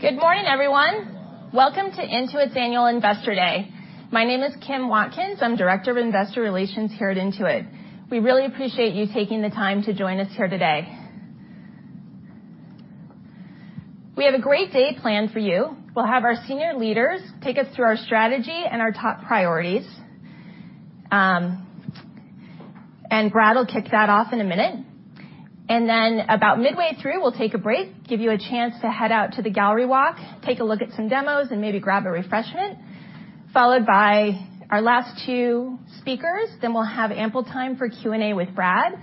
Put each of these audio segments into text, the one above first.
Good morning, everyone. Welcome to Intuit's Annual Investor Day. My name is Kim Watkins. I am Director of Investor Relations here at Intuit. We really appreciate you taking the time to join us here today. We have a great day planned for you. We will have our senior leaders take us through our strategy and our top priorities. Brad will kick that off in a minute. About midway through, we will take a break, give you a chance to head out to the gallery walk, take a look at some demos, and maybe grab a refreshment, followed by our last two speakers. We will have ample time for Q&A with Brad.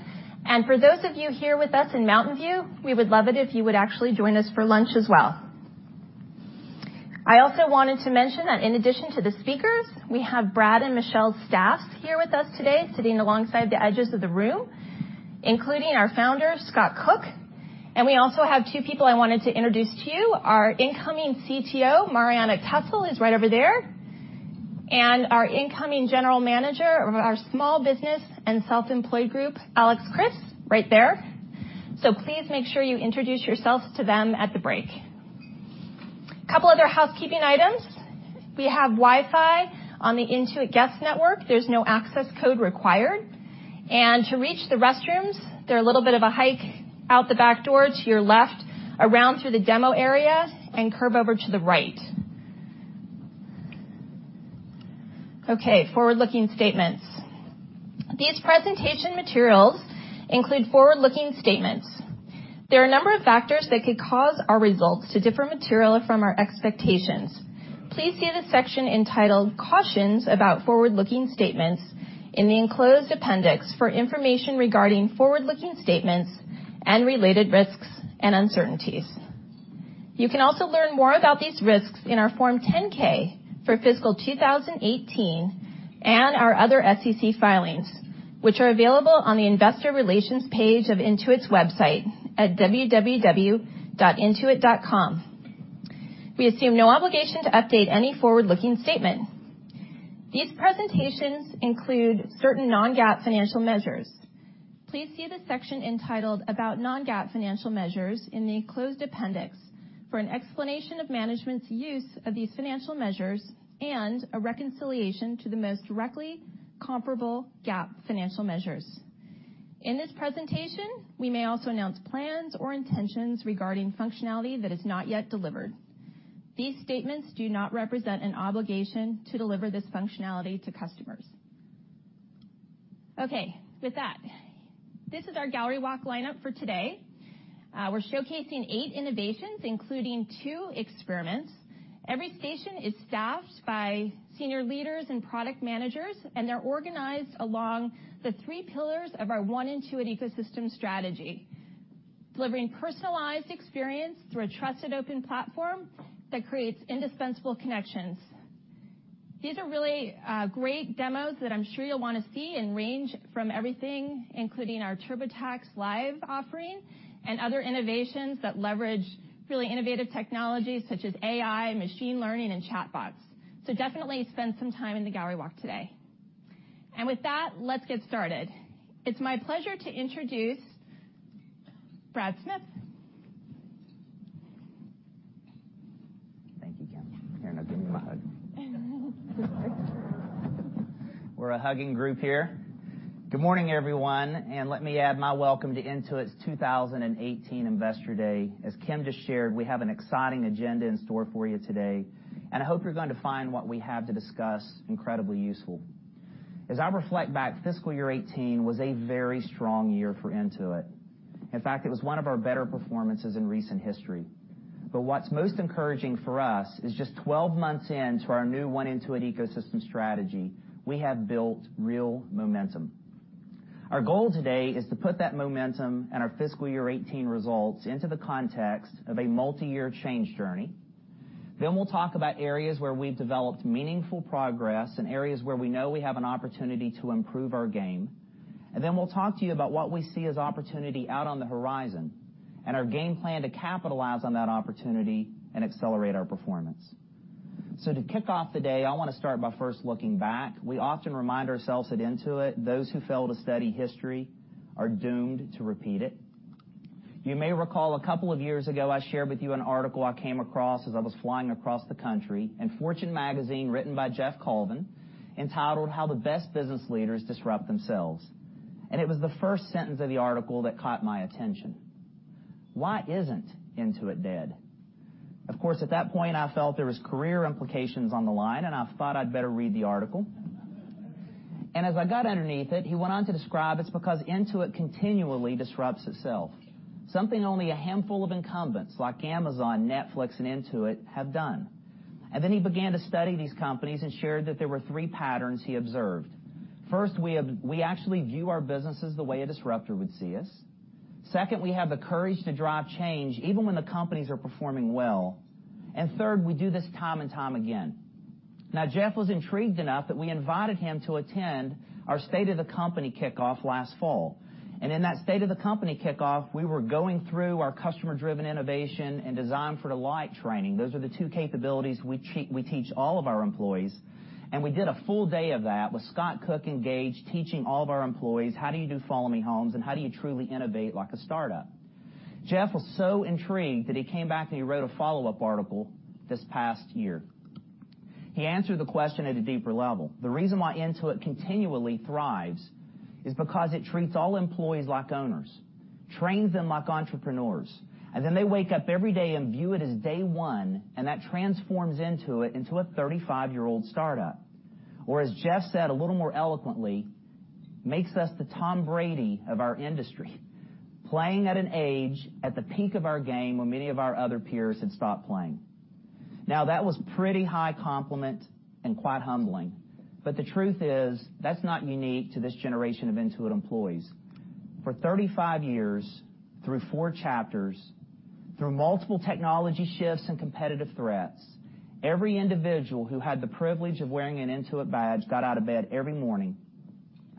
For those of you here with us in Mountain View, we would love it if you would actually join us for lunch as well. I also wanted to mention that in addition to the speakers, we have Brad and Michelle's staffs here with us today, sitting alongside the edges of the room, including our founder, Scott Cook. We also have two people I wanted to introduce to you, our incoming CTO, Marianna Tessel, is right over there. Our incoming General Manager of our Small Business and Self-Employed Group, Alex Chriss, right there. Please make sure you introduce yourselves to them at the break. Couple other housekeeping items. We have Wi-Fi on the Intuit guest network. There is no access code required. To reach the restrooms, they are a little bit of a hike out the back door to your left, around through the demo area, and curve over to the right. Okay, forward-looking statements. These presentation materials include forward-looking statements. There are a number of factors that could cause our results to differ materially from our expectations. Please see the section entitled "Cautions about forward-looking statements" in the enclosed appendix for information regarding forward-looking statements and related risks and uncertainties. You can also learn more about these risks in our Form 10-K for fiscal 2018 and our other SEC filings, which are available on the Investor Relations page of Intuit's website at www.intuit.com. We assume no obligation to update any forward-looking statement. These presentations include certain non-GAAP financial measures. Please see the section entitled "About non-GAAP financial measures" in the enclosed appendix for an explanation of management's use of these financial measures and a reconciliation to the most directly comparable GAAP financial measures. In this presentation, we may also announce plans or intentions regarding functionality that is not yet delivered. These statements do not represent an obligation to deliver this functionality to customers. Okay, with that, this is our gallery walk lineup for today. We are showcasing eight innovations, including two experiments. Every station is staffed by senior leaders and product managers, and they are organized along the three pillars of our One Intuit ecosystem strategy, delivering personalized experience through a trusted open platform that creates indispensable connections. These are really great demos that I am sure you will want to see and range from everything, including our TurboTax Live offering and other innovations that leverage really innovative technologies such as AI, machine learning, and chatbots. Definitely spend some time in the gallery walk today. With that, let's get started. It is my pleasure to introduce Brad Smith. Thank you, Kim. Here, now give me a hug. We're a hugging group here. Good morning, everyone, and let me add my welcome to Intuit's 2018 Investor Day. As Kim just shared, we have an exciting agenda in store for you today, and I hope you're going to find what we have to discuss incredibly useful. As I reflect back, fiscal year 2018 was a very strong year for Intuit. In fact, it was one of our better performances in recent history. What's most encouraging for us is just 12 months into our new One Intuit ecosystem strategy, we have built real momentum. Our goal today is to put that momentum and our fiscal year 2018 results into the context of a multi-year change journey. We'll talk about areas where we've developed meaningful progress and areas where we know we have an opportunity to improve our game. We'll talk to you about what we see as opportunity out on the horizon and our game plan to capitalize on that opportunity and accelerate our performance. To kick off the day, I want to start by first looking back. We often remind ourselves at Intuit, those who fail to study history are doomed to repeat it. You may recall a couple of years ago, I shared with you an article I came across as I was flying across the country in Fortune magazine written by Geoff Colvin entitled "How the Best Business Leaders Disrupt Themselves." It was the first sentence of the article that caught my attention. Why isn't Intuit dead? Of course, at that point, I felt there was career implications on the line, and I thought I'd better read the article. As I got underneath it, he went on to describe it's because Intuit continually disrupts itself. Something only a handful of incumbents, like Amazon, Netflix, and Intuit, have done. He began to study these companies and shared that there were three patterns he observed. First, we actually view our businesses the way a disruptor would see us. Second, we have the courage to drive change even when the companies are performing well. Third, we do this time and time again. Jeff was intrigued enough that we invited him to attend our State of the Company kickoff last fall. In that State of the Company kickoff, we were going through our customer-driven innovation and Design for Delight training. Those are the two capabilities we teach all of our employees. We did a full day of that with Scott Cook engaged, teaching all of our employees, how do you do Follow Me Home, and how do you truly innovate like a startup? Geoff was so intrigued that he came back and he wrote a follow-up article this past year. He answered the question at a deeper level. The reason why Intuit continually thrives is because it treats all employees like owners, trains them like entrepreneurs, and they wake up every day and view it as day one, and that transforms Intuit into a 35-year-old startup. Or as Geoff said a little more eloquently, makes us the Tom Brady of our industry, playing at an age at the peak of our game when many of our other peers had stopped playing. That was pretty high compliment and quite humbling. The truth is, that's not unique to this generation of Intuit employees. For 35 years, through four chapters, through multiple technology shifts and competitive threats, every individual who had the privilege of wearing an Intuit badge got out of bed every morning,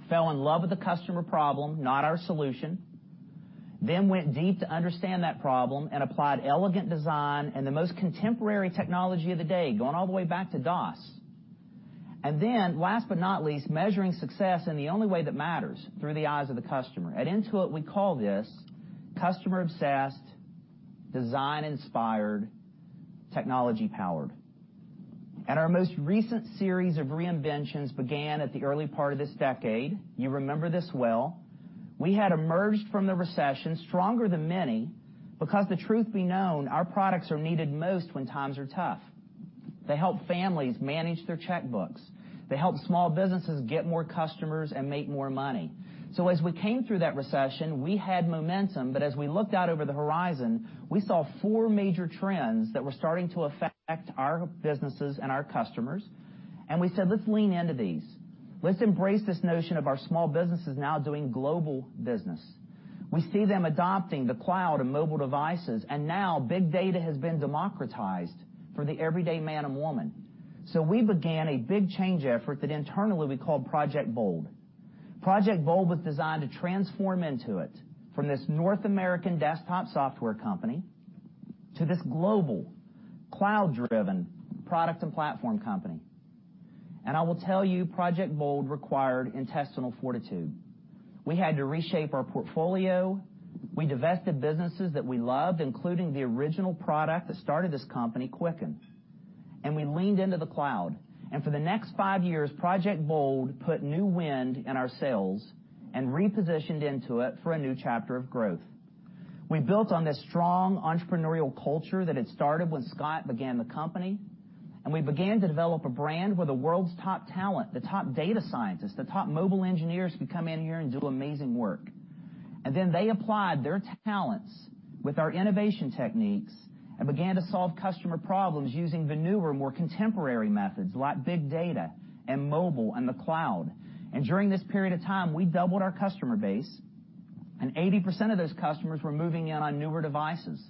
fell in love with the customer problem, not our solution, went deep to understand that problem and applied elegant design and the most contemporary technology of the day, going all the way back to DOS. Last but not least, measuring success in the only way that matters, through the eyes of the customer. At Intuit, we call this customer-obsessed, design-inspired, technology-powered. Our most recent series of reinventions began at the early part of this decade. You know this well. We had emerged from the recession stronger than many because the truth be known, our products are needed most when times are tough. They help families manage their checkbooks. They help small businesses get more customers and make more money. As we came through that recession, we had momentum, but as we looked out over the horizon, we saw four major trends that were starting to affect our businesses and our customers. We said, "Let's lean into these." Let's embrace this notion of our small businesses now doing global business. We see them adopting the cloud and mobile devices. Now big data has been democratized for the everyday man and woman. We began a big change effort that internally we called Project BOLD. Project BOLD was designed to transform Intuit from this North American desktop software company to this global, cloud-driven product and platform company. I will tell you, Project BOLD required intestinal fortitude. We had to reshape our portfolio. We divested businesses that we loved, including the original product that started this company, Quicken. We leaned into the cloud. For the next five years, Project BOLD put new wind in our sails and repositioned Intuit for a new chapter of growth. We built on this strong entrepreneurial culture that had started when Scott began the company. We began to develop a brand where the world's top talent, the top data scientists, the top mobile engineers, could come in here and do amazing work. They applied their talents with our innovation techniques and began to solve customer problems using the newer, more contemporary methods like big data and mobile and the cloud. During this period of time, we doubled our customer base, and 80% of those customers were moving in on newer devices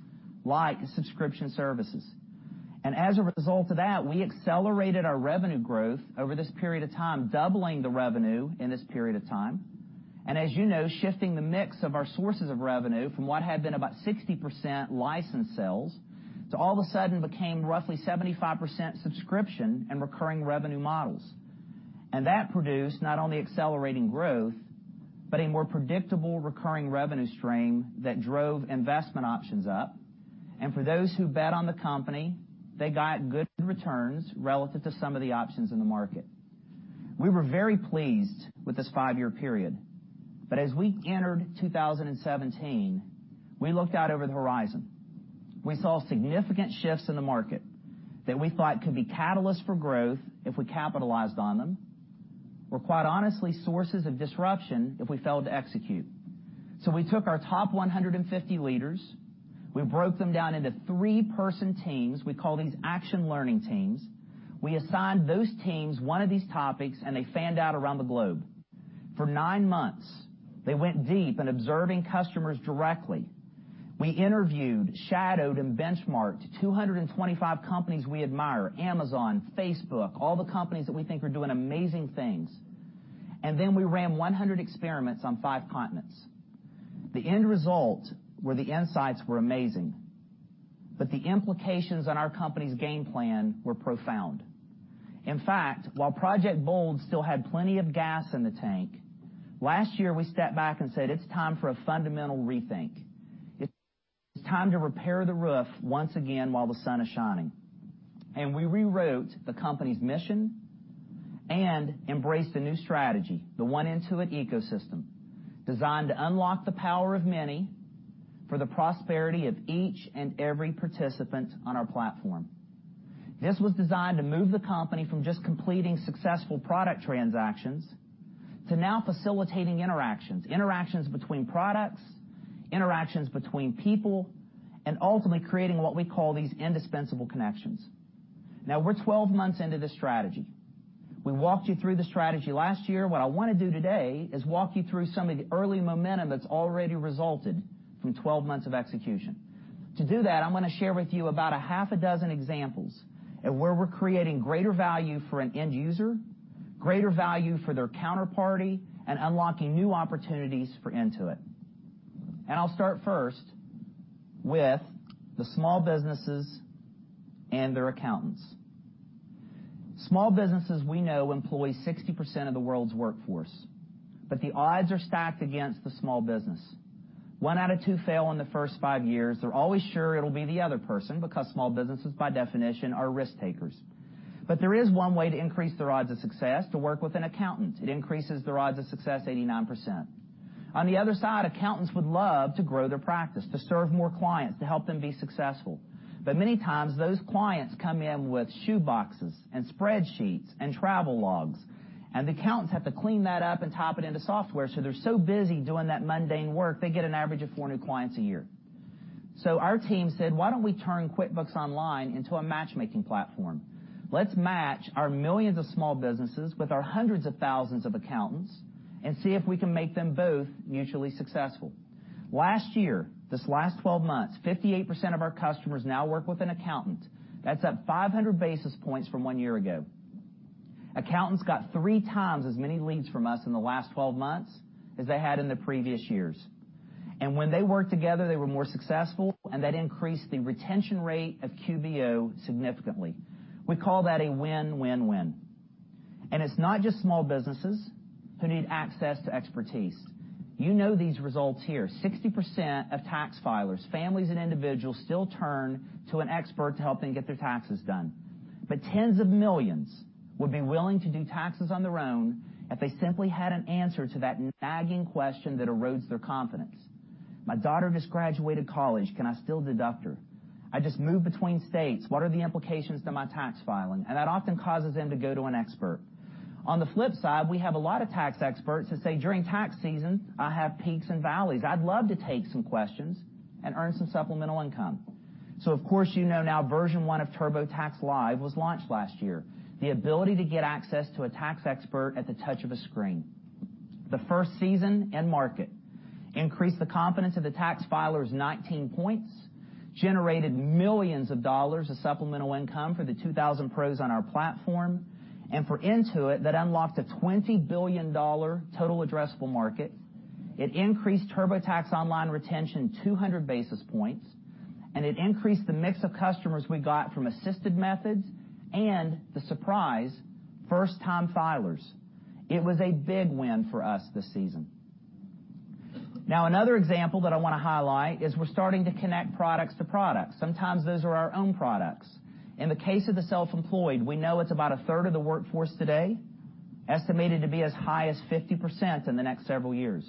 like subscription services. As a result of that, we accelerated our revenue growth over this period of time, doubling the revenue in this period of time. As you know, shifting the mix of our sources of revenue from what had been about 60% licensed sales to all of a sudden became roughly 75% subscription and recurring revenue models. That produced not only accelerating growth, but a more predictable recurring revenue stream that drove investment options up. For those who bet on the company, they got good returns relative to some of the options in the market. We were very pleased with this five-year period. As we entered 2017, we looked out over the horizon. We saw significant shifts in the market that we thought could be catalysts for growth if we capitalized on them, or quite honestly, sources of disruption if we failed to execute. We took our top 150 leaders. We broke them down into three-person teams. We call these action learning teams. We assigned those teams one of these topics, and they fanned out around the globe. For nine months, they went deep in observing customers directly. We interviewed, shadowed, and benchmarked 225 companies we admire, Amazon, Facebook, all the companies that we think are doing amazing things. Then we ran 100 experiments on five continents. The end result where the insights were amazing, but the implications on our company's game plan were profound. In fact, while Project BOLD still had plenty of gas in the tank, last year, we stepped back and said, "It's time for a fundamental rethink. It's time to repair the roof once again while the sun is shining." We rewrote the company's mission and embraced a new strategy, the One Intuit ecosystem, designed to unlock the power of many for the prosperity of each and every participant on our platform. This was designed to move the company from just completing successful product transactions to now facilitating interactions between products, interactions between people, and ultimately creating what we call these indispensable connections. Now, we're 12 months into this strategy. We walked you through the strategy last year. What I want to do today is walk you through some of the early momentum that's already resulted from 12 months of execution. To do that, I'm going to share with you about a half a dozen examples of where we're creating greater value for an end user, greater value for their counterparty, and unlocking new opportunities for Intuit. I'll start first with the small businesses and their accountants. Small businesses, we know, employ 60% of the world's workforce. The odds are stacked against the small business. One out of two fail in the first five years. They're always sure it'll be the other person, because small businesses, by definition, are risk-takers. There is one way to increase their odds of success, to work with an accountant. It increases their odds of success 89%. On the other side, accountants would love to grow their practice, to serve more clients, to help them be successful. Many times, those clients come in with shoe boxes and spreadsheets and travel logs, and the accountants have to clean that up and type it into software. They're so busy doing that mundane work, they get an average of four new clients a year. Our team said, "Why don't we turn QuickBooks Online into a matchmaking platform? Let's match our millions of small businesses with our hundreds of thousands of accountants and see if we can make them both mutually successful." Last year, this last 12 months, 58% of our customers now work with an accountant. That's up 500 basis points from one year ago. Accountants got three times as many leads from us in the last 12 months as they had in the previous years. When they worked together, they were more successful, and that increased the retention rate of QBO significantly. We call that a win-win-win. It's not just small businesses who need access to expertise. You know these results here. 60% of tax filers, families and individuals, still turn to an expert to help them get their taxes done. Tens of millions would be willing to do taxes on their own if they simply had an answer to that nagging question that erodes their confidence. "My daughter just graduated college, can I still deduct her? I just moved between states. What are the implications to my tax filing?" That often causes them to go to an expert. On the flip side, we have a lot of tax experts who say, "During tax season, I have peaks and valleys. I'd love to take some questions and earn some supplemental income." Of course, you know now Version 1 of TurboTax Live was launched last year, the ability to get access to a tax expert at the touch of a screen. The first season and market increased the confidence of the tax filers 19 points, generated millions of dollars of supplemental income for the 2,000 pros on our platform. For Intuit, that unlocked a $20 billion total addressable market. It increased TurboTax Online retention 200 basis points, and it increased the mix of customers we got from assisted methods and, the surprise, first-time filers. It was a big win for us this season. Another example that I want to highlight is we're starting to connect products to products. Sometimes those are our own products. In the case of the self-employed, we know it's about a third of the workforce today, estimated to be as high as 50% in the next several years.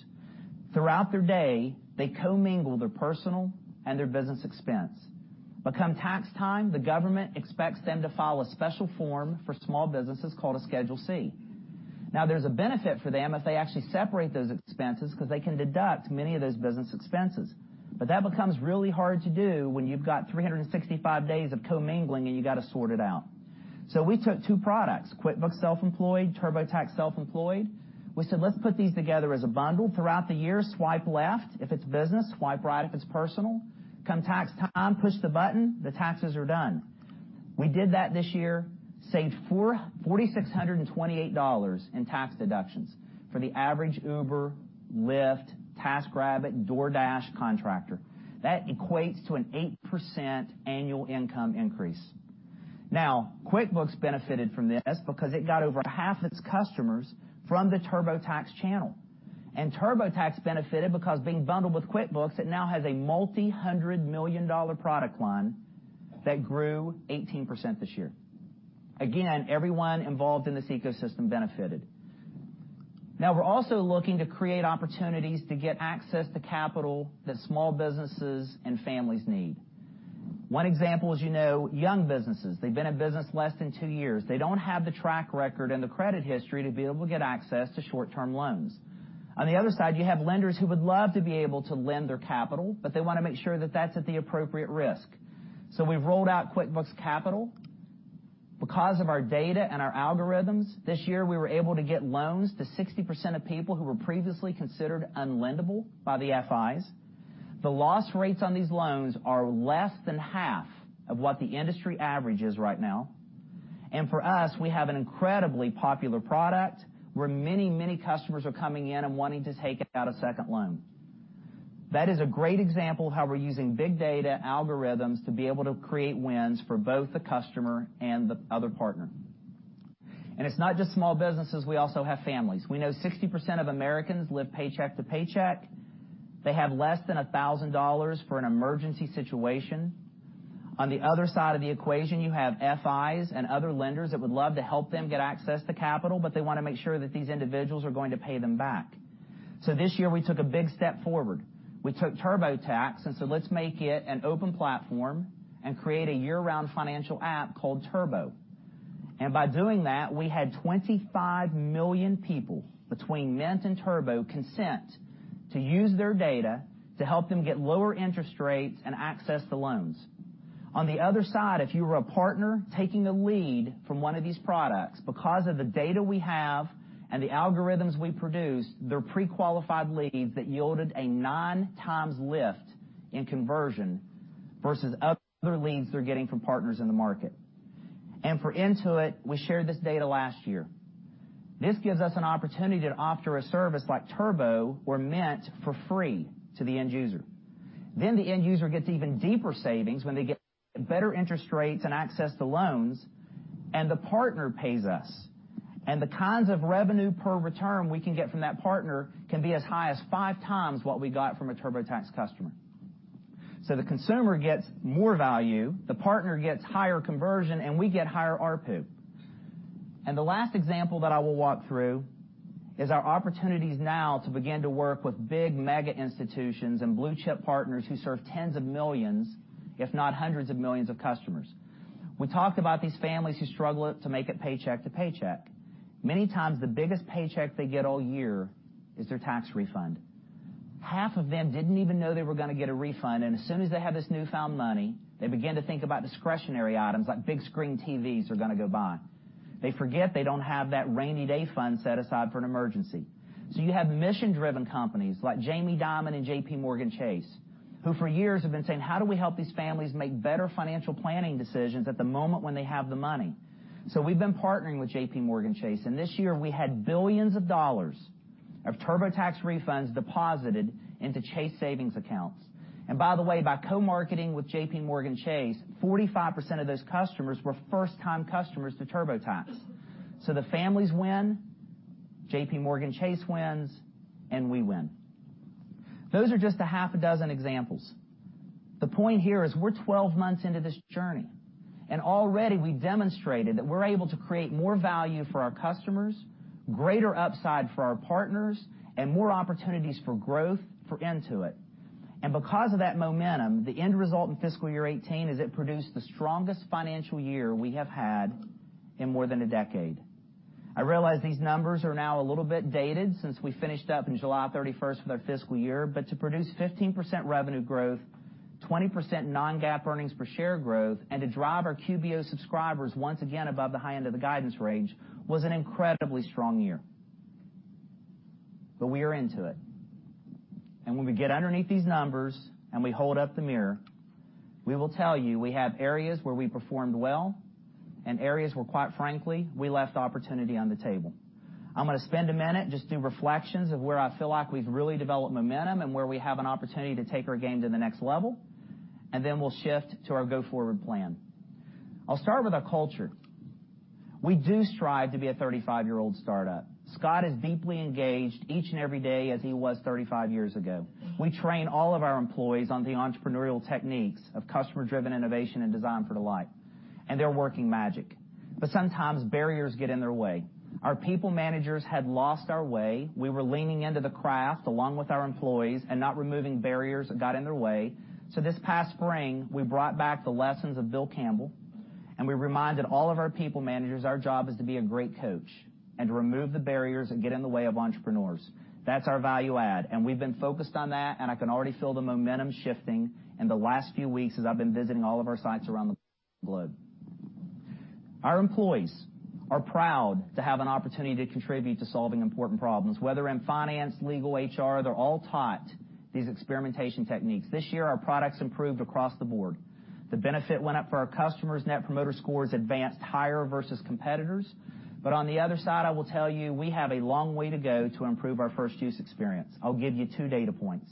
Throughout their day, they commingle their personal and their business expense. Come tax time, the government expects them to file a special form for small businesses called a Schedule C. There's a benefit for them if they actually separate those expenses because they can deduct many of those business expenses. That becomes really hard to do when you've got 365 days of commingling and you got to sort it out. We took two products, QuickBooks Self-Employed, TurboTax Self-Employed. We said, "Let's put these together as a bundle. Throughout the year, swipe left if it's business, swipe right if it's personal. Come tax time, push the button, the taxes are done." We did that this year, saved $4,628 in tax deductions for the average Uber, Lyft, TaskRabbit, DoorDash contractor. That equates to an 8% annual income increase. QuickBooks benefited from this because it got over half its customers from the TurboTax channel. TurboTax benefited because being bundled with QuickBooks, it now has a multi-hundred million dollar product line that grew 18% this year. Again, everyone involved in this ecosystem benefited. We're also looking to create opportunities to get access to capital that small businesses and families need. One example is young businesses. They've been in business less than two years. They don't have the track record and the credit history to be able to get access to short-term loans. We have lenders who would love to be able to lend their capital, but they want to make sure that that's at the appropriate risk. We've rolled out QuickBooks Capital. Because of our data and our algorithms, this year, we were able to get loans to 60% of people who were previously considered unlendable by the FIs. The loss rates on these loans are less than half of what the industry average is right now. For us, we have an incredibly popular product where many customers are coming in and wanting to take out a second loan. That is a great example of how we're using big data algorithms to be able to create wins for both the customer and the other partner. It's not just small businesses. We also have families. We know 60% of Americans live paycheck to paycheck. They have less than $1,000 for an emergency situation. On the other side of the equation, you have FIs and other lenders that would love to help them get access to capital, but they want to make sure that these individuals are going to pay them back. This year, we took a big step forward. We took TurboTax and said, "Let's make it an open platform and create a year-round financial app called Turbo." By doing that, we had 25 million people between Mint and Turbo consent to use their data to help them get lower interest rates and access to loans. On the other side, if you were a partner taking a lead from one of these products, because of the data we have and the algorithms we produce, they're pre-qualified leads that yielded a nine times lift in conversion versus other leads they're getting from partners in the market. For Intuit, we shared this data last year. This gives us an opportunity to offer a service like Turbo or Mint for free to the end user. The end user gets even deeper savings when they get better interest rates and access to loans, and the partner pays us. The kinds of revenue per return we can get from that partner can be as high as five times what we got from a TurboTax customer. The consumer gets more value, the partner gets higher conversion, and we get higher ARPU. The last example that I will walk through is our opportunities now to begin to work with big mega institutions and blue-chip partners who serve tens of millions, if not hundreds of millions of customers. We talked about these families who struggle to make it paycheck to paycheck. Many times, the biggest paycheck they get all year is their tax refund. Half of them didn't even know they were going to get a refund, and as soon as they have this newfound money, they begin to think about discretionary items like big screen TVs they're going to go buy. They forget they don't have that rainy day fund set aside for an emergency. You have mission-driven companies like Jamie Dimon and JPMorgan Chase, who for years have been saying: How do we help these families make better financial planning decisions at the moment when they have the money? We've been partnering with JPMorgan Chase, and this year we had $ billions of TurboTax refunds deposited into Chase savings accounts. By the way, by co-marketing with JPMorgan Chase, 45% of those customers were first-time customers to TurboTax. The families win, JPMorgan Chase wins, and we win. Those are just a half a dozen examples. The point here is we're 12 months into this journey, and already we demonstrated that we're able to create more value for our customers, greater upside for our partners, and more opportunities for growth for Intuit. Because of that momentum, the end result in fiscal year 2018 is it produced the strongest financial year we have had in more than a decade. I realize these numbers are now a little bit dated since we finished up in July 31st for their fiscal year. To produce 15% revenue growth, 20% non-GAAP earnings per share growth, and to drive our QBO subscribers once again above the high end of the guidance range was an incredibly strong year. We are Intuit. When we get underneath these numbers and we hold up the mirror, we will tell you, we have areas where we performed well and areas where, quite frankly, we left opportunity on the table. I'm going to spend a minute just doing reflections of where I feel like we've really developed momentum and where we have an opportunity to take our game to the next level, then we'll shift to our go-forward plan. I'll start with our culture. We do strive to be a 35-year-old startup. Scott is deeply engaged each and every day as he was 35 years ago. We train all of our employees on the entrepreneurial techniques of customer-driven innovation and Design for Delight, they're working magic. Sometimes barriers get in their way. Our people managers had lost our way. We were leaning into the craft along with our employees and not removing barriers that got in their way. This past spring, we brought back the lessons of Bill Campbell, we reminded all of our people managers, our job is to be a great coach and to remove the barriers that get in the way of entrepreneurs. That's our value add, we've been focused on that, I can already feel the momentum shifting in the last few weeks as I've been visiting all of our sites around the globe. Our employees are proud to have an opportunity to contribute to solving important problems, whether in finance, legal, HR, they're all taught these experimentation techniques. This year, our products improved across the board. The benefit went up for our customers. Net Promoter Scores advanced higher versus competitors. On the other side, I will tell you, we have a long way to go to improve our first use experience. I'll give you two data points.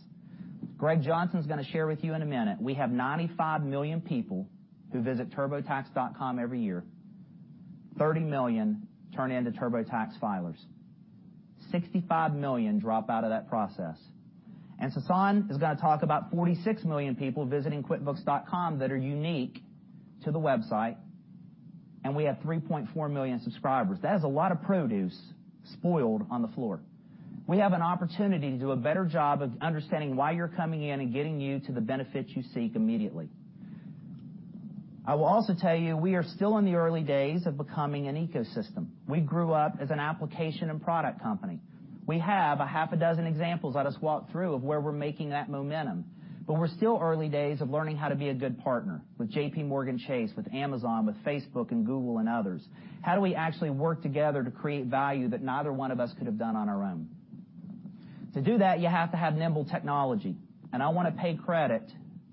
Greg Johnson's going to share with you in a minute, we have 95 million people who visit turbotax.com every year. 30 million turn into TurboTax filers. 65 million drop out of that process. Sasan is going to talk about 46 million people visiting quickbooks.com that are unique to the website, and we have 3.4 million subscribers. That is a lot of produce spoiled on the floor. We have an opportunity to do a better job of understanding why you're coming in and getting you to the benefits you seek immediately. I will also tell you, we are still in the early days of becoming an ecosystem. We grew up as an application and product company. We have a half a dozen examples that us walk through of where we're making that momentum. We're still early days of learning how to be a good partner with JPMorgan Chase, with Amazon, with Facebook, and Google, and others. How do we actually work together to create value that neither one of us could have done on our own? To do that, you have to have nimble technology, and I want to pay credit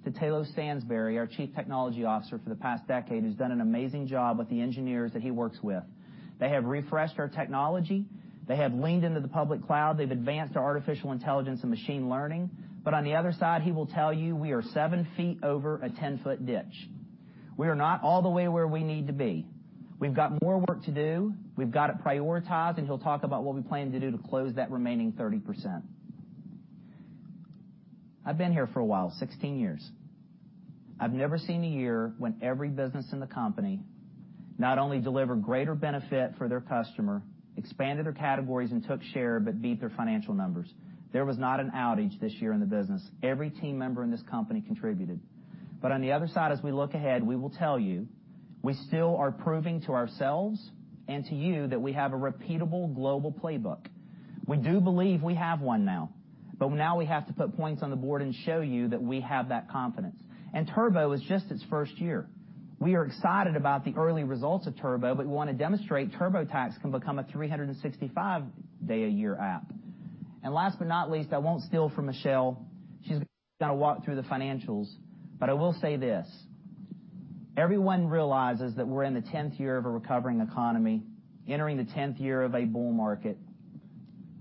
to Tayloe Stansbury, our Chief Technology Officer for the past decade, who's done an amazing job with the engineers that he works with. They have refreshed our technology. They have leaned into the public cloud. They've advanced our artificial intelligence and machine learning. On the other side, he will tell you, we are seven feet over a 10-foot ditch. We are not all the way where we need to be. We've got more work to do. We've got to prioritize, and he'll talk about what we plan to do to close that remaining 30%. I've been here for a while, 16 years. I've never seen a year when every business in the company not only delivered greater benefit for their customer, expanded their categories, and took share, but beat their financial numbers. There was not an outage this year in the business. Every team member in this company contributed. On the other side, as we look ahead, we will tell you, we still are proving to ourselves and to you that we have a repeatable global playbook. We do believe we have one now, but now we have to put points on the board and show you that we have that confidence. Turbo is just its first year. We are excited about the early results of Turbo, but we want to demonstrate TurboTax can become a 365-day-a-year app. Last but not least, I won't steal from Michelle. She's going to walk through the financials. I will say this. Everyone realizes that we're in the 10th year of a recovering economy, entering the 10th year of a bull market.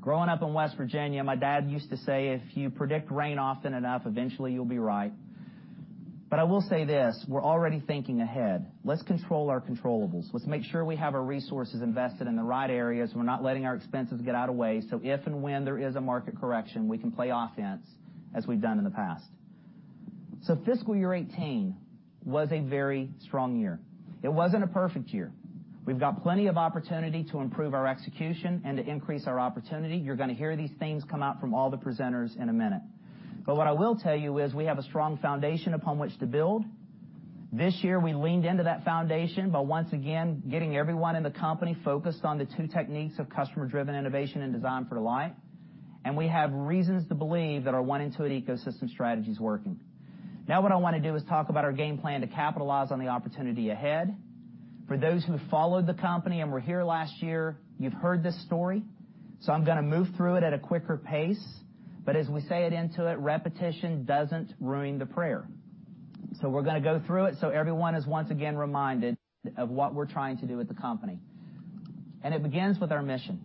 Growing up in West Virginia, my dad used to say, "If you predict rain often enough, eventually you'll be right." I will say this, we're already thinking ahead. Let's control our controllables. Let's make sure we have our resources invested in the right areas, and we're not letting our expenses get out of way, so if and when there is a market correction, we can play offense as we've done in the past. Fiscal year 2018 was a very strong year. It wasn't a perfect year. We've got plenty of opportunity to improve our execution and to increase our opportunity. You're going to hear these things come out from all the presenters in a minute. What I will tell you is we have a strong foundation upon which to build. This year, we leaned into that foundation by once again, getting everyone in the company focused on the two techniques of customer-driven innovation and Design for Delight. We have reasons to believe that our One Intuit ecosystem strategy is working. For those who followed the company and were here last year, you've heard this story. I'm going to move through it at a quicker pace. As we say at Intuit, repetition doesn't ruin the prayer. We're going to go through it so everyone is once again reminded of what we're trying to do with the company. It begins with our mission.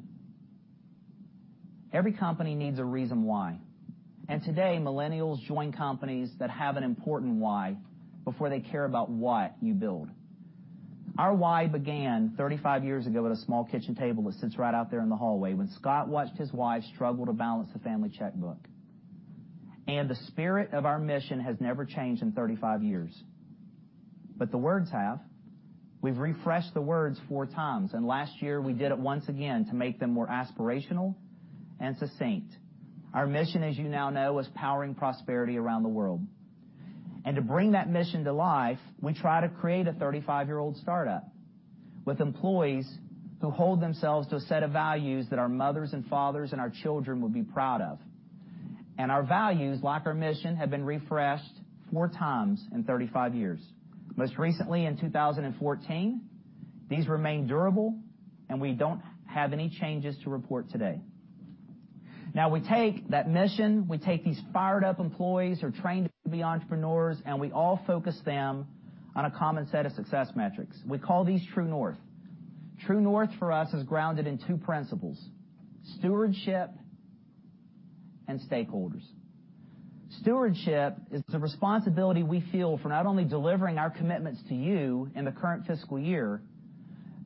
Every company needs a reason why. Today, millennials join companies that have an important why before they care about what you build. Our why began 35 years ago at a small kitchen table that sits right out there in the hallway when Scott watched his wife struggle to balance the family checkbook. The spirit of our mission has never changed in 35 years. The words have. We've refreshed the words four times, last year, we did it once again to make them more aspirational and succinct. Our mission, as you now know, is powering prosperity around the world. To bring that mission to life, we try to create a 35-year-old startup with employees who hold themselves to a set of values that our mothers and fathers and our children would be proud of. Our values, like our mission, have been refreshed four times in 35 years. Most recently in 2014. These remain durable, we don't have any changes to report today. We take that mission, we take these fired up employees who are trained to be entrepreneurs, we all focus them on a common set of success metrics. We call these True North. True North for us is grounded in two principles, stewardship and stakeholders. Stewardship is the responsibility we feel for not only delivering our commitments to you in the current fiscal year,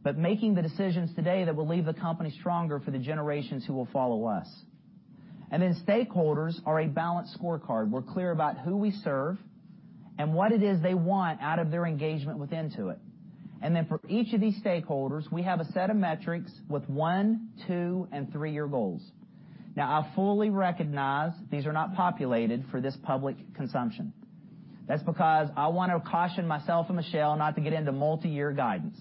but making the decisions today that will leave the company stronger for the generations who will follow us. Stakeholders are a balanced scorecard. We're clear about who we serve and what it is they want out of their engagement with Intuit. For each of these stakeholders, we have a set of metrics with one, two, and three-year goals. I fully recognize these are not populated for this public consumption. That's because I want to caution myself and Michelle not to get into multi-year guidance.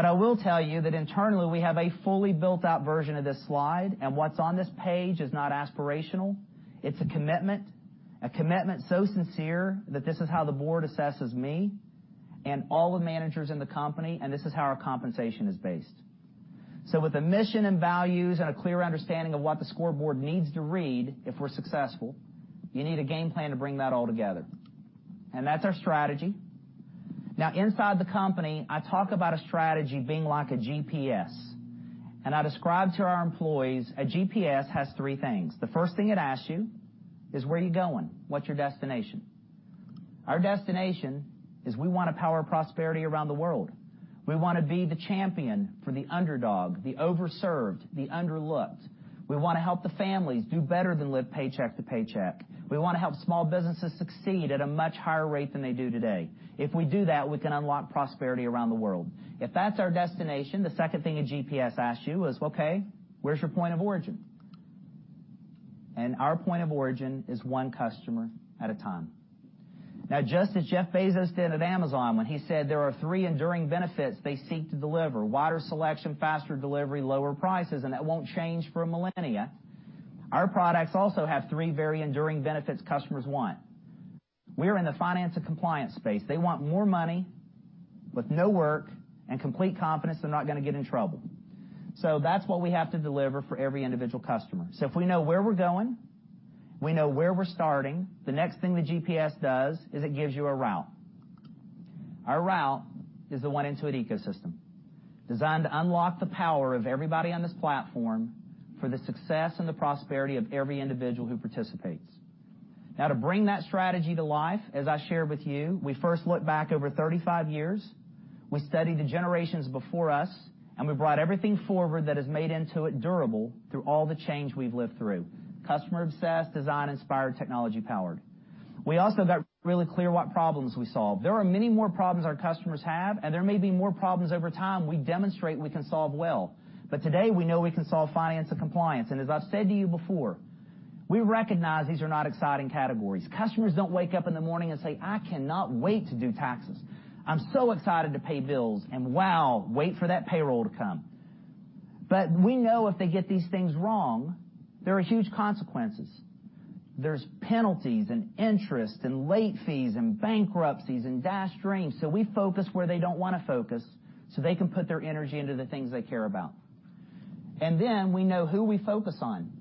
I will tell you that internally, we have a fully built-out version of this slide, what's on this page is not aspirational. It's a commitment. A commitment so sincere that this is how the board assesses me and all the managers in the company, this is how our compensation is based. With the mission and values and a clear understanding of what the scoreboard needs to read, if we're successful, you need a game plan to bring that all together. That's our strategy. Inside the company, I talk about a strategy being like a GPS. I describe to our employees, a GPS has three things. The first thing it asks you is, where are you going? What's your destination? Our destination is we want to power prosperity around the world. We want to be the champion for the underdog, the over-served, the underlooked. We want to help the families do better than live paycheck to paycheck. We want to help small businesses succeed at a much higher rate than they do today. If we do that, we can unlock prosperity around the world. If that's our destination, the second thing a GPS asks you is, okay, where's your point of origin? Our point of origin is one customer at a time. Now, just as Jeff Bezos did at Amazon when he said there are three enduring benefits they seek to deliver, wider selection, faster delivery, lower prices, and that won't change for a millennia. Our products also have three very enduring benefits customers want. We're in the finance and compliance space. They want more money with no work and complete confidence they're not going to get in trouble. That's what we have to deliver for every individual customer. If we know where we're going, we know where we're starting. The next thing the GPS does is it gives you a route. Our route is the One Intuit ecosystem, designed to unlock the power of everybody on this platform for the success and the prosperity of every individual who participates. Now, to bring that strategy to life, as I shared with you, we first look back over 35 years. We studied the generations before us, and we brought everything forward that has made Intuit durable through all the change we've lived through. Customer obsessed, design inspired, technology powered. We also got really clear what problems we solve. There are many more problems our customers have, and there may be more problems over time we demonstrate we can solve well. Today, we know we can solve finance and compliance. As I've said to you before, we recognize these are not exciting categories. Customers don't wake up in the morning and say, "I cannot wait to do taxes. I'm so excited to pay bills. Wow, wait for that payroll to come." We know if they get these things wrong, there are huge consequences. There's penalties and interest and late fees and bankruptcies and dashed dreams. We focus where they don't want to focus so they can put their energy into the things they care about. Then we know who we focus on.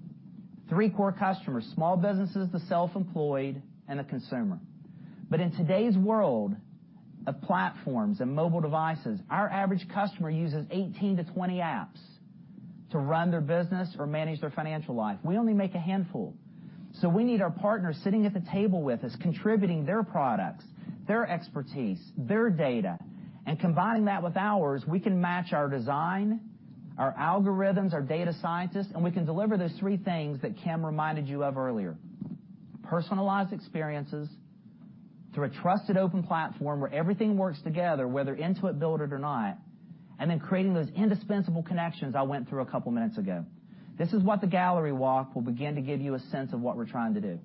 Three core customers, small businesses, the self-employed, and the consumer. In today's world of platforms and mobile devices, our average customer uses 18 to 20 apps to run their business or manage their financial life. We only make a handful. We need our partners sitting at the table with us contributing their products, their expertise, their data, and combining that with ours, we can match our design, our algorithms, our data scientists, and we can deliver those three things that Kim reminded you of earlier. Personalized experiences through a trusted open platform where everything works together, whether Intuit built it or not, then creating those indispensable connections I went through a couple of minutes ago. This is what the gallery walk will begin to give you a sense of what we're trying to do.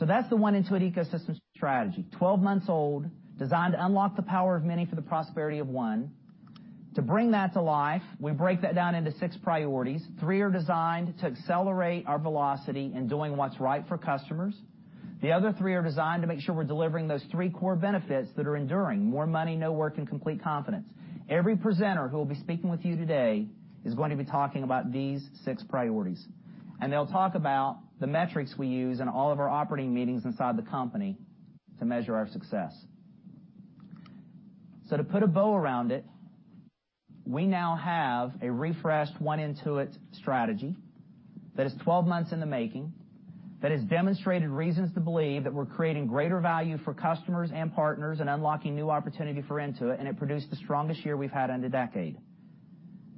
That's the One Intuit Ecosystem strategy. 12 months old, designed to unlock the power of many for the prosperity of one. To bring that to life, we break that down into six priorities. Three are designed to accelerate our velocity in doing what's right for customers. The other three are designed to make sure we're delivering those three core benefits that are enduring, more money, no work, and complete confidence. Every presenter who will be speaking with you today is going to be talking about these six priorities. They will talk about the metrics we use in all of our operating meetings inside the company to measure our success. To put a bow around it, we now have a refreshed One Intuit strategy that is 12 months in the making, that has demonstrated reasons to believe that we're creating greater value for customers and partners and unlocking new opportunity for Intuit, and it produced the strongest year we've had in a decade.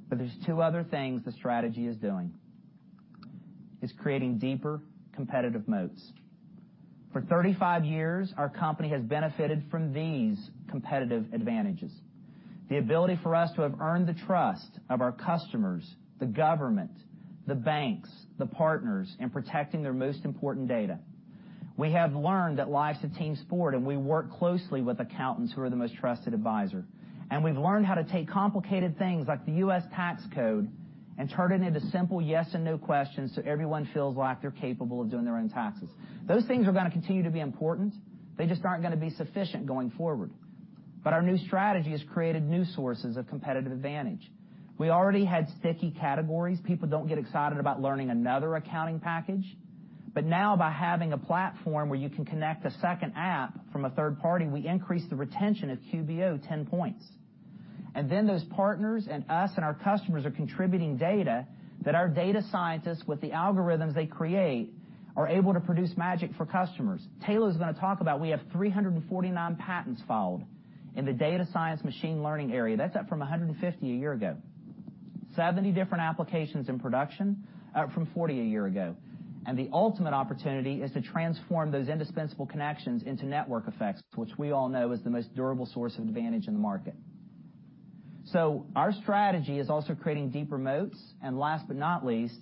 There's two other things the strategy is doing. It's creating deeper competitive moats. For 35 years, our company has benefited from these competitive advantages. The ability for us to have earned the trust of our customers, the government, the banks, the partners in protecting their most important data. We have learned that life's a team sport, and we work closely with accountants who are the most trusted advisor. We've learned how to take complicated things like the U.S. tax code and turn it into simple yes and no questions so everyone feels like they're capable of doing their own taxes. Those things are going to continue to be important. They just aren't going to be sufficient going forward. Our new strategy has created new sources of competitive advantage. We already had sticky categories. People don't get excited about learning another accounting package. Now by having a platform where you can connect a second app from a third party, we increase the retention of QBO 10 points. Those partners and us and our customers are contributing data that our data scientists, with the algorithms they create, are able to produce magic for customers. Tayloe is going to talk about, we have 349 patents filed in the data science machine learning area. That's up from 150 a year ago. 70 different applications in production from 40 a year ago. The ultimate opportunity is to transform those indispensable connections into network effects, which we all know is the most durable source of advantage in the market. Our strategy is also creating deeper moats. Last but not least,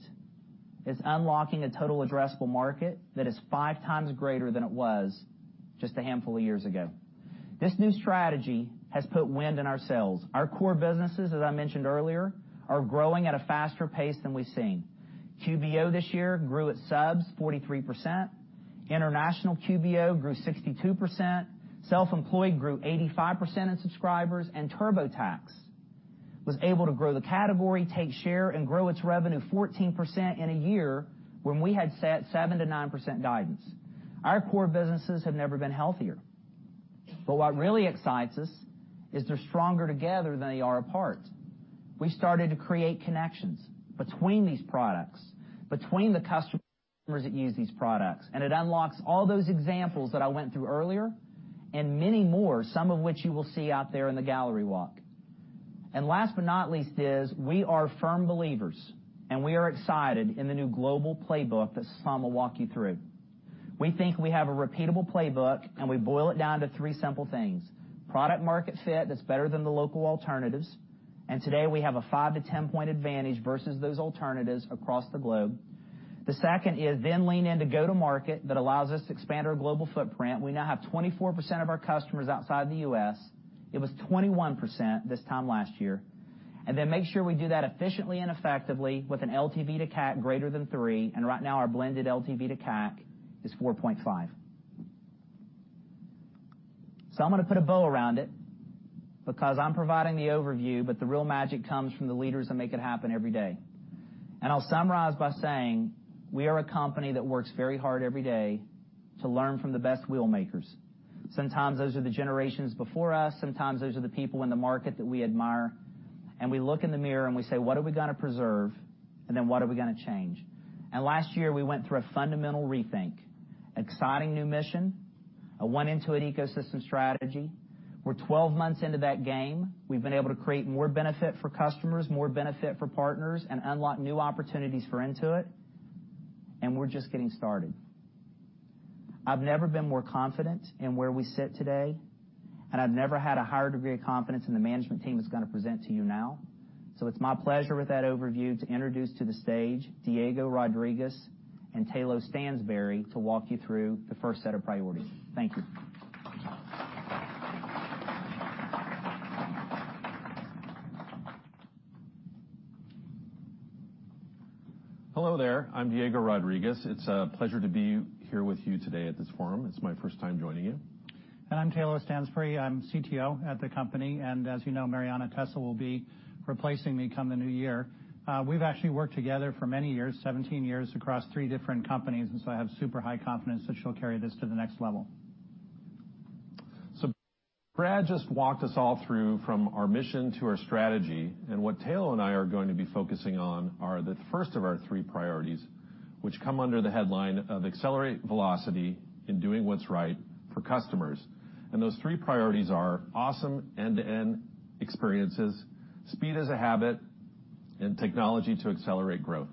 is unlocking a total addressable market that is five times greater than it was just a handful of years ago. This new strategy has put wind in our sails. Our core businesses, as I mentioned earlier, are growing at a faster pace than we've seen. QBO this year grew its subs 43%. International QBO grew 62%. Self-Employed grew 85% in subscribers. TurboTax was able to grow the category, take share, and grow its revenue 14% in a year when we had set 7%-9% guidance. Our core businesses have never been healthier. What really excites us is they're stronger together than they are apart. We started to create connections between these products, between the customers that use these products, and it unlocks all those examples that I went through earlier and many more, some of which you will see out there in the gallery walk. Last but not least is we are firm believers, and we are excited in the new global playbook that Sasan will walk you through. We think we have a repeatable playbook and we boil it down to three simple things. Product market fit that's better than the local alternatives. Today, we have a five to ten point advantage versus those alternatives across the globe. The second is then lean in to go to market that allows us to expand our global footprint. We now have 24% of our customers outside the U.S. It was 21% this time last year. Then make sure we do that efficiently and effectively with an LTV to CAC greater than three. Right now, our blended LTV to CAC is 4.5. I'm going to put a bow around it because I'm providing the overview, but the real magic comes from the leaders that make it happen every day. I'll summarize by saying we are a company that works very hard every day to learn from the best wheel makers. Sometimes those are the generations before us, sometimes those are the people in the market that we admire, and we look in the mirror and we say, "What are we going to preserve?" "What are we going to change?" Last year, we went through a fundamental rethink. Exciting new mission, a One Intuit ecosystem strategy. We're 12 months into that game. We've been able to create more benefit for customers, more benefit for partners, and unlock new opportunities for Intuit. We're just getting started. I've never been more confident in where we sit today, and I've never had a higher degree of confidence in the management team that's going to present to you now. It's my pleasure with that overview to introduce to the stage Diego Rodriguez and Tayloe Stansbury to walk you through the first set of priorities. Thank you. Hello there. I'm Diego Rodriguez. It's a pleasure to be here with you today at this forum. It's my first time joining you. I'm Tayloe Stansbury. I'm CTO at the company, as you know, Marianna Tessel will be replacing me come the new year. We've actually worked together for many years, 17 years, across three different companies, I have super high confidence that she'll carry this to the next level. Brad just walked us all through from our mission to our strategy. What Tayloe and I are going to be focusing on are the first of our three priorities, which come under the headline of accelerate velocity in doing what's right for customers. Those three priorities are awesome end-to-end experiences, speed as a habit, and technology to accelerate growth.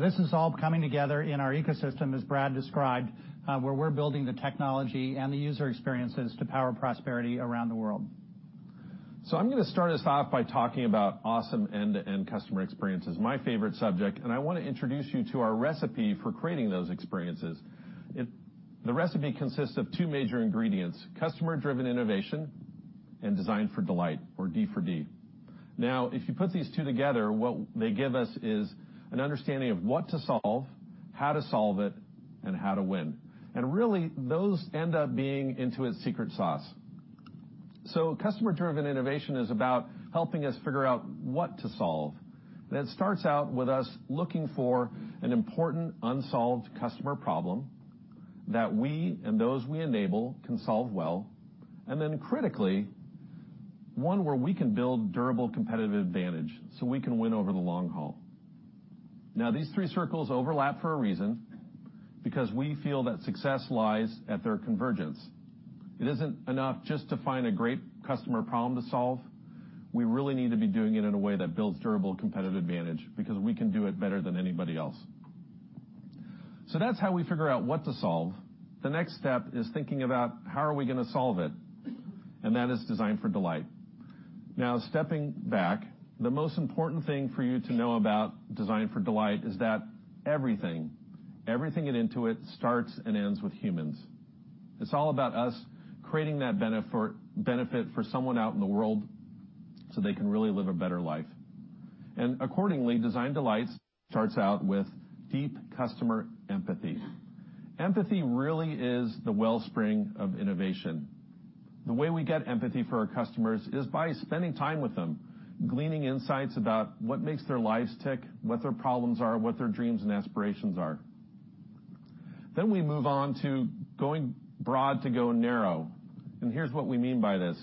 This is all coming together in our ecosystem, as Brad described, where we're building the technology and the user experiences to power prosperity around the world. I'm going to start us off by talking about awesome end-to-end customer experiences, my favorite subject, I want to introduce you to our recipe for creating those experiences. The recipe consists of two major ingredients, customer-driven innovation and Design for Delight, or D4D. If you put these two together, what they give us is an understanding of what to solve, how to solve it, and how to win. Really, those end up being Intuit's secret sauce. Customer-driven innovation is about helping us figure out what to solve. It starts out with us looking for an important unsolved customer problem that we and those we enable can solve well, critically, one where we can build durable competitive advantage so we can win over the long haul. These three circles overlap for a reason, because we feel that success lies at their convergence. It isn't enough just to find a great customer problem to solve. We really need to be doing it in a way that builds durable competitive advantage because we can do it better than anybody else. That's how we figure out what to solve. The next step is thinking about how are we going to solve it, and that is Design for Delight. Stepping back, the most important thing for you to know about Design for Delight is that everything at Intuit starts and ends with humans. It's all about us creating that benefit for someone out in the world so they can really live a better life. Accordingly, Design for Delight starts out with deep customer empathy. Empathy really is the wellspring of innovation. The way we get empathy for our customers is by spending time with them, gleaning insights about what makes their lives tick, what their problems are, what their dreams and aspirations are. We move on to going broad to go narrow. Here's what we mean by this.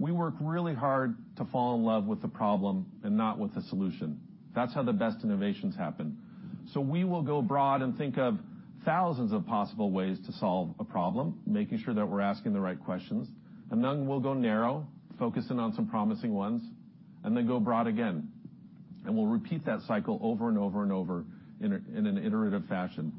We work really hard to fall in love with the problem and not with the solution. That's how the best innovations happen. We will go broad and think of thousands of possible ways to solve a problem, making sure that we're asking the right questions. Then we'll go narrow, focusing on some promising ones, and then go broad again. We'll repeat that cycle over and over and over in an iterative fashion.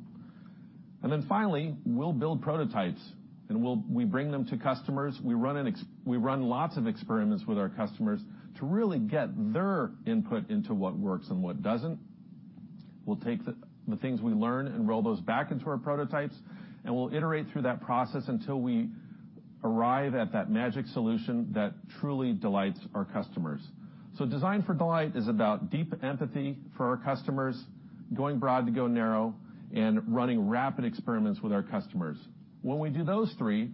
Then finally, we'll build prototypes, and we bring them to customers. We run lots of experiments with our customers to really get their input into what works and what doesn't. We'll take the things we learn and roll those back into our prototypes, we'll iterate through that process until we arrive at that magic solution that truly delights our customers. Design for Delight is about deep empathy for our customers, going broad to go narrow, running rapid experiments with our customers. When we do those three,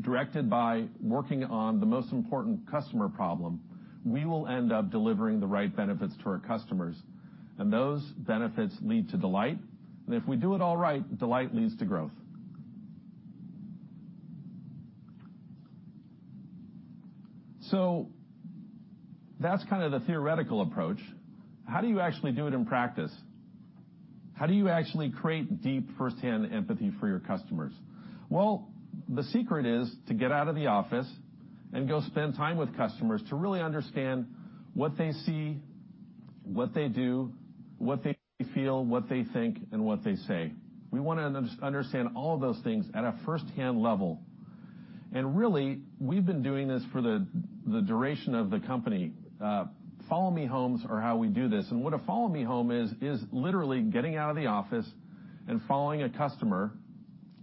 directed by working on the most important customer problem, we will end up delivering the right benefits to our customers, those benefits lead to delight. If we do it all right, delight leads to growth. That's kind of the theoretical approach. How do you actually do it in practice? How do you actually create deep firsthand empathy for your customers? The secret is to get out of the office and go spend time with customers to really understand what they see, what they do, what they feel, what they think, and what they say. We want to understand all of those things at a first-hand level. Really, we've been doing this for the duration of the company. Follow Me Homes are how we do this, what a Follow Me Home is literally getting out of the office and following a customer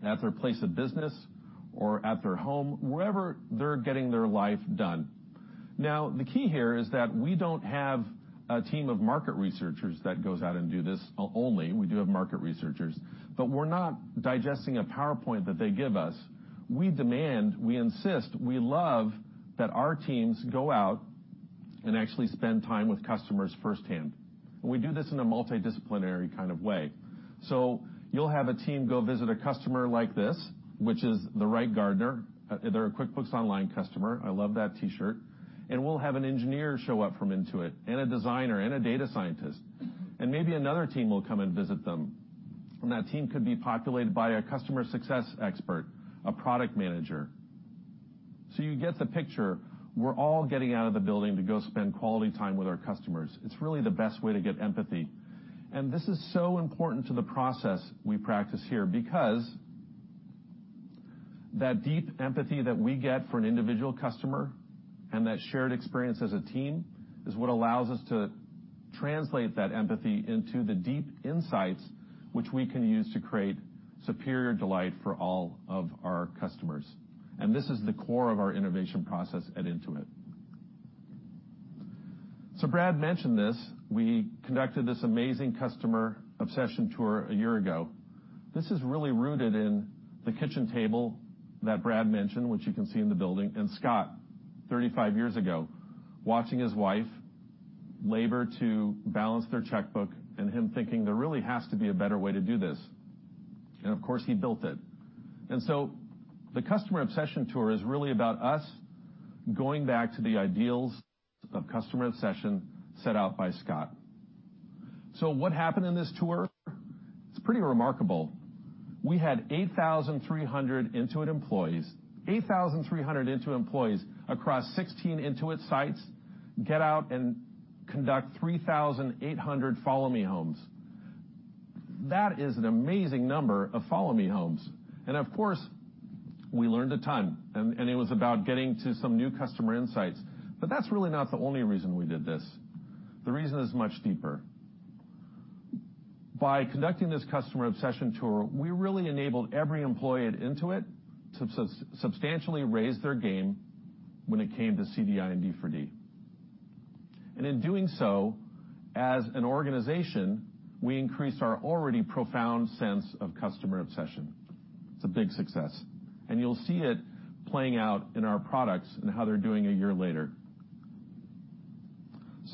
at their place of business or at their home, wherever they're getting their life done. The key here is that we don't have a team of market researchers that goes out and do this only. We do have market researchers. We're not digesting a PowerPoint that they give us. We demand, we insist, we love that our teams go out and actually spend time with customers firsthand. We do this in a multidisciplinary kind of way. You'll have a team go visit a customer like this, which is the Wright Gardener. They're a QuickBooks Online customer. I love that T-shirt. We'll have an engineer show up from Intuit and a designer and a data scientist, and maybe another team will come and visit them. That team could be populated by a customer success expert, a product manager. You get the picture. We're all getting out of the building to go spend quality time with our customers. It's really the best way to get empathy. This is so important to the process we practice here, because that deep empathy that we get for an individual customer and that shared experience as a team is what allows us to translate that empathy into the deep insights which we can use to create superior delight for all of our customers. This is the core of our innovation process at Intuit. Brad mentioned this, we conducted this amazing customer obsession tour a year ago. This is really rooted in the kitchen table that Brad mentioned, which you can see in the building, and Scott, 35 years ago, watching his wife labor to balance their checkbook and him thinking, "There really has to be a better way to do this." Of course, he built it. The customer obsession tour is really about us going back to the ideals of customer obsession set out by Scott. What happened in this tour? It's pretty remarkable. We had 8,300 Intuit employees across 16 Intuit sites, get out and conduct 3,800 Follow Me Homes. That is an amazing number of Follow Me Homes. Of course, we learned a ton, and it was about getting to some new customer insights. That's really not the only reason we did this. The reason is much deeper. By conducting this customer obsession tour, we really enabled every employee at Intuit to substantially raise their game when it came to CDI and D4D. In doing so, as an organization, we increased our already profound sense of customer obsession. It's a big success. You'll see it playing out in our products and how they're doing a year later.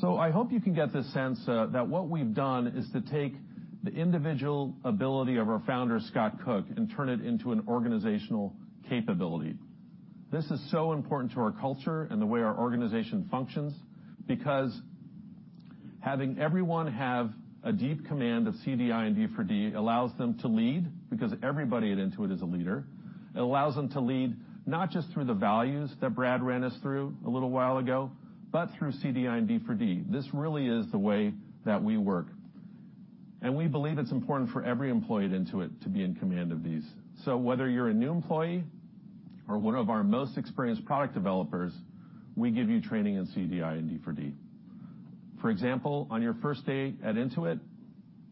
I hope you can get the sense that what we've done is to take the individual ability of our founder, Scott Cook, and turn it into an organizational capability. This is so important to our culture and the way our organization functions, because having everyone have a deep command of CDI and D4D allows them to lead, because everybody at Intuit is a leader. It allows them to lead, not just through the values that Brad ran us through a little while ago, but through CDI and D4D. This really is the way that we work. We believe it's important for every employee at Intuit to be in command of these. Whether you're a new employee or one of our most experienced product developers, we give you training in CDI and D4D. For example, on your first day at Intuit,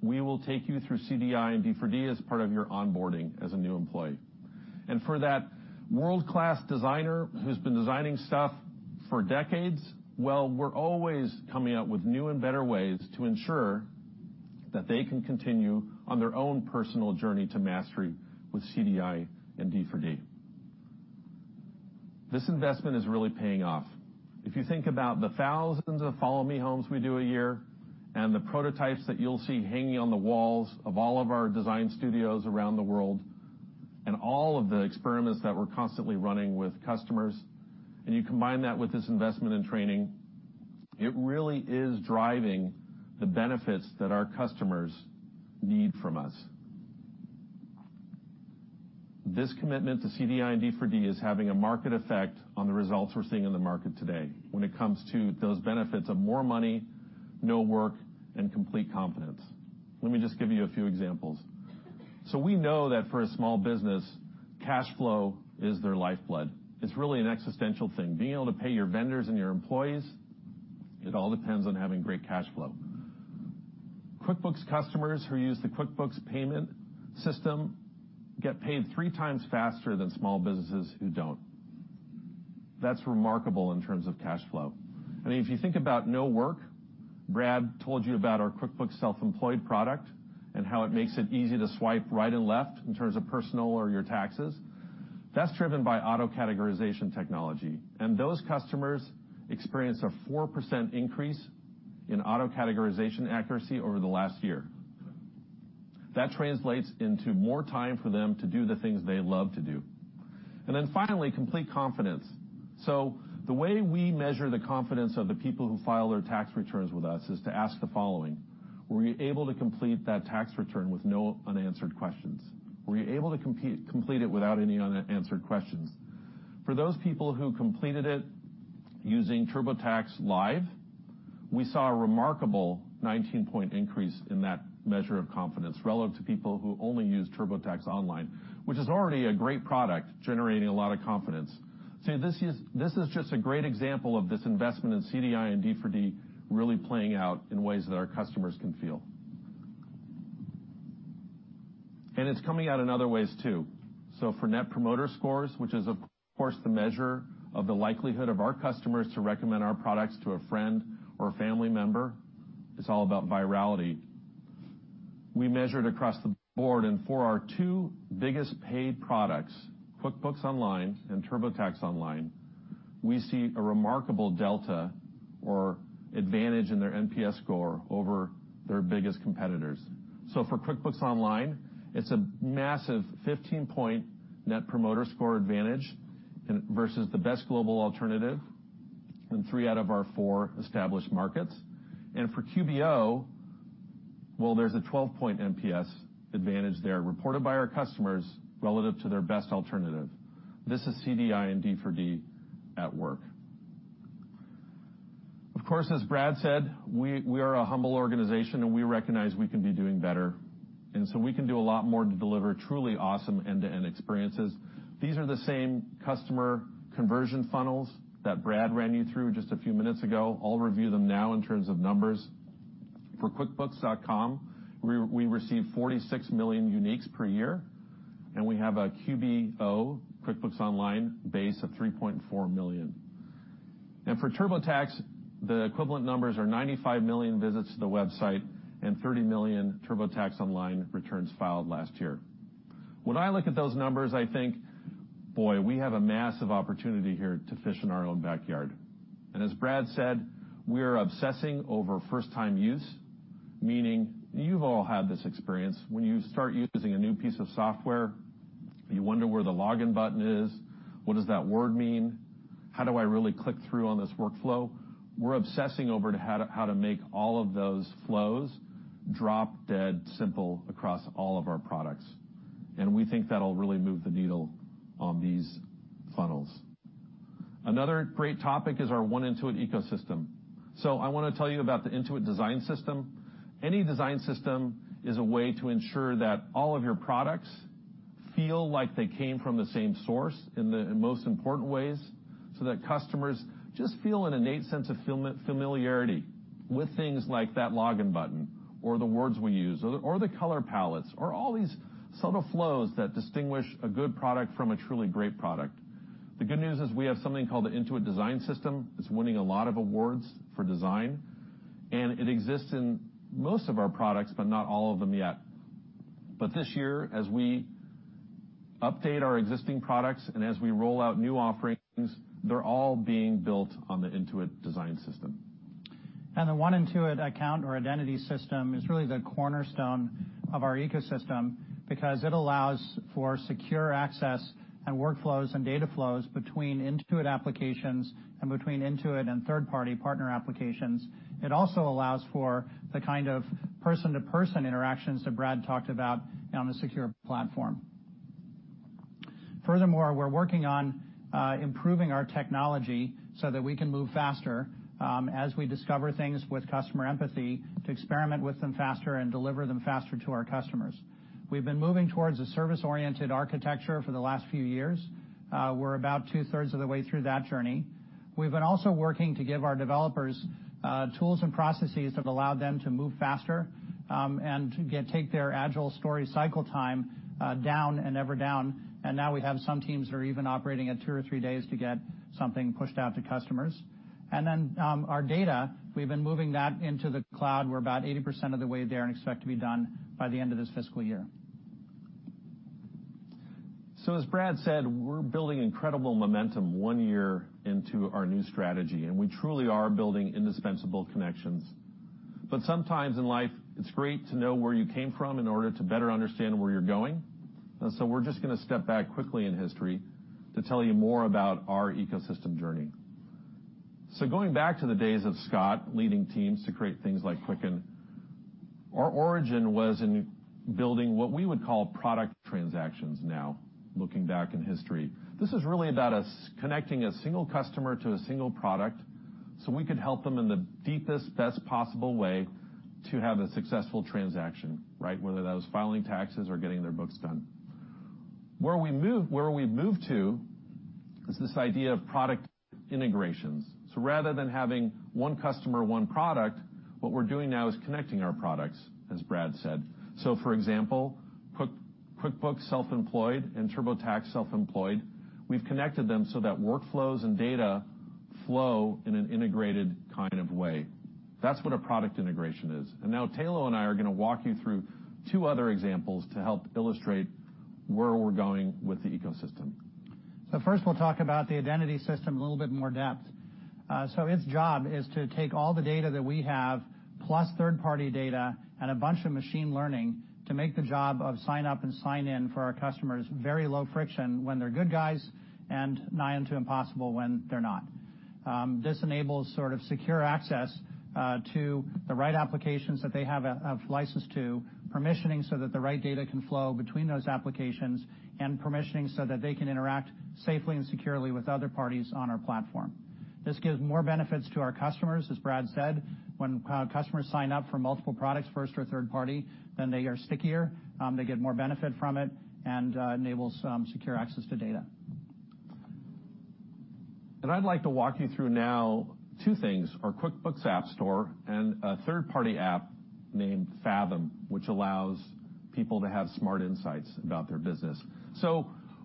we will take you through CDI and D4D as part of your onboarding as a new employee. For that world-class designer who's been designing stuff for decades, well, we're always coming up with new and better ways to ensure that they can continue on their own personal journey to mastery with CDI and D4D. This investment is really paying off. If you think about the thousands of Follow Me Homes we do a year, and the prototypes that you'll see hanging on the walls of all of our design studios around the world, and all of the experiments that we're constantly running with customers, and you combine that with this investment in training, it really is driving the benefits that our customers need from us. This commitment to CDI and D4D is having a market effect on the results we're seeing in the market today when it comes to those benefits of more money, no work, and complete confidence. Let me just give you a few examples. We know that for a small business, cash flow is their lifeblood. It's really an existential thing. Being able to pay your vendors and your employees, it all depends on having great cash flow. QuickBooks customers who use the QuickBooks Payments system get paid three times faster than small businesses who don't. That's remarkable in terms of cash flow. If you think about no work, Brad told you about our QuickBooks Self-Employed product and how it makes it easy to swipe right and left in terms of personal or your taxes. That's driven by auto-categorization technology, and those customers experienced a 4% increase in auto-categorization accuracy over the last year. That translates into more time for them to do the things they love to do. Finally, complete confidence. The way we measure the confidence of the people who file their tax returns with us is to ask the following, "Were you able to complete that tax return with no unanswered questions? Were you able to complete it without any unanswered questions?" For those people who completed it using TurboTax Live, we saw a remarkable 19-point increase in that measure of confidence relative to people who only use TurboTax Online, which is already a great product, generating a lot of confidence. See, this is just a great example of this investment in CDI and D4D really playing out in ways that our customers can feel. It's coming out in other ways, too. For Net Promoter Scores, which is, of course, the measure of the likelihood of our customers to recommend our products to a friend or family member, it's all about virality. We measured across the board, and for our two biggest paid products, QuickBooks Online and TurboTax Online, we see a remarkable delta or advantage in their NPS score over their biggest competitors. For QuickBooks Online, it's a massive 15-point Net Promoter Score advantage versus the best global alternative in three out of our four established markets. For [QBO] well, there's a 12-point NPS advantage there, reported by our customers relative to their best alternative. This is CDI and D4D at work. Of course, as Brad said, we are a humble organization, and we recognize we can be doing better. We can do a lot more to deliver truly awesome end-to-end experiences. These are the same customer conversion funnels that Brad ran you through just a few minutes ago. I'll review them now in terms of numbers. For quickbooks.com, we receive 46 million uniques per year, and we have a QBO, QuickBooks Online, base of 3.4 million. For TurboTax, the equivalent numbers are 95 million visits to the website and 30 million TurboTax Online returns filed last year. When I look at those numbers, I think, "Boy, we have a massive opportunity here to fish in our own backyard." As Brad said, we are obsessing over first-time use, meaning you've all had this experience. When you start using a new piece of software, you wonder where the login button is. What does that word mean? How do I really click through on this workflow? We're obsessing over how to make all of those flows drop-dead simple across all of our products. We think that'll really move the needle on these funnels. Another great topic is our One Intuit ecosystem. I want to tell you about the Intuit Design System. Any design system is a way to ensure that all of your products feel like they came from the same source in the most important ways, so that customers just feel an innate sense of familiarity with things like that login button or the words we use or the color palettes or all these subtle flows that distinguish a good product from a truly great product. The good news is we have something called the Intuit Design System. It's winning a lot of awards for design, and it exists in most of our products, but not all of them yet. This year, as we update our existing products and as we roll out new offerings, they're all being built on the Intuit Design System. The One Intuit account or identity system is really the cornerstone of our ecosystem because it allows for secure access and workflows and data flows between Intuit applications and between Intuit and third-party partner applications. It also allows for the kind of person-to-person interactions that Brad talked about on a secure platform. Furthermore, we're working on improving our technology so that we can move faster, as we discover things with customer empathy, to experiment with them faster and deliver them faster to our customers. We've been moving towards a service-oriented architecture for the last few years. We're about two-thirds of the way through that journey. We've been also working to give our developers tools and processes that allow them to move faster, and take their agile story cycle time down and ever down. Now we have some teams that are even operating at two or three days to get something pushed out to customers. Then our data, we've been moving that into the cloud. We're about 80% of the way there and expect to be done by the end of this fiscal year. As Brad said, we're building incredible momentum one year into our new strategy, and we truly are building indispensable connections. Sometimes in life, it's great to know where you came from in order to better understand where you're going. We're just going to step back quickly in history to tell you more about our ecosystem journey. Going back to the days of Scott leading teams to create things like Quicken, our origin was in building what we would call product transactions now, looking back in history. This is really about us connecting a single customer to a single product, so we could help them in the deepest, best possible way to have a successful transaction, right? Whether that was filing taxes or getting their books done. Where we've moved to is this idea of product integrations. Rather than having one customer, one product, what we're doing now is connecting our products, as Brad said. For example, QuickBooks Self-Employed and TurboTax Self-Employed, we've connected them so that workflows and data flow in an integrated kind of way. That's what a product integration is. Now Tayloe and I are going to walk you through two other examples to help illustrate where we're going with the ecosystem. First, we'll talk about the identity system in a little bit more depth. Its job is to take all the data that we have, plus third-party data and a bunch of machine learning to make the job of sign up and sign in for our customers very low friction when they're good guys and nigh unto impossible when they're not. This enables sort of secure access to the right applications that they have a license to, permissioning so that the right data can flow between those applications, and permissioning so that they can interact safely and securely with other parties on our platform. This gives more benefits to our customers, as Brad said. When customers sign up for multiple products, first or third party, then they are stickier, they get more benefit from it, and enables secure access to data. I'd like to walk you through now two things. Our QuickBooks App Store and a third-party app named Fathom, which allows people to have smart insights about their business.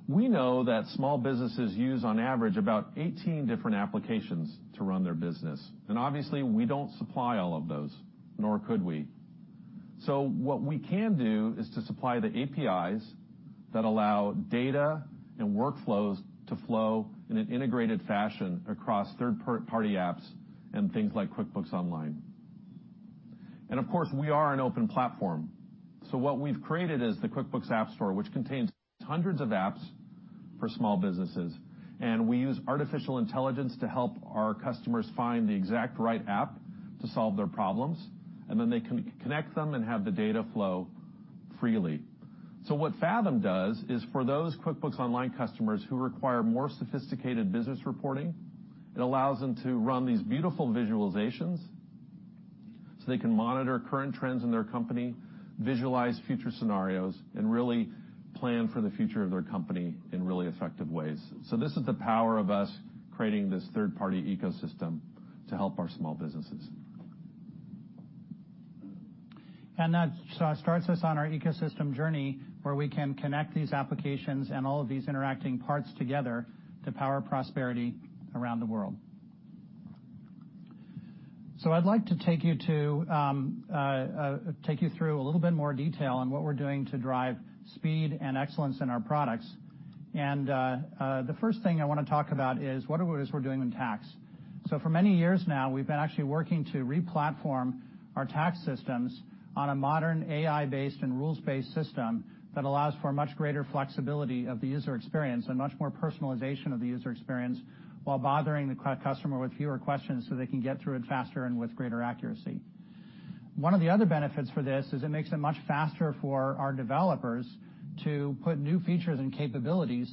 We know that small businesses use, on average, about 18 different applications to run their business. Obviously, we don't supply all of those, nor could we. What we can do is to supply the APIs that allow data and workflows to flow in an integrated fashion across third-party apps and things like QuickBooks Online. Of course, we are an open platform. What we've created is the QuickBooks App Store, which contains hundreds of apps for small businesses, and we use artificial intelligence to help our customers find the exact right app to solve their problems, and then they can connect them and have the data flow freely. What Fathom does is for those QuickBooks Online customers who require more sophisticated business reporting, it allows them to run these beautiful visualizations so they can monitor current trends in their company, visualize future scenarios, and really plan for the future of their company in really effective ways. This is the power of us creating this third-party ecosystem to help our small businesses. That starts us on our ecosystem journey, where we can connect these applications and all of these interacting parts together to power prosperity around the world. I'd like to take you through a little bit more detail on what we're doing to drive speed and excellence in our products. The first thing I want to talk about is what it is we're doing with tax. For many years now, we've been actually working to re-platform our tax systems on a modern AI-based and rules-based system that allows for much greater flexibility of the user experience and much more personalization of the user experience, while bothering the customer with fewer questions so they can get through it faster and with greater accuracy. One of the other benefits for this is it makes it much faster for our developers to put new features and capabilities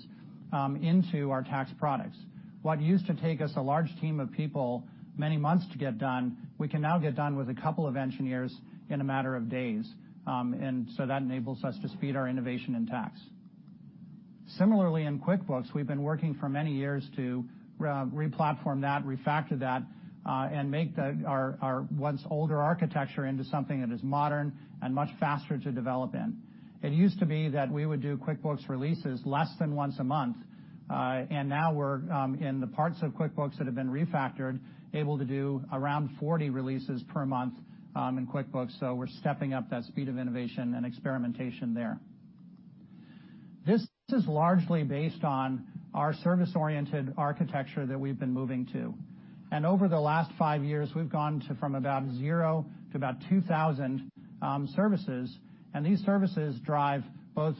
into our tax products. What used to take us a large team of people many months to get done, we can now get done with a couple of engineers in a matter of days. That enables us to speed our innovation in tax. Similarly, in QuickBooks, we've been working for many years to re-platform that, refactor that, and make our once older architecture into something that is modern and much faster to develop in. It used to be that we would do QuickBooks releases less than once a month. Now we're, in the parts of QuickBooks that have been refactored, able to do around 40 releases per month in QuickBooks. We're stepping up that speed of innovation and experimentation there. This is largely based on our service-oriented architecture that we've been moving to. Over the last five years, we've gone from about zero to about 2,000 services. These services drive both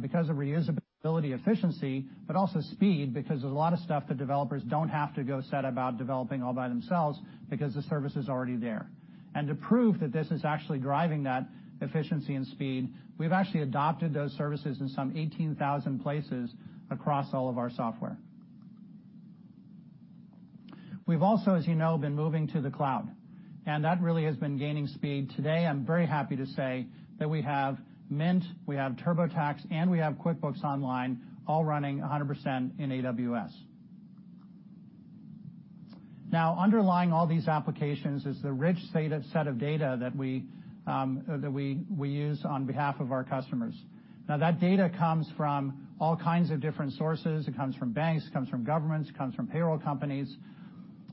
because of reusability efficiency, but also speed, because there's a lot of stuff the developers don't have to go set about developing all by themselves because the service is already there. To prove that this is actually driving that efficiency and speed, we've actually adopted those services in some 18,000 places across all of our software. We've also, as you know, been moving to the cloud, and that really has been gaining speed. Today, I'm very happy to say that we have Mint, we have TurboTax, and we have QuickBooks Online all running 100% in AWS. Underlying all these applications is the rich set of data that we use on behalf of our customers. That data comes from all kinds of different sources. It comes from banks, it comes from governments, it comes from payroll companies.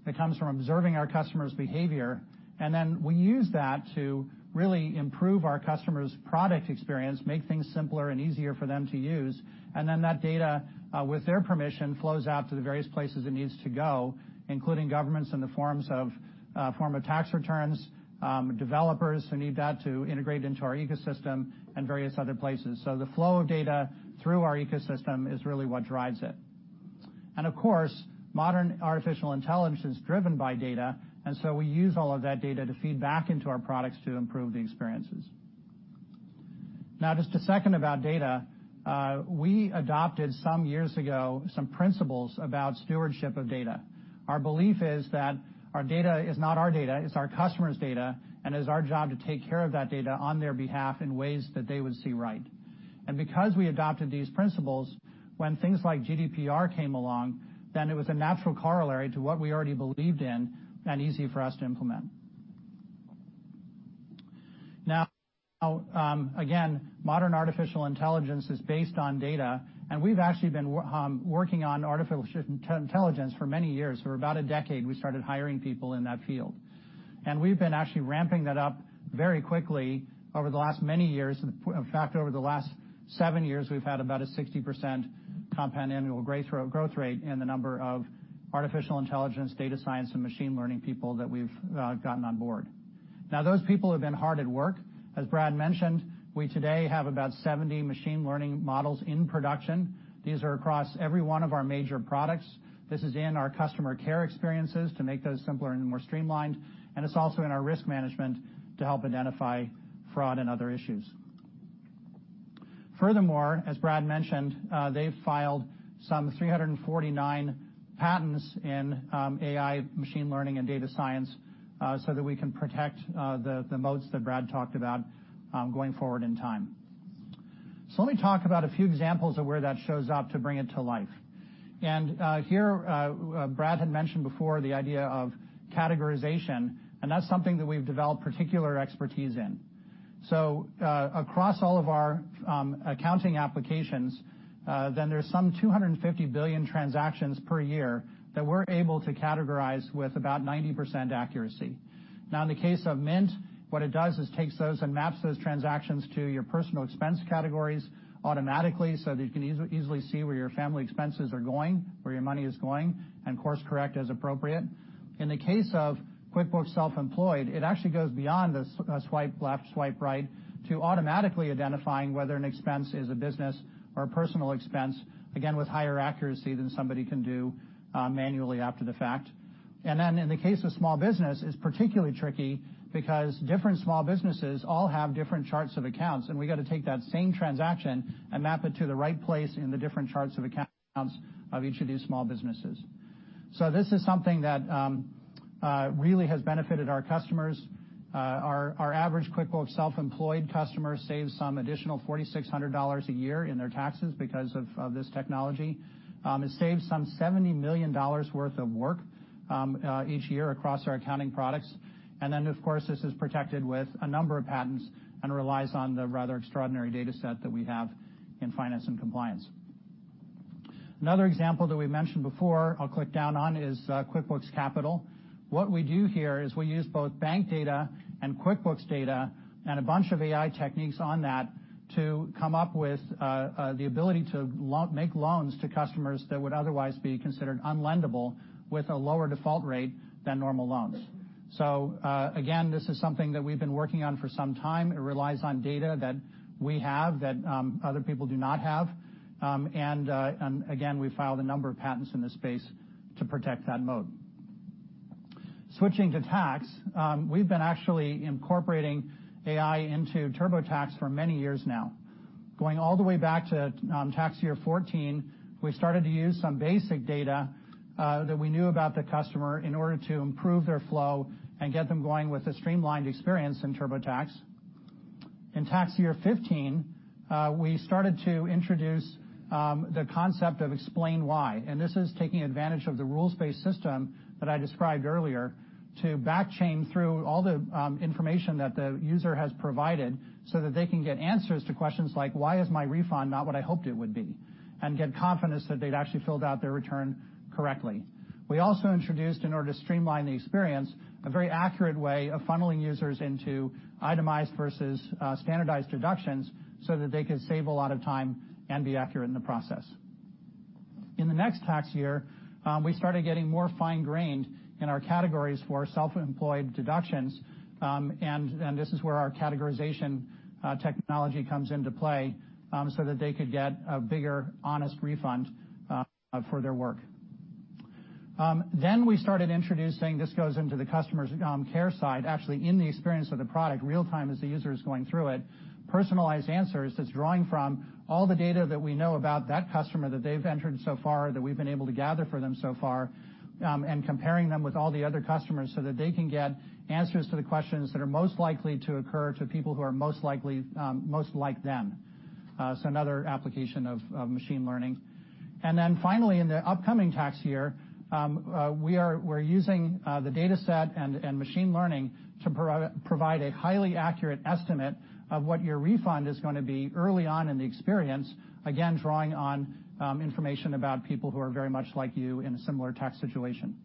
It comes from observing our customers' behavior. Then we use that to really improve our customers' product experience, make things simpler and easier for them to use. Then that data, with their permission, flows out to the various places it needs to go, including governments in the form of tax returns, developers who need that to integrate into our ecosystem, and various other places. The flow of data through our ecosystem is really what drives it. Of course, modern artificial intelligence is driven by data, so we use all of that data to feed back into our products to improve the experiences. Just a second about data. We adopted some years ago, some principles about stewardship of data. Our belief is that our data is not our data, it's our customer's data, and it is our job to take care of that data on their behalf in ways that they would see right. Because we adopted these principles, when things like GDPR came along, then it was a natural corollary to what we already believed in and easy for us to implement. Again, modern artificial intelligence is based on data, and we've actually been working on artificial intelligence for many years. For about a decade, we started hiring people in that field. We've been actually ramping that up very quickly over the last many years. In fact, over the last seven years, we've had about a 60% compound annual growth rate in the number of artificial intelligence, data science, and machine learning people that we've gotten on board. Those people have been hard at work. As Brad mentioned, we today have about 70 machine learning models in production. These are across every one of our major products. This is in our customer care experiences to make those simpler and more streamlined, and it's also in our risk management to help identify fraud and other issues. Furthermore, as Brad mentioned, they've filed some 349 patents in AI, machine learning, and data science so that we can protect the moats that Brad talked about going forward in time. Let me talk about a few examples of where that shows up to bring it to life. Here, Brad had mentioned before the idea of categorization, and that's something that we've developed particular expertise in. Across all of our accounting applications, then there's some 250 billion transactions per year that we're able to categorize with about 90% accuracy. In the case of Mint, what it does is takes those and maps those transactions to your personal expense categories automatically so you can easily see where your family expenses are going, where your money is going. Course correct as appropriate. In the case of QuickBooks Self-Employed, it actually goes beyond a swipe left, swipe right to automatically identifying whether an expense is a business or a personal expense, again, with higher accuracy than somebody can do manually after the fact. In the case of small business, it's particularly tricky because different small businesses all have different charts of accounts, and we got to take that same transaction and map it to the right place in the different charts of accounts of each of these small businesses. This is something that really has benefited our customers. Our average QuickBooks Self-Employed customer saves some additional $4,600 a year in their taxes because of this technology. It saves some $70 million worth of work each year across our accounting products. Of course, this is protected with a number of patents and relies on the rather extraordinary data set that we have in finance and compliance. Another example that we mentioned before, I'll click down on, is QuickBooks Capital. What we do here is we use both bank data and QuickBooks data and a bunch of AI techniques on that to come up with the ability to make loans to customers that would otherwise be considered unlendable with a lower default rate than normal loans. Again, this is something that we've been working on for some time. It relies on data that we have that other people do not have. Again, we filed a number of patents in this space to protect that mode. Switching to tax, we've been actually incorporating AI into TurboTax for many years now. Going all the way back to tax year 2014, we started to use some basic data that we knew about the customer in order to improve their flow and get them going with a streamlined experience in TurboTax. In tax year 2015, we started to introduce the concept of explain why. This is taking advantage of the rules-based system that I described earlier to backchain through all the information that the user has provided so that they can get answers to questions like, "Why is my refund not what I hoped it would be?" Get confidence that they'd actually filled out their return correctly. We also introduced, in order to streamline the experience, a very accurate way of funneling users into itemized versus standardized deductions so that they could save a lot of time and be accurate in the process. In the next tax year, we started getting more fine-grained in our categories for self-employed deductions, this is where our categorization technology comes into play, so that they could get a bigger, honest refund for their work. We started introducing, this goes into the customer care side, actually in the experience of the product, real-time as the user is going through it, personalized answers that's drawing from all the data that we know about that customer that they've entered so far, that we've been able to gather for them so far, and comparing them with all the other customers so that they can get answers to the questions that are most likely to occur to people who are most like them. Another application of machine learning. Finally, in the upcoming tax year, we're using the data set and machine learning to provide a highly accurate estimate of what your refund is going to be early on in the experience, again, drawing on information about people who are very much like you in a similar tax situation.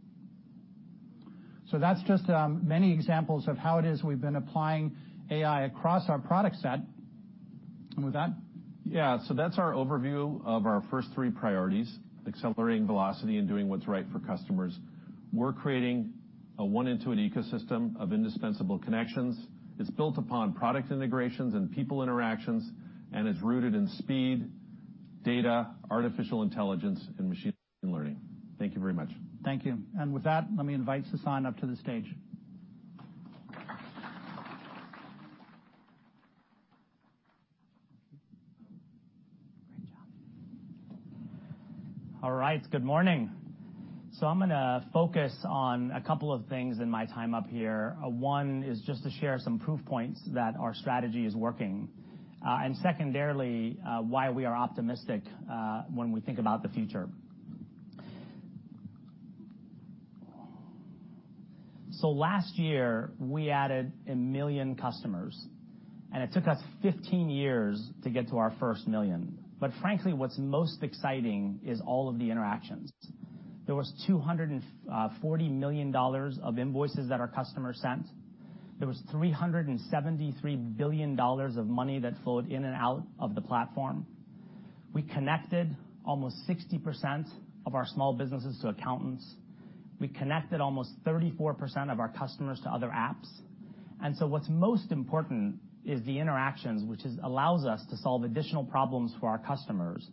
That's just many examples of how it is we've been applying AI across our product set. With that. That's our overview of our first three priorities, accelerating velocity and doing what's right for customers. We're creating a One Intuit ecosystem of indispensable connections. It's built upon product integrations and people interactions, and it's rooted in speed, data, artificial intelligence, and machine learning. Thank you very much. Thank you. With that, let me invite Sasan up to the stage. Great job. All right. Good morning. I'm going to focus on a couple of things in my time up here. One is just to share some proof points that our strategy is working. Secondarily, why we are optimistic when we think about the future. Last year, we added 1 million customers, and it took us 15 years to get to our first million. Frankly, what's most exciting is all of the interactions. There was $240 million of invoices that our customers sent. There was $373 billion of money that flowed in and out of the platform. We connected almost 60% of our small businesses to accountants. We connected almost 34% of our customers to other apps. What's most important is the interactions, which allows us to solve additional problems for our customers.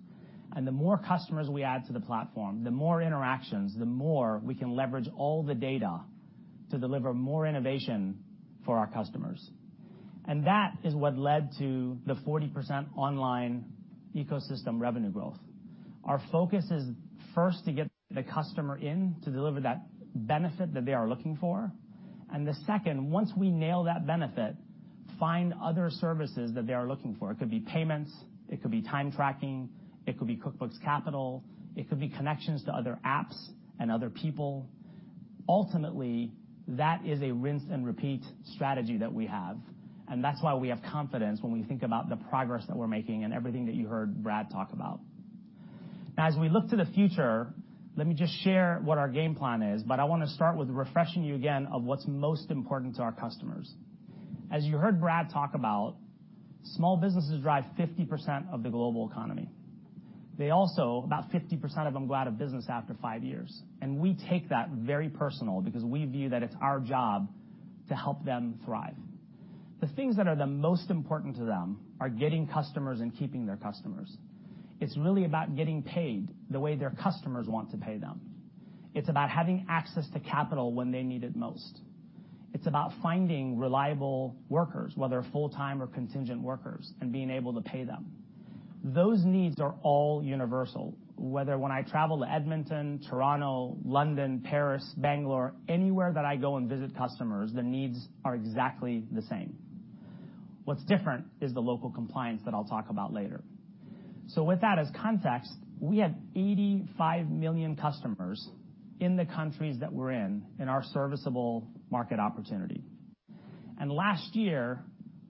The more customers we add to the platform, the more interactions, the more we can leverage all the data to deliver more innovation for our customers. That is what led to the 40% online ecosystem revenue growth. Our focus is first to get the customer in to deliver that benefit that they are looking for. The second, once we nail that benefit, find other services that they are looking for. It could be payments, it could be time tracking, it could be QuickBooks Capital, it could be connections to other apps and other people. Ultimately, that is a rinse and repeat strategy that we have, and that's why we have confidence when we think about the progress that we're making and everything that you heard Brad talk about. As we look to the future, let me just share what our game plan is, I want to start with refreshing you again of what's most important to our customers. As you heard Brad talk about, small businesses drive 50% of the global economy. They also, about 50% of them go out of business after five years. We take that very personal because we view that it's our job to help them thrive. The things that are the most important to them are getting customers and keeping their customers. It's really about getting paid the way their customers want to pay them. It's about having access to capital when they need it most. It's about finding reliable workers, whether full-time or contingent workers, and being able to pay them. Those needs are all universal. Whether when I travel to Edmonton, Toronto, London, Paris, Bangalore, anywhere that I go and visit customers, the needs are exactly the same. What's different is the local compliance that I'll talk about later. With that as context, we have 85 million customers in the countries that we're in our serviceable market opportunity. Last year,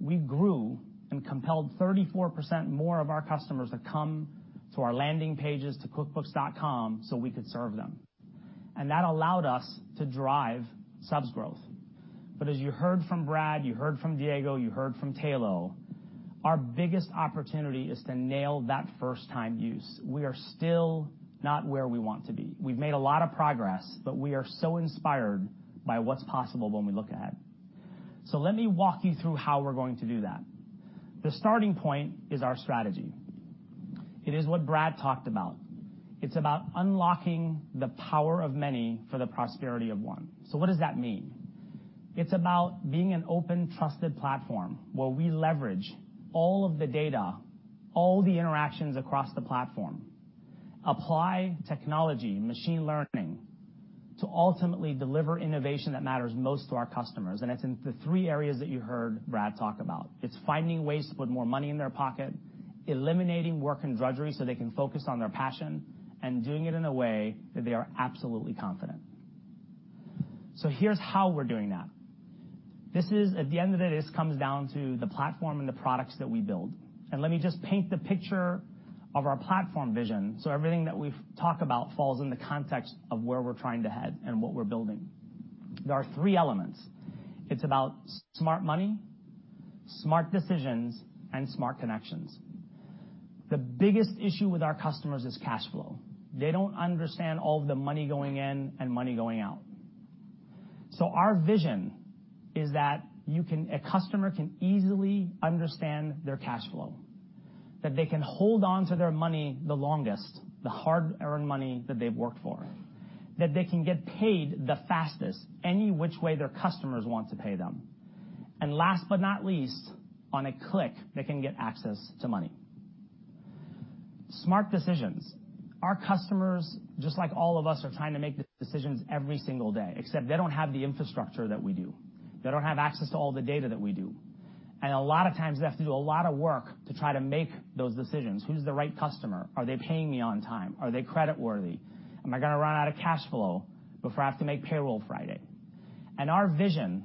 we grew and compelled 34% more of our customers to come to our landing pages to quickbooks.com so we could serve them. That allowed us to drive subs growth. As you heard from Brad, you heard from Diego, you heard from Tayloe, our biggest opportunity is to nail that first-time use. We are still not where we want to be. We've made a lot of progress, but we are so inspired by what's possible when we look ahead. Let me walk you through how we're going to do that. The starting point is our strategy. It is what Brad talked about. It's about unlocking the power of many for the prosperity of one. What does that mean? It's about being an open, trusted platform where we leverage all of the data, all the interactions across the platform, apply technology, machine learning, to ultimately deliver innovation that matters most to our customers, and it's in the three areas that you heard Brad talk about. It's finding ways to put more money in their pocket, eliminating work and drudgery so they can focus on their passion, and doing it in a way that they are absolutely confident. Here's how we're doing that. At the end of it, this comes down to the platform and the products that we build. Let me just paint the picture of our platform vision, everything that we've talked about falls in the context of where we're trying to head and what we're building. There are three elements. It's about smart money, smart decisions, and smart connections. The biggest issue with our customers is cash flow. They don't understand all of the money going in and money going out. Our vision is that a customer can easily understand their cash flow, that they can hold onto their money the longest, the hard-earned money that they've worked for, that they can get paid the fastest, any which way their customers want to pay them. Last but not least, on a click, they can get access to money. Smart decisions. Our customers, just like all of us, are trying to make decisions every single day, except they don't have the infrastructure that we do. They don't have access to all the data that we do. A lot of times, they have to do a lot of work to try to make those decisions. Who's the right customer? Are they paying me on time? Are they credit worthy? Am I going to run out of cash flow before I have to make payroll Friday? Our vision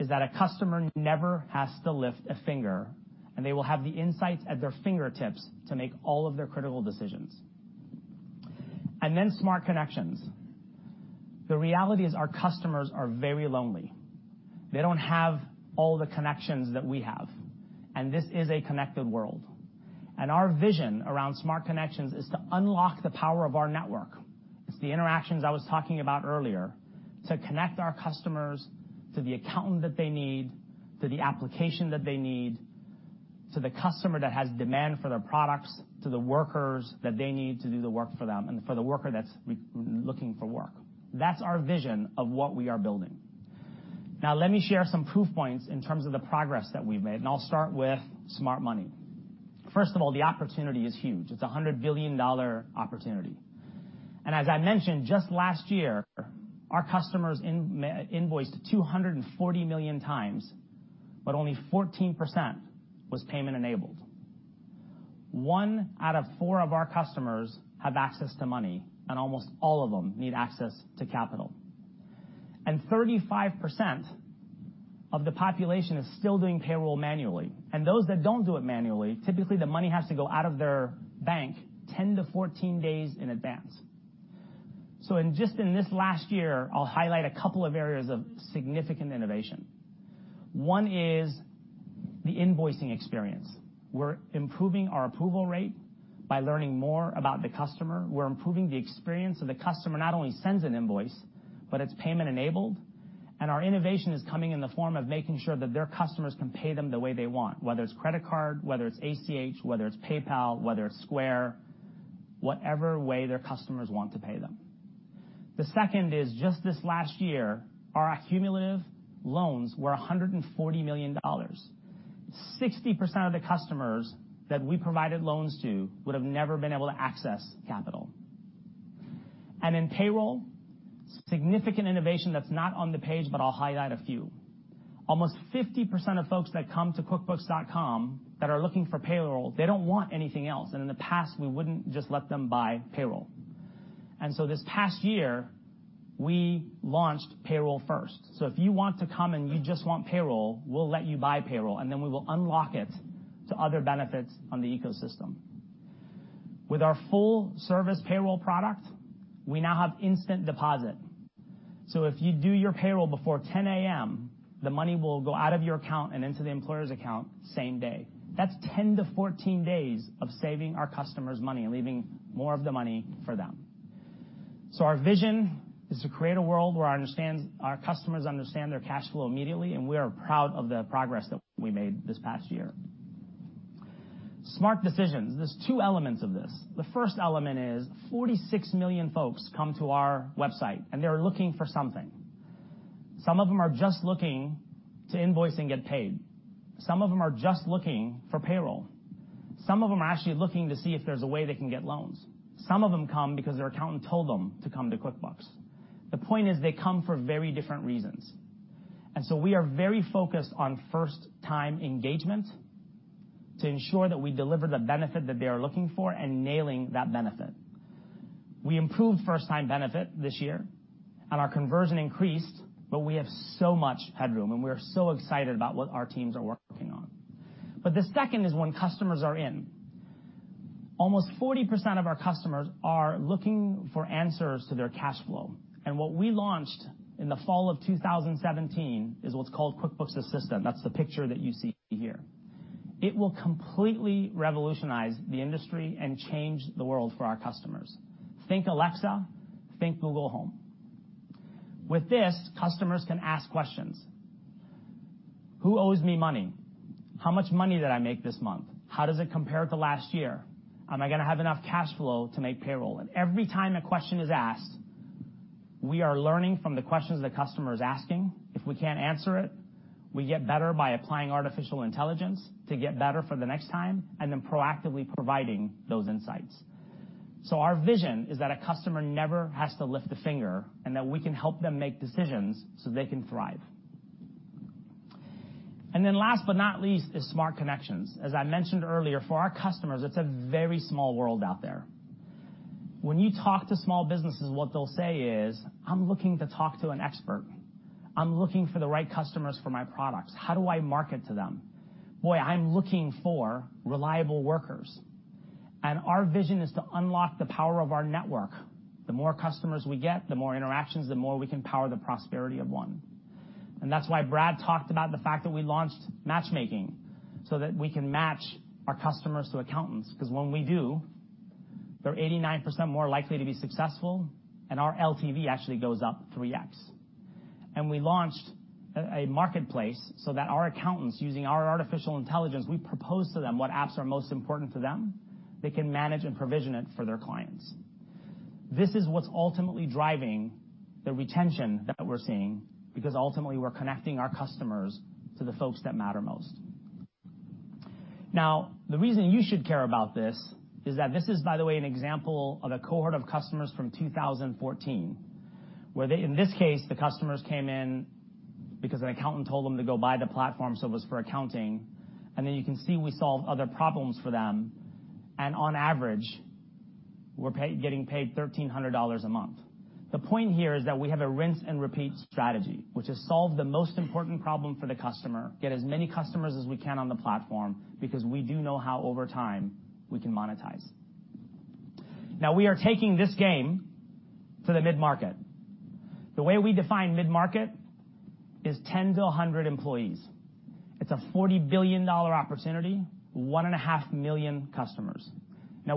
is that a customer never has to lift a finger, and they will have the insights at their fingertips to make all of their critical decisions. Then smart connections. The reality is our customers are very lonely. They don't have all the connections that we have, and this is a connected world. Our vision around smart connections is to unlock the power of our network. It's the interactions I was talking about earlier to connect our customers to the accountant that they need, to the application that they need, to the customer that has demand for their products, to the workers that they need to do the work for them, and for the worker that's looking for work. That's our vision of what we are building. Let me share some proof points in terms of the progress that we've made, and I'll start with smart money. First of all, the opportunity is huge. It's a $100 billion opportunity. As I mentioned, just last year, our customers invoiced 240 million times, but only 14% was payment enabled. One out of four of our customers have access to money, and almost all of them need access to capital. 35% of the population is still doing payroll manually, and those that don't do it manually, typically the money has to go out of their bank 10 to 14 days in advance. Just in this last year, I'll highlight a couple of areas of significant innovation. One is the invoicing experience. We're improving our approval rate by learning more about the customer. We're improving the experience so the customer not only sends an invoice, but it's payment enabled. Our innovation is coming in the form of making sure that their customers can pay them the way they want, whether it's credit card, whether it's ACH, whether it's PayPal, whether it's Square, whatever way their customers want to pay them. The second is just this last year, our cumulative loans were $140 million. 60% of the customers that we provided loans to would have never been able to access capital. In payroll, significant innovation that's not on the page, but I'll highlight a few. Almost 50% of folks that come to quickbooks.com that are looking for payroll, they don't want anything else, and in the past, we wouldn't just let them buy payroll. This past year, we launched Payroll First. If you want to come and you just want payroll, we'll let you buy payroll, and then we will unlock it to other benefits on the ecosystem. With our full-service payroll product, we now have instant deposit. If you do your payroll before 10:00 A.M., the money will go out of your account and into the employer's account same day. That's 10 to 14 days of saving our customers money and leaving more of the money for them. Our vision is to create a world where our customers understand their cash flow immediately, and we are proud of the progress that we made this past year. Smart decisions. There's two elements of this. The first element is 46 million folks come to our website, and they're looking for something. Some of them are just looking to invoice and get paid. Some of them are just looking for payroll. Some of them are actually looking to see if there's a way they can get loans. Some of them come because their accountant told them to come to QuickBooks. The point is they come for very different reasons. We are very focused on first-time engagement to ensure that we deliver the benefit that they are looking for and nailing that benefit. We improved first-time benefit this year, and our conversion increased, but we have so much headroom, and we are so excited about what our teams are working on. The second is when customers are in. Almost 40% of our customers are looking for answers to their cash flow, and what we launched in the fall of 2017 is what's called QuickBooks Assistant. That's the picture that you see here. It will completely revolutionize the industry and change the world for our customers. Think Alexa, think Google Home. With this, customers can ask questions. Who owes me money? How much money did I make this month? How does it compare to last year? Am I gonna have enough cash flow to make payroll? Every time a question is asked, we are learning from the questions the customer is asking. If we can't answer it, we get better by applying artificial intelligence to get better for the next time, and then proactively providing those insights. Our vision is that a customer never has to lift a finger, and that we can help them make decisions so they can thrive. Last but not least is smart connections. As I mentioned earlier, for our customers, it's a very small world out there. When you talk to small businesses, what they'll say is, "I'm looking to talk to an expert. I'm looking for the right customers for my products. How do I market to them? Boy, I'm looking for reliable workers." Our vision is to unlock the power of our network. The more customers we get, the more interactions, the more we can power the prosperity of one. That's why Brad talked about the fact that we launched matchmaking so that we can match our customers to accountants, because when we do, they're 89% more likely to be successful, and our LTV actually goes up 3X. We launched a marketplace so that our accountants, using our artificial intelligence, we propose to them what apps are most important to them. They can manage and provision it for their clients. This is what's ultimately driving the retention that we're seeing, because ultimately, we're connecting our customers to the folks that matter most. The reason you should care about this is that this is, by the way, an example of a cohort of customers from 2014, where they, in this case, the customers came in because an accountant told them to go buy the platform, so it was for accounting. You can see we solve other problems for them. On average, we're getting paid $1,300 a month. The point here is that we have a rinse and repeat strategy, which is solve the most important problem for the customer, get as many customers as we can on the platform, because we do know how, over time, we can monetize. We are taking this game to the mid-market. The way we define mid-market is 10 to 100 employees. It's a $40 billion opportunity, one and a half million customers.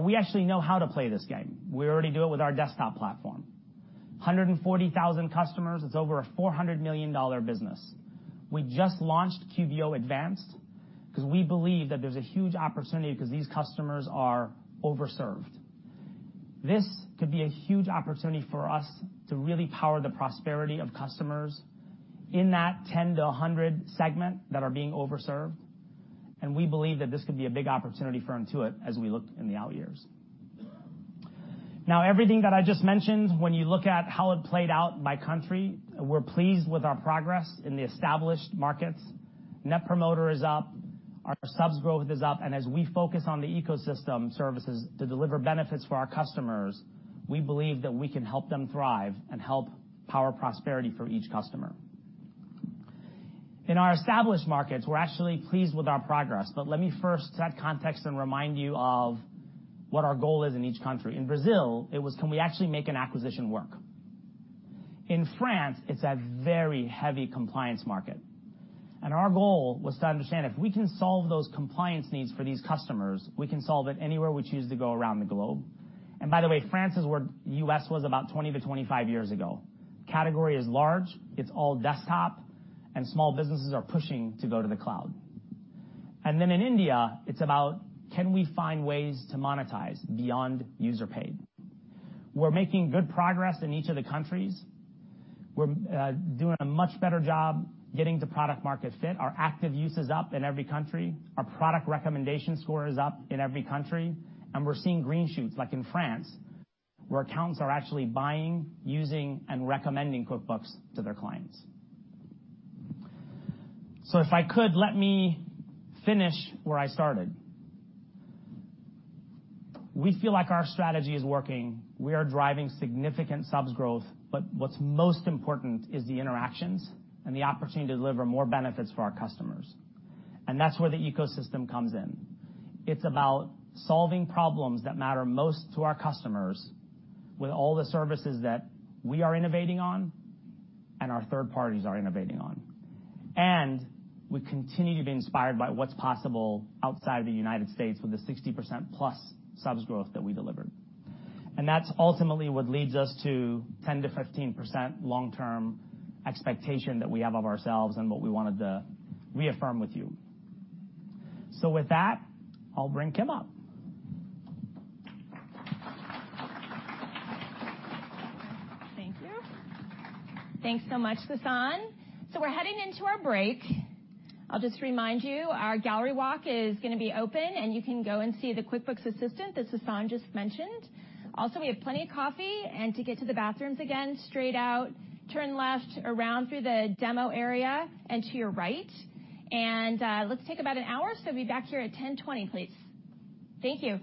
We actually know how to play this game. We already do it with our desktop platform. 140,000 customers. It's over a $400 million business. We just launched QBO Advanced because we believe that there's a huge opportunity because these customers are over-served. This could be a huge opportunity for us to really power the prosperity of customers in that 10-100 segment that are being over-served, we believe that this could be a big opportunity for Intuit as we look in the out years. Everything that I just mentioned, when you look at how it played out by country, we're pleased with our progress in the established markets. Net Promoter is up, our subs growth is up, as we focus on the ecosystem services to deliver benefits for our customers, we believe that we can help them thrive and help power prosperity for each customer. In our established markets, we're actually pleased with our progress, let me first set context and remind you of what our goal is in each country. In Brazil, it was, can we actually make an acquisition work? In France, it's a very heavy compliance market. Our goal was to understand, if we can solve those compliance needs for these customers, we can solve it anywhere we choose to go around the globe. By the way, France is where U.S. was about 20-25 years ago. Category is large, it's all desktop, small businesses are pushing to go to the cloud. In India, it's about, can we find ways to monetize beyond user pay? We're making good progress in each of the countries. We're doing a much better job getting to product-market fit. Our active use is up in every country. Our Product Recommendation Score is up in every country. We're seeing green shoots, like in France, where accountants are actually buying, using, and recommending QuickBooks to their clients. If I could, let me finish where I started. We feel like our strategy is working. We are driving significant subs growth, what's most important is the interactions and the opportunity to deliver more benefits for our customers. That's where the ecosystem comes in. It's about solving problems that matter most to our customers with all the services that we are innovating on, our third parties are innovating on. We continue to be inspired by what's possible outside of the United States with the 60%+ subs growth that we delivered. That's ultimately what leads us to 10%-15% long-term expectation that we have of ourselves and what we wanted to reaffirm with you. With that, I'll bring Kim up. Thank you. Thanks so much, Sasan. We're heading into our break. I'll just remind you, our gallery walk is going to be open, and you can go and see the QuickBooks Assistant that Sasan just mentioned. Also, we have plenty of coffee, to get to the bathrooms, again, straight out, turn left, around through the demo area, and to your right. Let's take about an hour, so be back here at 10:20, please. Thank you.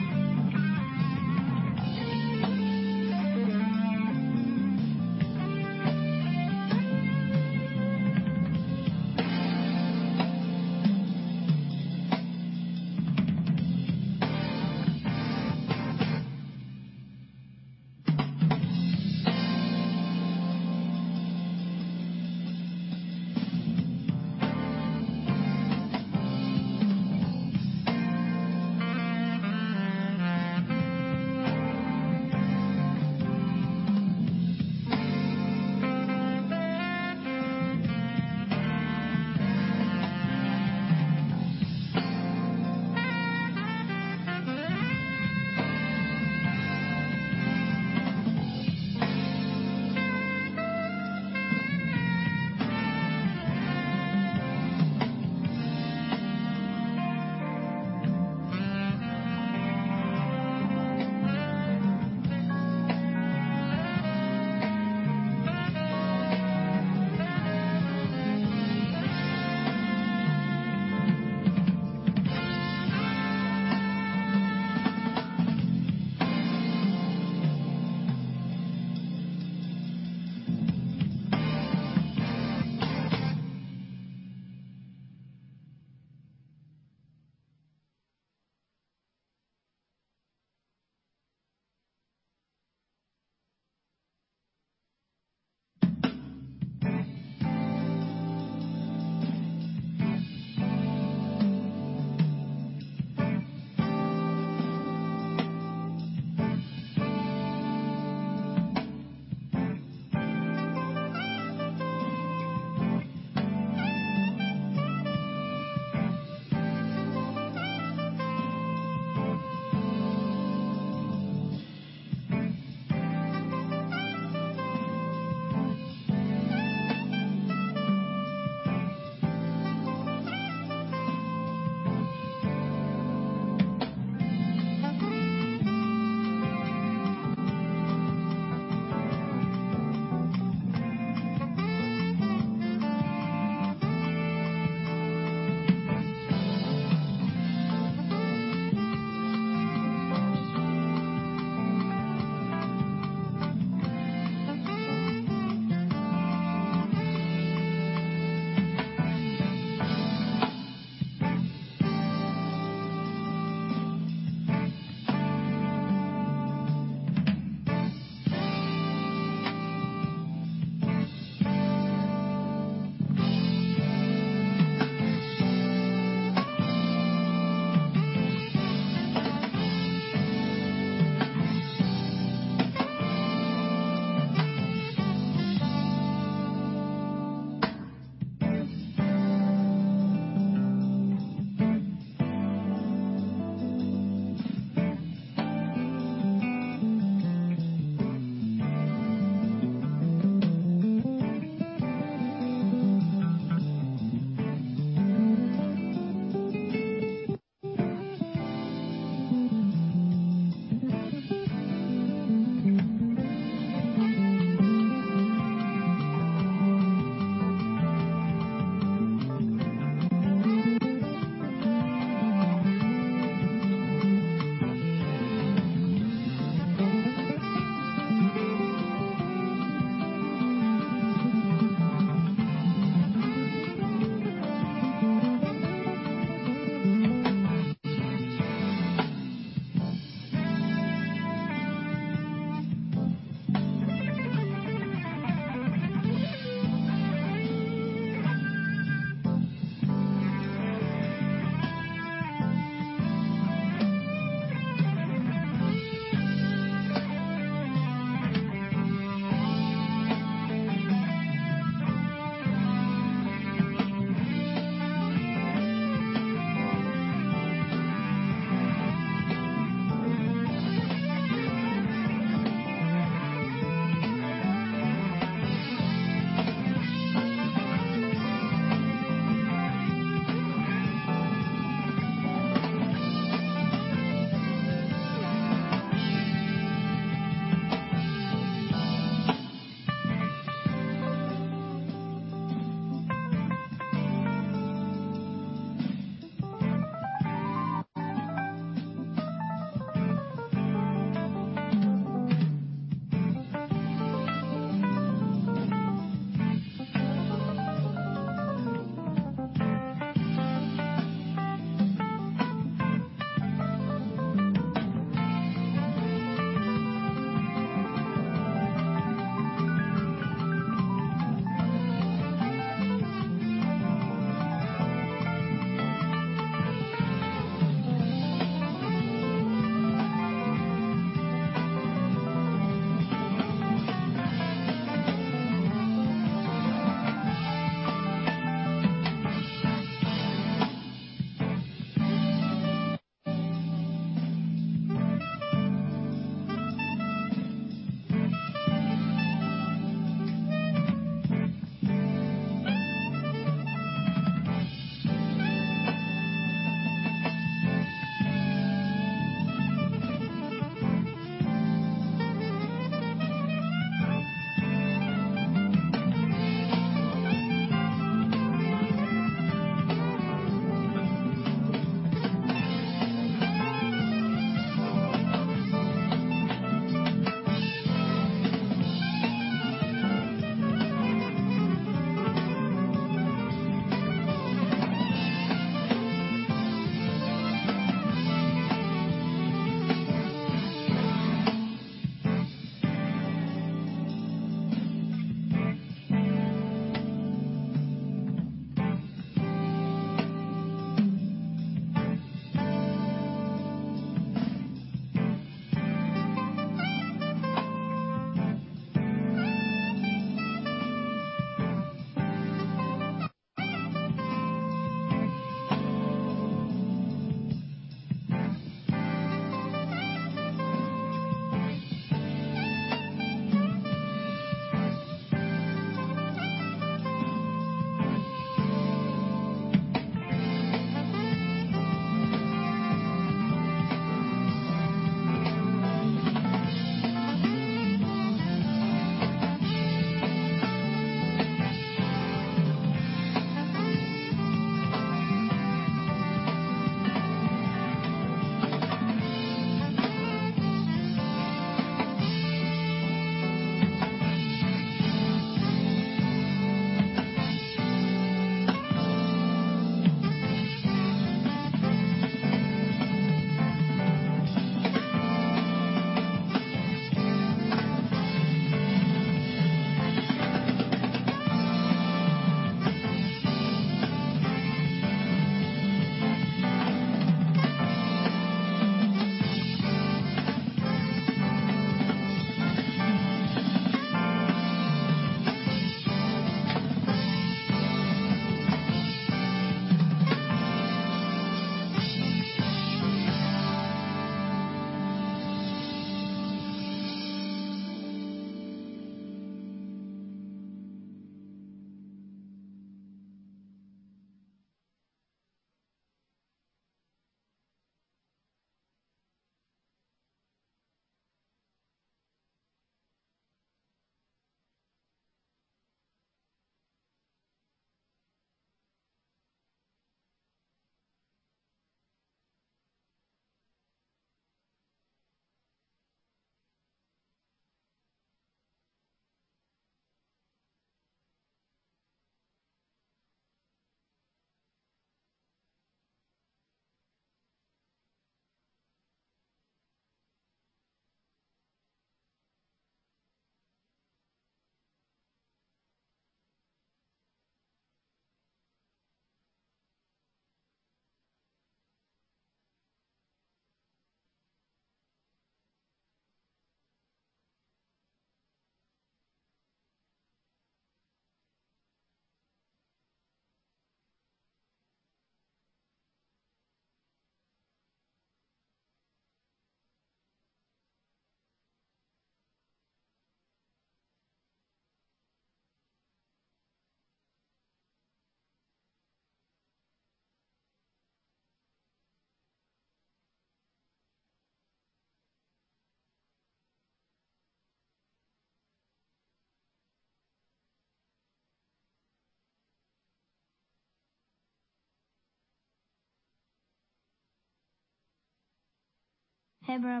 Hey, bro.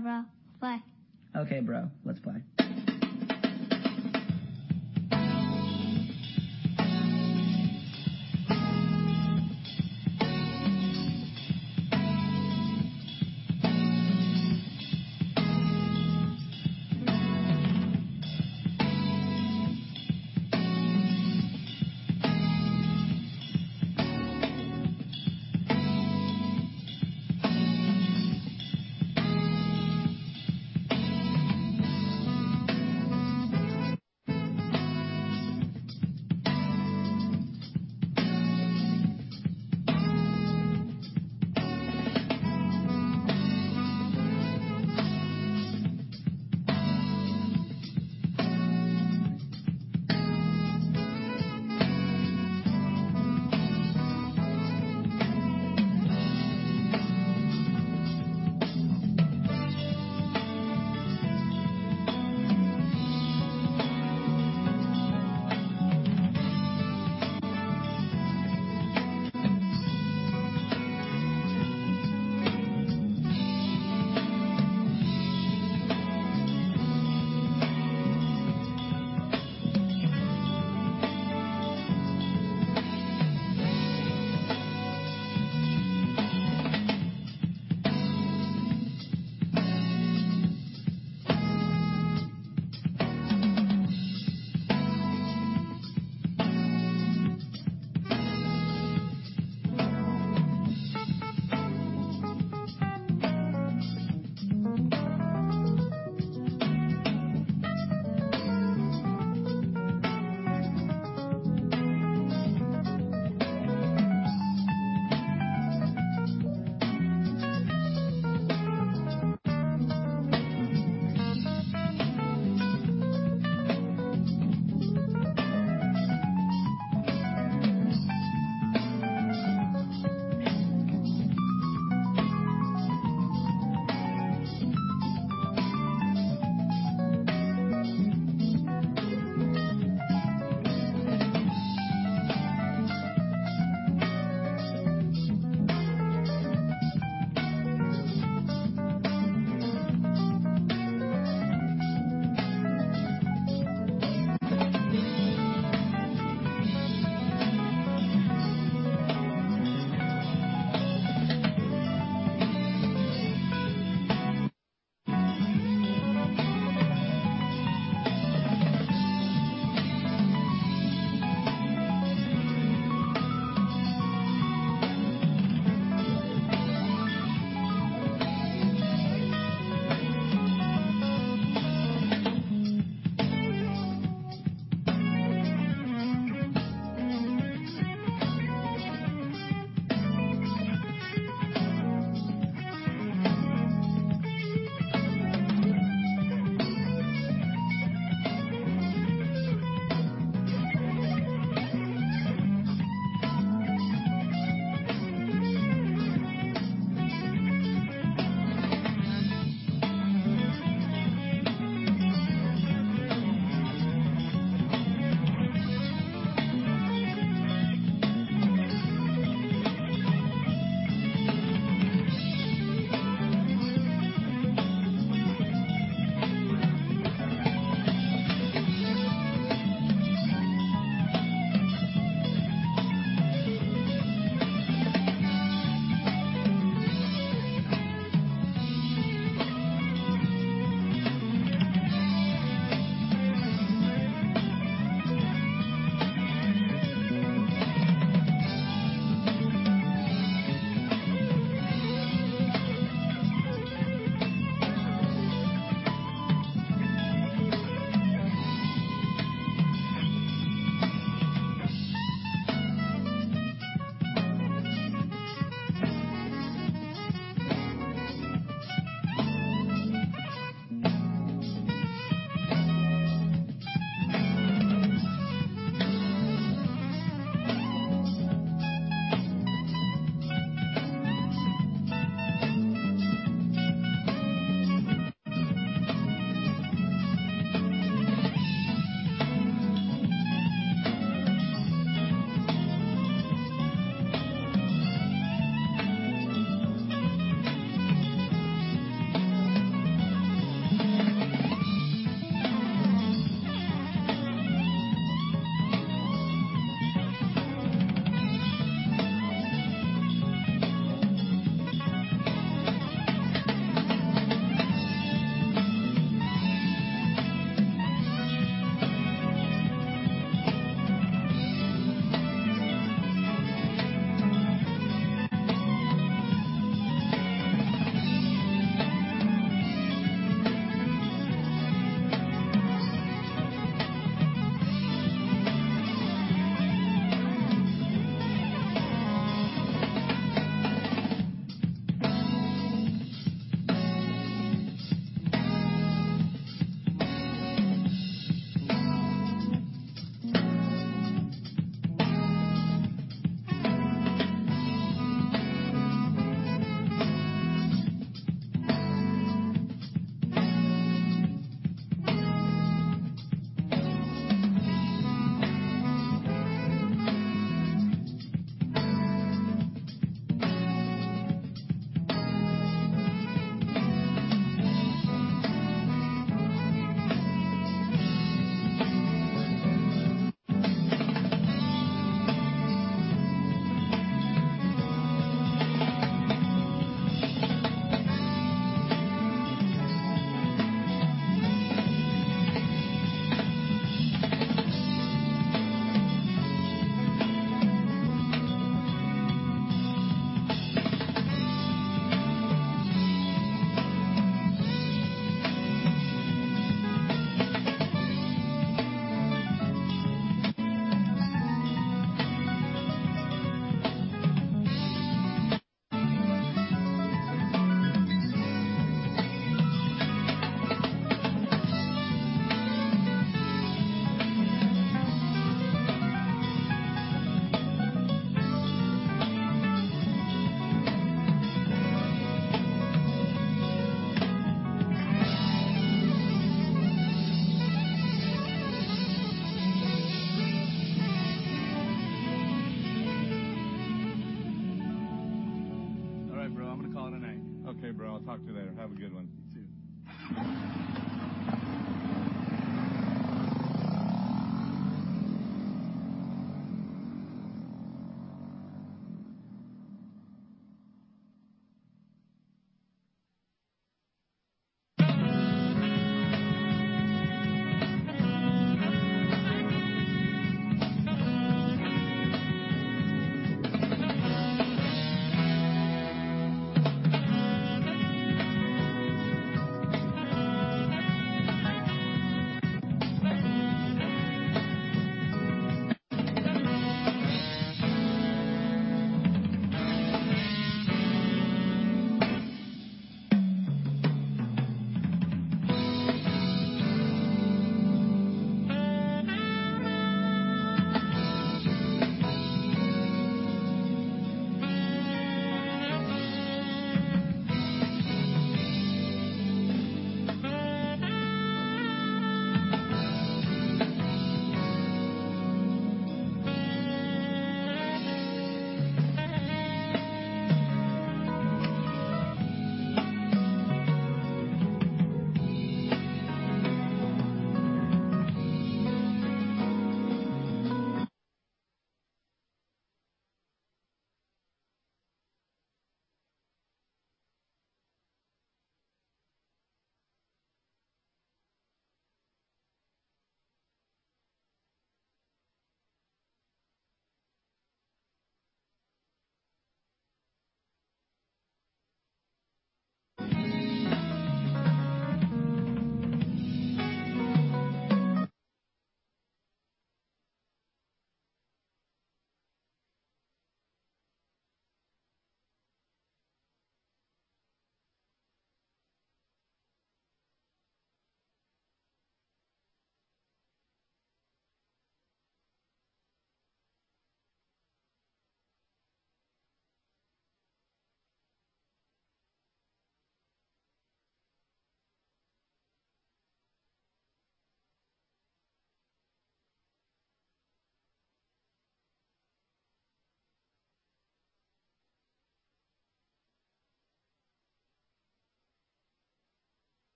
Play. Okay, bro. Let's play. All right, bro, I'm going to call it a night. Okay, bro. I'll talk to you later. Have a good one. See you. Hi, this is Nick. Have a nice day.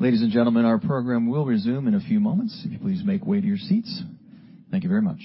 Ladies and gentlemen, our program will resume in a few moments. If you'll please make way to your seats. Thank you very much.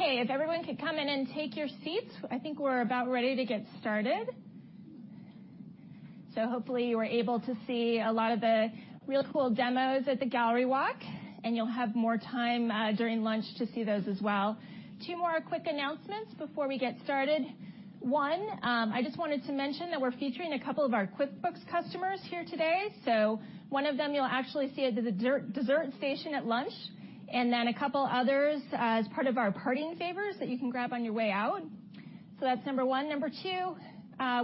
If everyone could come in and take your seats, I think we're about ready to get started. Hopefully, you were able to see a lot of the really cool demos at the gallery walk, and you'll have more time, during lunch to see those as well. Two more quick announcements before we get started. One, I just wanted to mention that we're featuring a couple of our QuickBooks customers here today. One of them you'll actually see at the dessert station at lunch, and then a couple others, as part of our parting favors that you can grab on your way out. That's number 1. Number 2,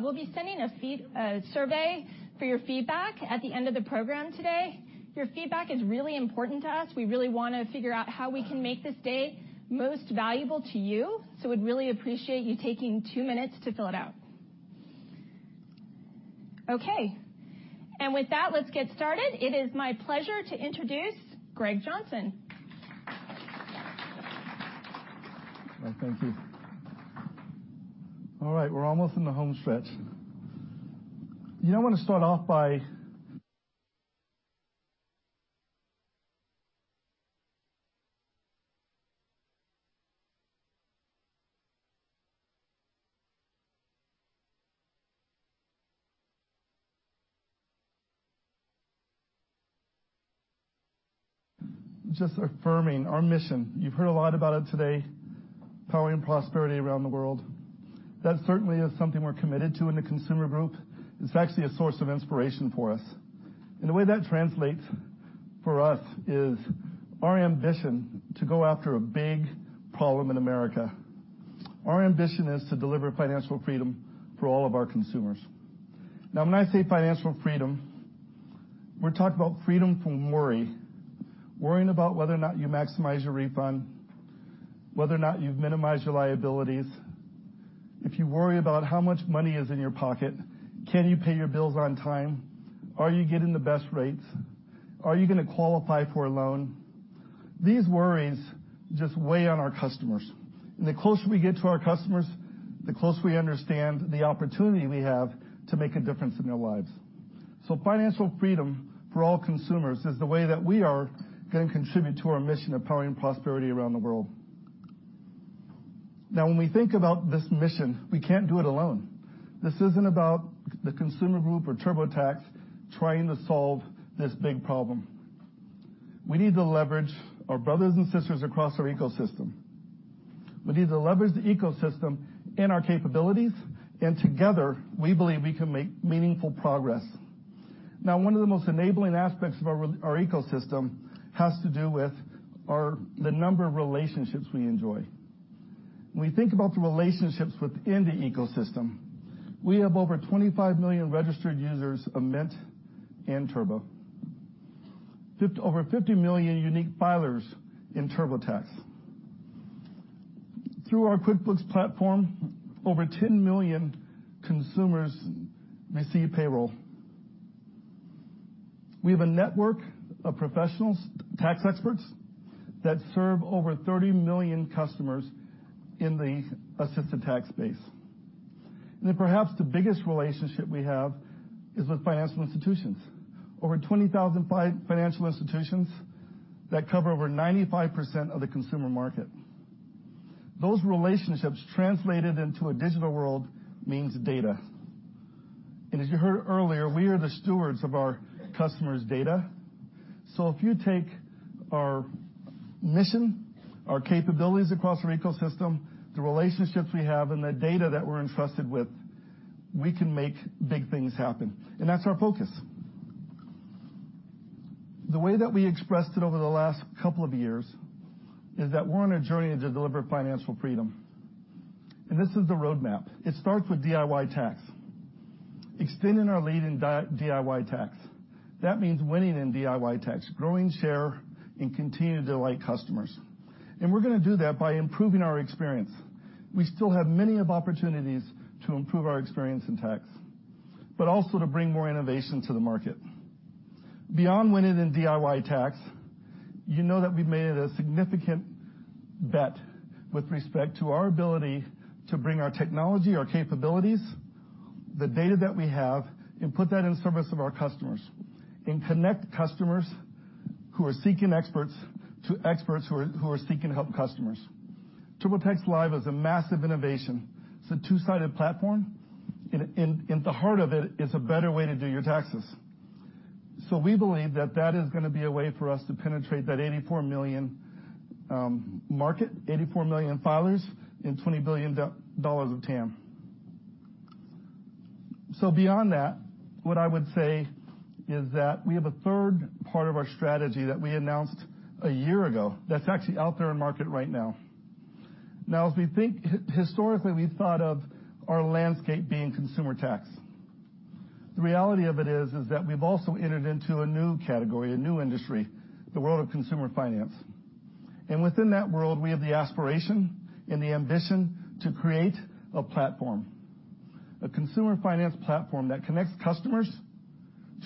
we'll be sending a survey for your feedback at the end of the program today. Your feedback is really important to us. We really want to figure out how we can make this day most valuable to you. We'd really appreciate you taking two minutes to fill it out. With that, let's get started. It is my pleasure to introduce Greg Johnson. Thank you. All right, we're almost in the home stretch. Just affirming our mission. You've heard a lot about it today, powering prosperity around the world. That certainly is something we're committed to in the consumer group. It's actually a source of inspiration for us. The way that translates for us is our ambition to go after a big problem in America. Our ambition is to deliver financial freedom for all of our consumers. When I say financial freedom, we're talking about freedom from worry, worrying about whether or not you maximize your refund, whether or not you've minimized your liabilities. If you worry about how much money is in your pocket, can you pay your bills on time? Are you getting the best rates? Are you going to qualify for a loan? These worries just weigh on our customers. The closer we get to our customers, the closer we understand the opportunity we have to make a difference in their lives. Financial freedom for all consumers is the way that we are going to contribute to our mission of powering prosperity around the world. When we think about this mission, we can't do it alone. This isn't about the consumer group or TurboTax trying to solve this big problem. We need to leverage our brothers and sisters across our ecosystem. We need to leverage the ecosystem and our capabilities, and together, we believe we can make meaningful progress. One of the most enabling aspects of our ecosystem has to do with the number of relationships we enjoy. When we think about the relationships within the ecosystem, we have over 25 million registered users of Mint and Turbo. Over 50 million unique filers in TurboTax. Through our QuickBooks platform, over 10 million consumers receive payroll. We have a network of professionals, tax experts, that serve over 30 million customers in the assisted tax space. Perhaps the biggest relationship we have is with financial institutions. Over 20,000 financial institutions that cover over 95% of the consumer market. Those relationships translated into a digital world means data. As you heard earlier, we are the stewards of our customers' data. If you take our mission, our capabilities across our ecosystem, the relationships we have, and the data that we're entrusted with, we can make big things happen, and that's our focus. The way that we expressed it over the last couple of years is that we're on a journey to deliver financial freedom. This is the roadmap. It starts with DIY tax, extending our lead in DIY tax. That means winning in DIY tax, growing share, and continuing to delight customers. We're going to do that by improving our experience. We still have many opportunities to improve our experience in tax, but also to bring more innovation to the market. Beyond winning in DIY tax, you know that we made a significant bet with respect to our ability to bring our technology, our capabilities, the data that we have, and put that in service of our customers and connect customers who are seeking experts to experts who are seeking to help customers. TurboTax Live is a massive innovation. It's a two-sided platform, and at the heart of it is a better way to do your taxes. We believe that that is going to be a way for us to penetrate that 84 million market, 84 million filers, and $20 billion of TAM. Beyond that, what I would say is that we have a third part of our strategy that we announced a year ago that's actually out there in market right now. Historically, we thought of our landscape being consumer tax. The reality of it is that we've also entered into a new category, a new industry, the world of consumer finance. Within that world, we have the aspiration and the ambition to create a platform, a consumer finance platform that connects customers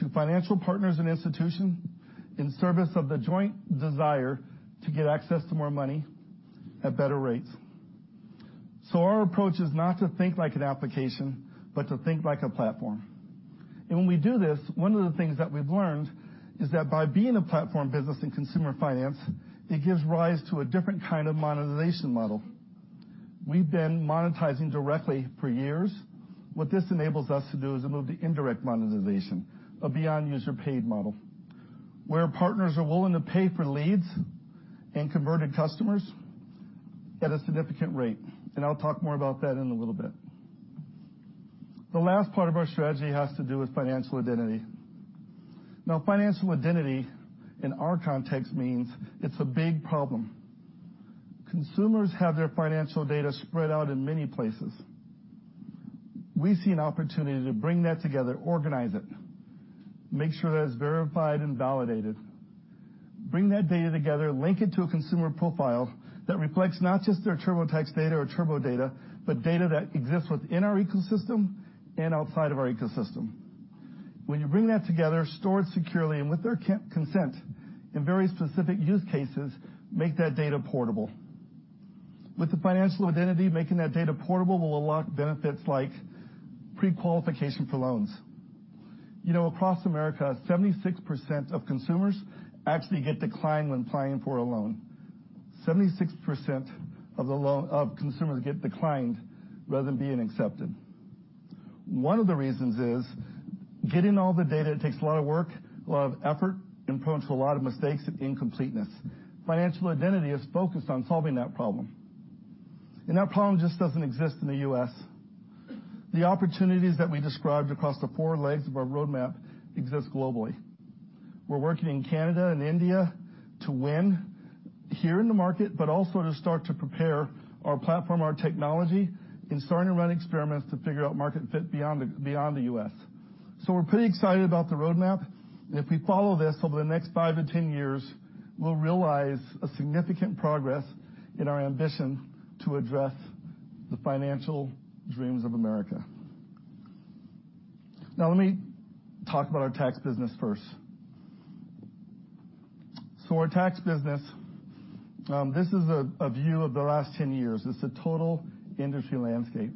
to financial partners and institutions in service of the joint desire to get access to more money at better rates. Our approach is not to think like an application, but to think like a platform. When we do this, one of the things that we've learned is that by being a platform business in consumer finance, it gives rise to a different kind of monetization model. We've been monetizing directly for years. What this enables us to do is to move to indirect monetization, a beyond user paid model, where partners are willing to pay for leads and converted customers at a significant rate. I'll talk more about that in a little bit. The last part of our strategy has to do with financial identity. Financial identity in our context means it's a big problem. Consumers have their financial data spread out in many places. We see an opportunity to bring that together, organize it, make sure that it's verified and validated, bring that data together, link it to a consumer profile that reflects not just their TurboTax data or Turbo data, but data that exists within our ecosystem and outside of our ecosystem. When you bring that together, store it securely, and with their consent, in very specific use cases, make that data portable. With the financial identity, making that data portable will unlock benefits like pre-qualification for loans. Across America, 76% of consumers actually get declined when applying for a loan. 76% of consumers get declined rather than being accepted. One of the reasons is getting all the data, it takes a lot of work, a lot of effort, and prone to a lot of mistakes and incompleteness. Financial identity is focused on solving that problem. That problem just doesn't exist in the U.S. The opportunities that we described across the four legs of our roadmap exist globally. We're working in Canada and India to win here in the market, but also to start to prepare our platform, our technology, and starting to run experiments to figure out market fit beyond the U.S. We're pretty excited about the roadmap. If we follow this over the next five to 10 years, we'll realize a significant progress in our ambition to address the financial dreams of America. Let me talk about our tax business first. Our tax business, this is a view of the last 10 years. It's the total industry landscape.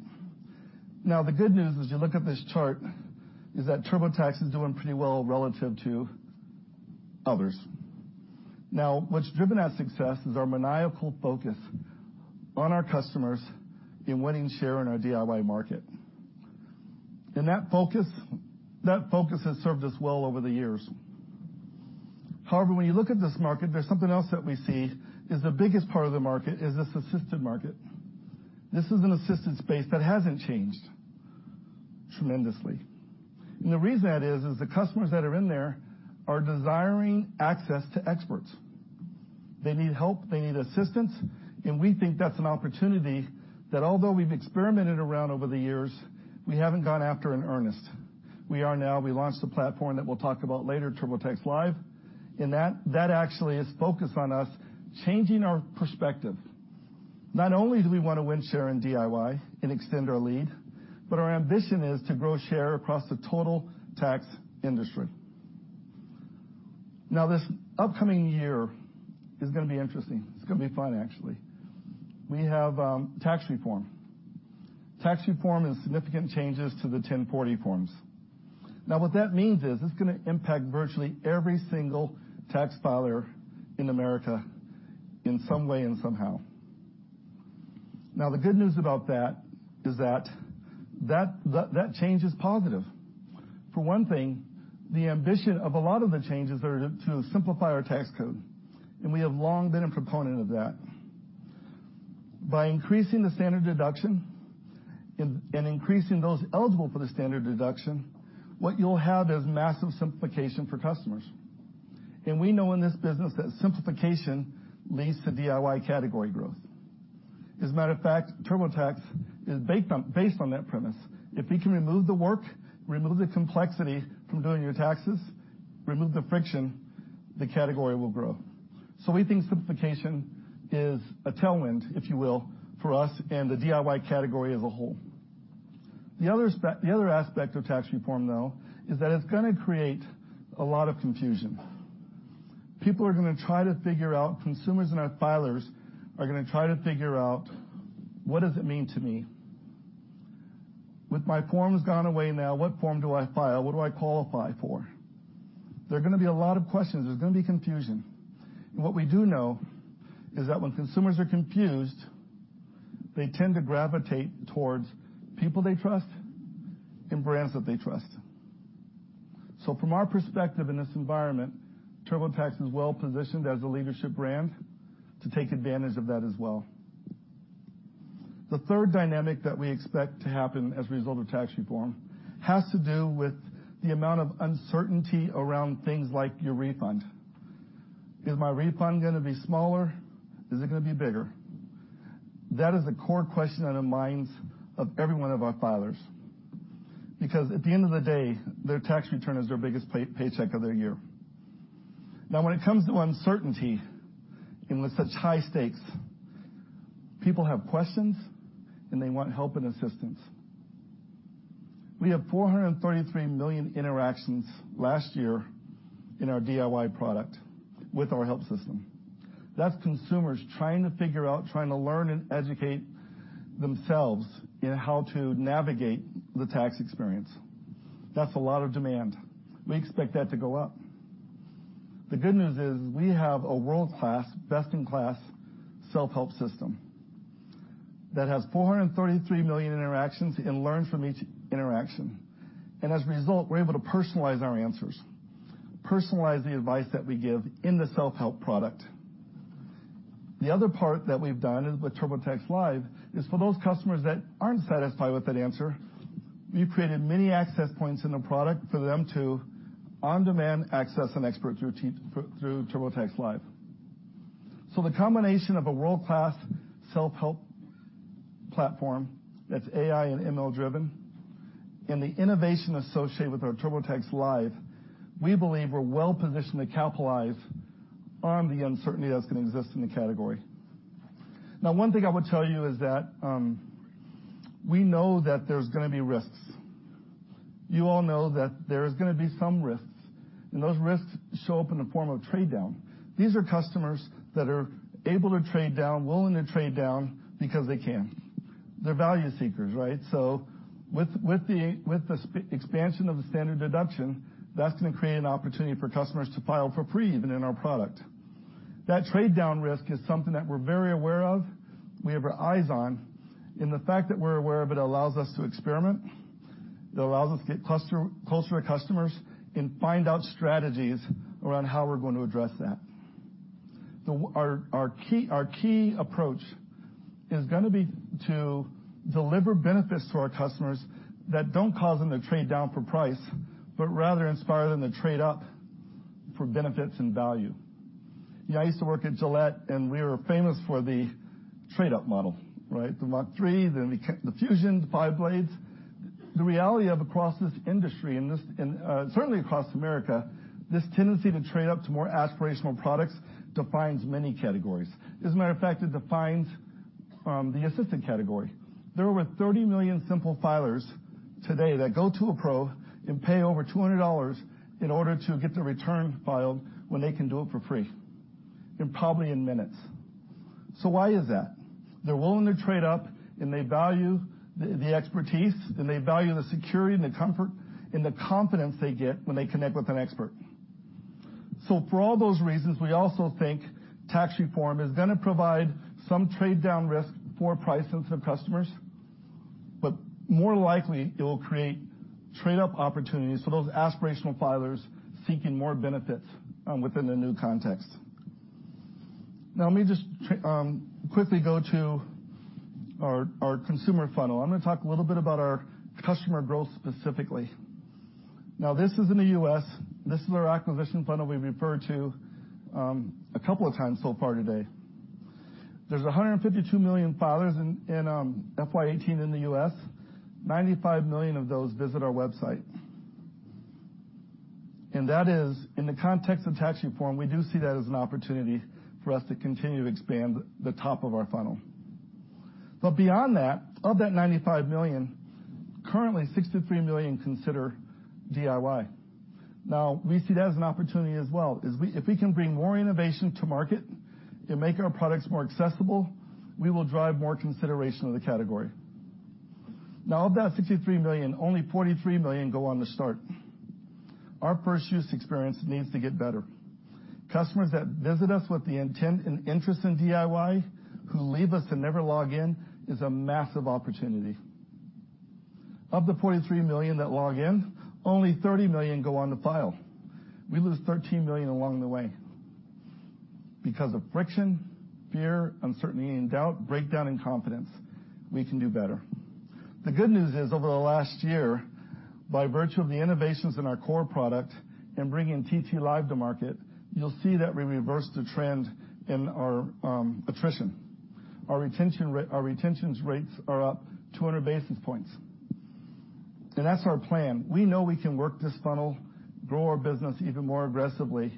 The good news as you look at this chart is that TurboTax is doing pretty well relative to others. What's driven our success is our maniacal focus on our customers in winning share in our DIY market. That focus has served us well over the years. When you look at this market, there's something else that we see is the biggest part of the market is this assisted market. This is an assisted space that hasn't changed tremendously. The reason that is the customers that are in there are desiring access to experts. They need help, they need assistance, and we think that's an opportunity that although we've experimented around over the years, we haven't gone after in earnest. We are now. We launched a platform that we'll talk about later, TurboTax Live, that actually is focused on us changing our perspective. Not only do we want to win share in DIY and extend our lead, but our ambition is to grow share across the total tax industry. This upcoming year is going to be interesting. It's going to be fun, actually. We have tax reform. Tax reform is significant changes to the Form 1040. What that means is it's going to impact virtually every single tax filer in America in some way and somehow. The good news about that is that that change is positive. For one thing, the ambition of a lot of the changes are to simplify our tax code, we have long been a proponent of that. By increasing the standard deduction and increasing those eligible for the standard deduction, what you'll have is massive simplification for customers. We know in this business that simplification leads to DIY category growth. As a matter of fact, TurboTax is based on that premise. If we can remove the work, remove the complexity from doing your taxes, remove the friction, the category will grow. We think simplification is a tailwind, if you will, for us and the DIY category as a whole. The other aspect of tax reform, though, is that it's going to create a lot of confusion. People are going to try to figure out, consumers and our filers are going to try to figure out, what does it mean to me? With my forms gone away now, what form do I file? What do I qualify for? There are going to be a lot of questions. There's going to be confusion. What we do know is that when consumers are confused, they tend to gravitate towards people they trust and brands that they trust. From our perspective in this environment, TurboTax is well positioned as a leadership brand to take advantage of that as well. The third dynamic that we expect to happen as a result of tax reform has to do with the amount of uncertainty around things like your refund. Is my refund going to be smaller? Is it going to be bigger? That is the core question on the minds of every one of our filers, because at the end of the day, their tax return is their biggest paycheck of their year. When it comes to uncertainty and with such high stakes, people have questions, and they want help and assistance. We had 433 million interactions last year in our DIY product with our help system. That's consumers trying to figure out, trying to learn and educate themselves in how to navigate the tax experience. That's a lot of demand. We expect that to go up. The good news is we have a world-class, best-in-class self-help system that has 433 million interactions and learn from each interaction. As a result, we're able to personalize our answers, personalize the advice that we give in the self-help product. The other part that we've done with TurboTax Live is for those customers that aren't satisfied with that answer, we've created many access points in the product for them to on-demand access an expert through TurboTax Live. The combination of a world-class self-help platform that's AI and ML driven and the innovation associated with our TurboTax Live, we believe we're well positioned to capitalize on the uncertainty that's going to exist in the category. One thing I would tell you is that we know that there's going to be risks. You all know that there is going to be some risks, and those risks show up in the form of trade down. These are customers that are able to trade down, willing to trade down because they can. They're value seekers, right? With the expansion of the standard deduction, that's going to create an opportunity for customers to file for free even in our product. That trade-down risk is something that we're very aware of, we have our eyes on, the fact that we're aware of it allows us to experiment. It allows us to get closer to customers and find out strategies around how we're going to address that. Our key approach is going to be to deliver benefits to our customers that don't cause them to trade down for price, but rather inspire them to trade up for benefits and value. I used to work at Gillette, and we were famous for the trade-up model, right? The Mach3, then we kept the Fusion, the five blades. The reality of across this industry, certainly across America, this tendency to trade up to more aspirational products defines many categories. As a matter of fact, it defines the assistant category. There are over 30 million simple filers today that go to a pro and pay over $200 in order to get their return filed when they can do it for free, probably in minutes. Why is that? They're willing to trade up, they value the expertise, they value the security and the comfort and the confidence they get when they connect with an expert. For all those reasons, we also think tax reform is going to provide some trade-down risk for price sensitive customers. More likely, it will create trade-up opportunities for those aspirational filers seeking more benefits within the new context. Let me just quickly go to our consumer funnel. I'm going to talk a little bit about our customer growth specifically. This is in the U.S. This is our acquisition funnel we've referred to a couple of times so far today. There's 152 million filers in FY 2018 in the U.S. 95 million of those visit our website. That is in the context of tax reform, we do see that as an opportunity for us to continue to expand the top of our funnel. Beyond that, of that 95 million, currently 63 million consider DIY. We see that as an opportunity as well. If we can bring more innovation to market and make our products more accessible, we will drive more consideration of the category. Of that 63 million, only 43 million go on to start. Our first use experience needs to get better. Customers that visit us with the intent and interest in DIY who leave us and never log in is a massive opportunity. Of the 43 million that log in, only 30 million go on to file. We lose 13 million along the way because of friction, fear, uncertainty and doubt, breakdown in confidence. We can do better. The good news is over the last year, by virtue of the innovations in our core product and bringing TT Live to market, you'll see that we reversed the trend in our attrition. Our retentions rates are up 200 basis points. That's our plan. We know we can work this funnel, grow our business even more aggressively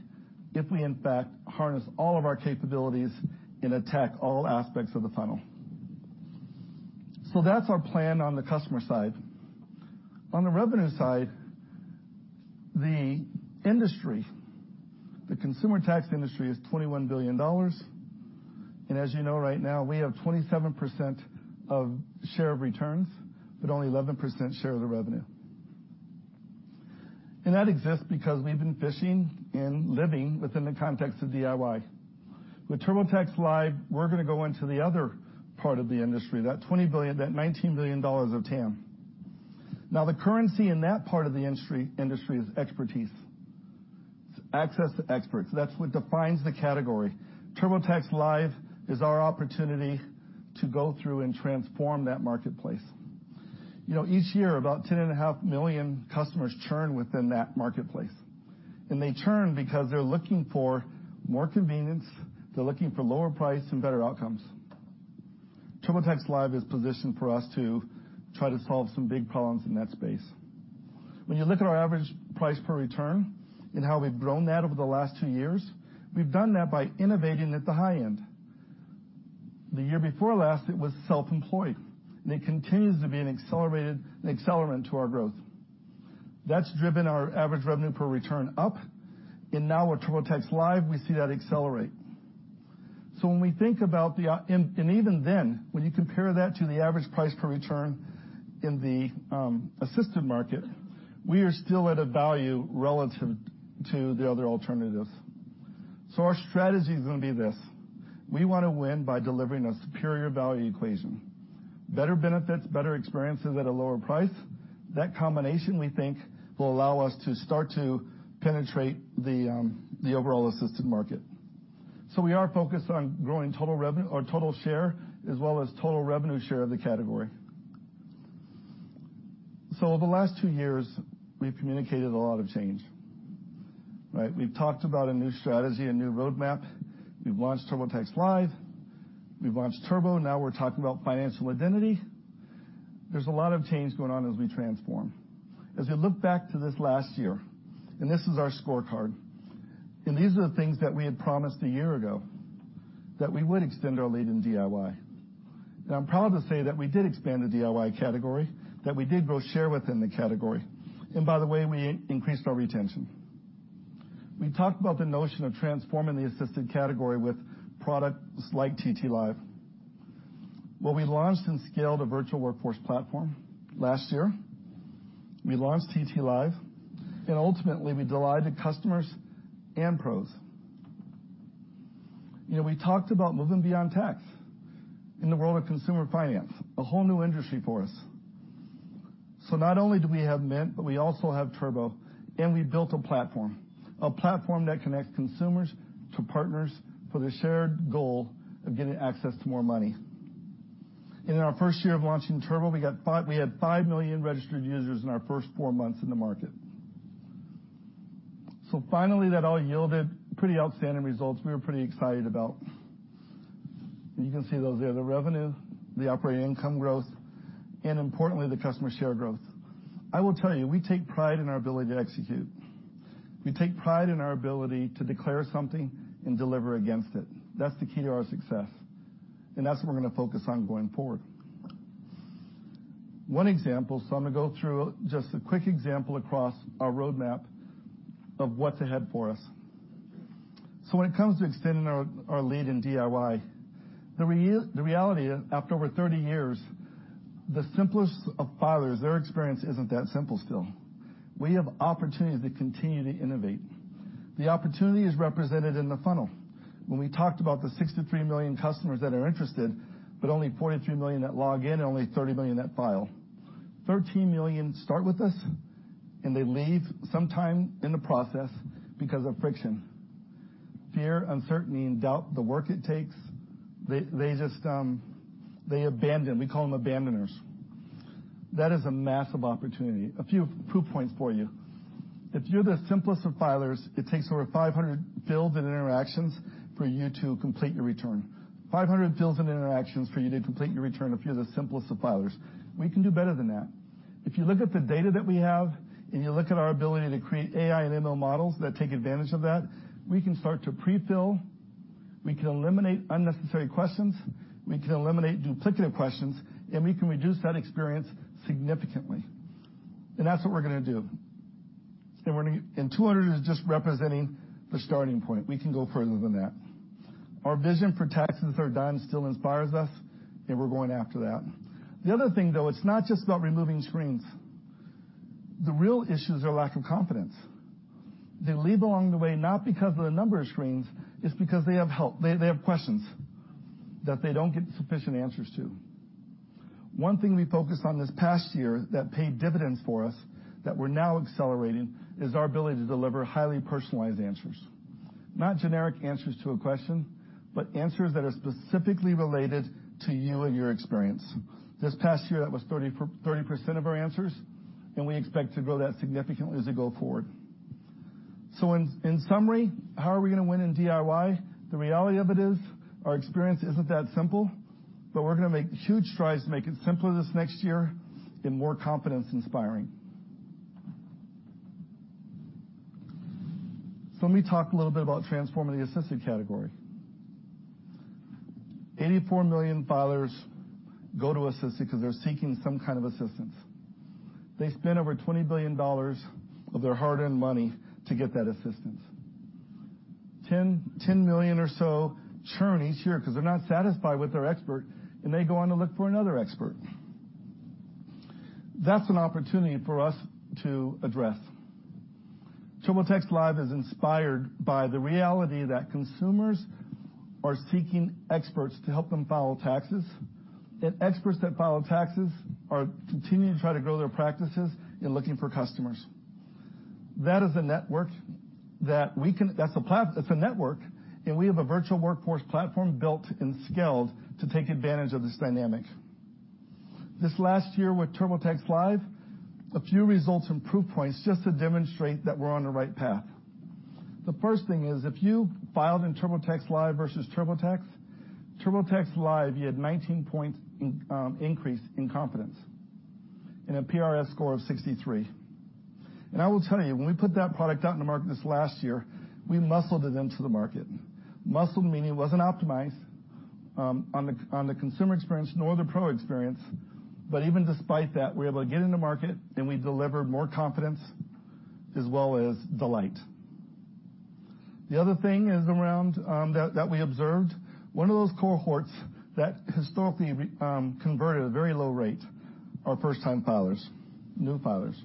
if we in fact harness all of our capabilities and attack all aspects of the funnel. That's our plan on the customer side. On the revenue side, the consumer tax industry is $21 billion. As you know right now, we have 27% of share of returns, but only 11% share of the revenue. That exists because we've been fishing and living within the context of DIY. With TurboTax Live, we're going to go into the other part of the industry, that $19 billion of TAM. The currency in that part of the industry is expertise. It's access to experts. That's what defines the category. TurboTax Live is our opportunity to go through and transform that marketplace. Each year, about 10 and a half million customers churn within that marketplace. They churn because they're looking for more convenience, they're looking for lower price and better outcomes. TurboTax Live is positioned for us to try to solve some big problems in that space. When you look at our average price per return and how we've grown that over the last two years, we've done that by innovating at the high end. The year before last, it was self-employed, and it continues to be an accelerant to our growth. That's driven our average revenue per return up, and now with TurboTax Live, we see that accelerate. Even then, when you compare that to the average price per return in the assisted market, we are still at a value relative to the other alternatives. Our strategy is going to be this: We want to win by delivering a superior value equation, better benefits, better experiences at a lower price. That combination, we think, will allow us to start to penetrate the overall assisted market. We are focused on growing total share as well as total revenue share of the category. Over the last two years, we've communicated a lot of change, right? We've talked about a new strategy, a new roadmap. We've launched TurboTax Live. We've launched Turbo. We're talking about financial identity. There's a lot of change going on as we transform. As we look back to this last year, this is our scorecard, these are the things that we had promised a year ago, that we would extend our lead in DIY. I'm proud to say that we did expand the DIY category, that we did grow share within the category. By the way, we increased our retention. We talked about the notion of transforming the assisted category with products like TT Live. We launched and scaled a virtual workforce platform last year. We launched TT Live, and ultimately, we delighted customers and pros. We talked about moving beyond tax in the world of consumer finance, a whole new industry for us. Not only do we have Mint, but we also have Turbo, and we built a platform. A platform that connects consumers to partners for the shared goal of getting access to more money. In our first year of launching Turbo, we had 5 million registered users in our first 4 months in the market. Finally, that all yielded pretty outstanding results we were pretty excited about. You can see those there, the revenue, the operating income growth, and importantly, the customer share growth. I will tell you, we take pride in our ability to execute. We take pride in our ability to declare something and deliver against it. That's the key to our success, and that's what we're going to focus on going forward. One example, I'm going to go through just a quick example across our roadmap of what's ahead for us. When it comes to extending our lead in DIY, the reality is, after over 30 years, the simplest of filers, their experience isn't that simple still. We have opportunities to continue to innovate. The opportunity is represented in the funnel. When we talked about the 63 million customers that are interested, but only 43 million that log in, and only 30 million that file. 13 million start with us, and they leave sometime in the process because of friction. Fear, uncertainty, and doubt, the work it takes, they abandon. We call them abandoners. That is a massive opportunity. A few proof points for you. If you're the simplest of filers, it takes over 500 fills and interactions for you to complete your return. 500 fills and interactions for you to complete your return if you're the simplest of filers. We can do better than that. If you look at the data that we have, and you look at our ability to create AI and ML models that take advantage of that, we can start to pre-fill, we can eliminate unnecessary questions, we can eliminate duplicative questions, and we can reduce that experience significantly. That's what we're going to do. 200 is just representing the starting point. We can go further than that. Our vision for taxes are done still inspires us, and we're going after that. The other thing, though, it's not just about removing screens. The real issues are lack of confidence. They leave along the way, not because of the number of screens, it's because they have help. They have questions that they don't get sufficient answers to. One thing we focused on this past year that paid dividends for us that we're now accelerating is our ability to deliver highly personalized answers. Not generic answers to a question, but answers that are specifically related to you and your experience. This past year, that was 30% of our answers, and we expect to grow that significantly as we go forward. In summary, how are we going to win in DIY? The reality of it is our experience isn't that simple, but we're going to make huge strides to make it simpler this next year and more confidence-inspiring. Let me talk a little bit about transforming the assisted category. 84 million filers go to assisted because they're seeking some kind of assistance. They spend over $20 billion of their hard-earned money to get that assistance. 10 million or so churn each year because they're not satisfied with their expert, and they go on to look for another expert. That's an opportunity for us to address. TurboTax Live is inspired by the reality that consumers are seeking experts to help them file taxes, and experts that file taxes are continuing to try to grow their practices in looking for customers. That's a network, and we have a virtual workforce platform built and scaled to take advantage of this dynamic. Last year with TurboTax Live, a few results and proof points just to demonstrate that we're on the right path. The first thing is, if you filed in TurboTax Live versus TurboTax Live, you had a 19-point increase in confidence and a PRS score of 63. I will tell you, when we put that product out in the market last year, we muscled it into the market. Muscled meaning it wasn't optimized on the consumer experience nor the pro experience. Even despite that, we're able to get into market, and we deliver more confidence as well as delight. The other thing that we observed, one of those cohorts that historically converted at a very low rate are first-time filers, new filers.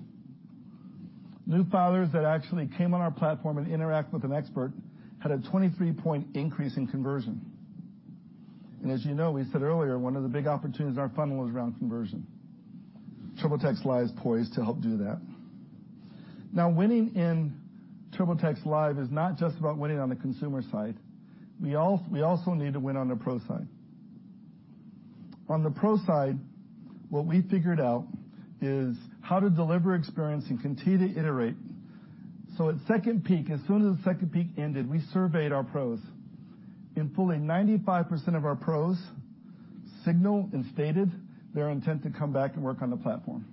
New filers that actually came on our platform and interact with an expert had a 23-point increase in conversion. As you know, we said earlier, one of the big opportunities in our funnel is around conversion. TurboTax Live is poised to help do that. Winning in TurboTax Live is not just about winning on the consumer side. We also need to win on the pro side. On the pro side, what we figured out is how to deliver experience and continue to iterate. At second peak, as soon as the second peak ended, we surveyed our pros. In full, 95% of our pros signaled and stated their intent to come back and work on the platform.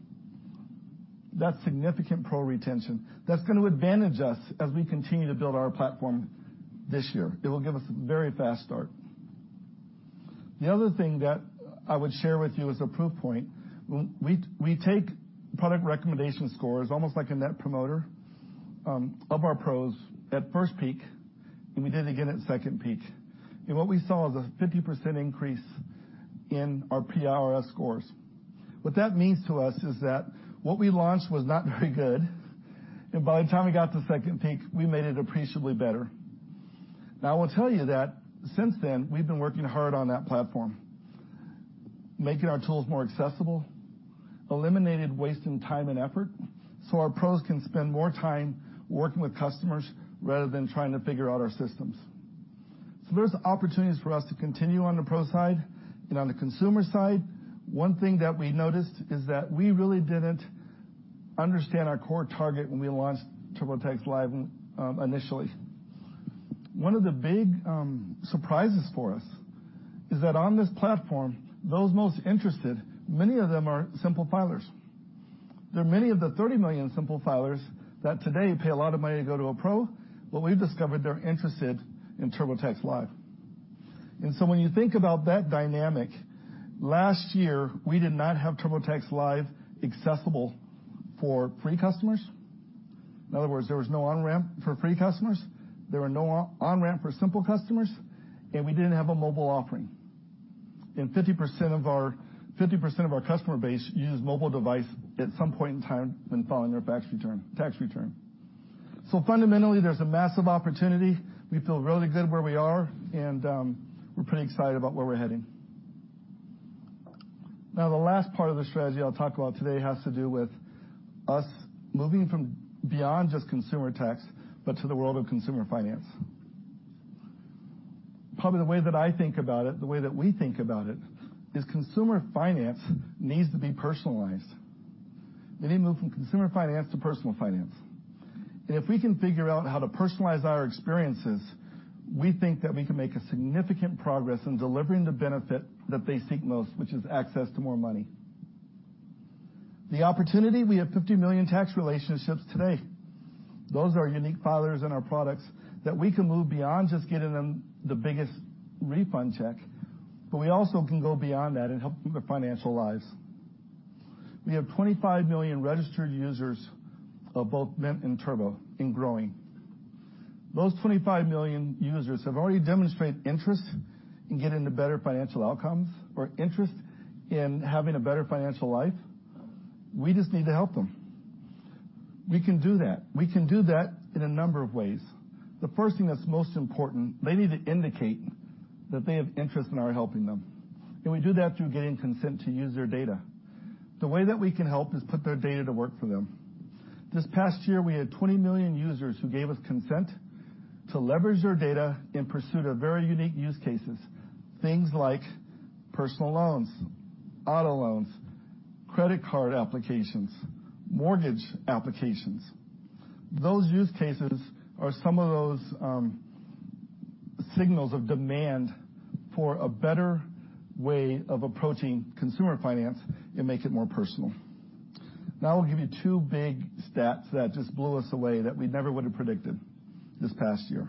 That's significant pro retention. That's going to advantage us as we continue to build our platform this year. It will give us a very fast start. The other thing that I would share with you as a proof point, we take product recommendation scores, almost like a Net Promoter of our pros at first peak. We did it again at second peak. What we saw is a 50% increase in our PRS scores. What that means to us is that what we launched was not very good, and by the time we got to second peak, we made it appreciably better. I will tell you that since then, we've been working hard on that platform, making our tools more accessible, eliminated wasting time and effort, so our pros can spend more time working with customers rather than trying to figure out our systems. There's opportunities for us to continue on the pro side and on the consumer side, one thing that we noticed is that we really didn't understand our core target when we launched TurboTax Live initially. One of the big surprises for us is that on this platform, those most interested, many of them are simple filers. There are many of the 30 million simple filers that today pay a lot of money to go to a pro, but we've discovered they're interested in TurboTax Live. When you think about that dynamic, last year, we did not have TurboTax Live accessible for free customers. In other words, there was no on-ramp for free customers. There were no on-ramp for simple customers, and we didn't have a mobile offering. 50% of our customer base uses mobile device at some point in time when filing their tax return. Fundamentally, there's a massive opportunity. We feel really good where we are, and we're pretty excited about where we're heading. The last part of the strategy I'll talk about today has to do with us moving from beyond just consumer tax, but to the world of consumer finance. Probably the way that I think about it, the way that we think about it is consumer finance needs to be personalized. They need to move from consumer finance to personal finance. If we can figure out how to personalize our experiences, we think that we can make significant progress in delivering the benefit that they seek most, which is access to more money. The opportunity, we have 50 million tax relationships today. Those are our unique filers in our products that we can move beyond just getting them the biggest refund check, but we also can go beyond that and help their financial lives. We have 25 million registered users of both Mint and Turbo and growing. Those 25 million users have already demonstrated interest in getting a better financial outcome or interest in having a better financial life. We just need to help them. We can do that. We can do that in a number of ways. The first thing that's most important, they need to indicate that they have interest in our helping them, and we do that through getting consent to use their data. The way that we can help is put their data to work for them. This past year, we had 20 million users who gave us consent to leverage their data in pursuit of very unique use cases, things like personal loans, auto loans, credit card applications, mortgage applications. Those use cases are some of those signals of demand for a better way of approaching consumer finance and make it more personal. I'll give you two big stats that just blew us away that we never would have predicted this past year.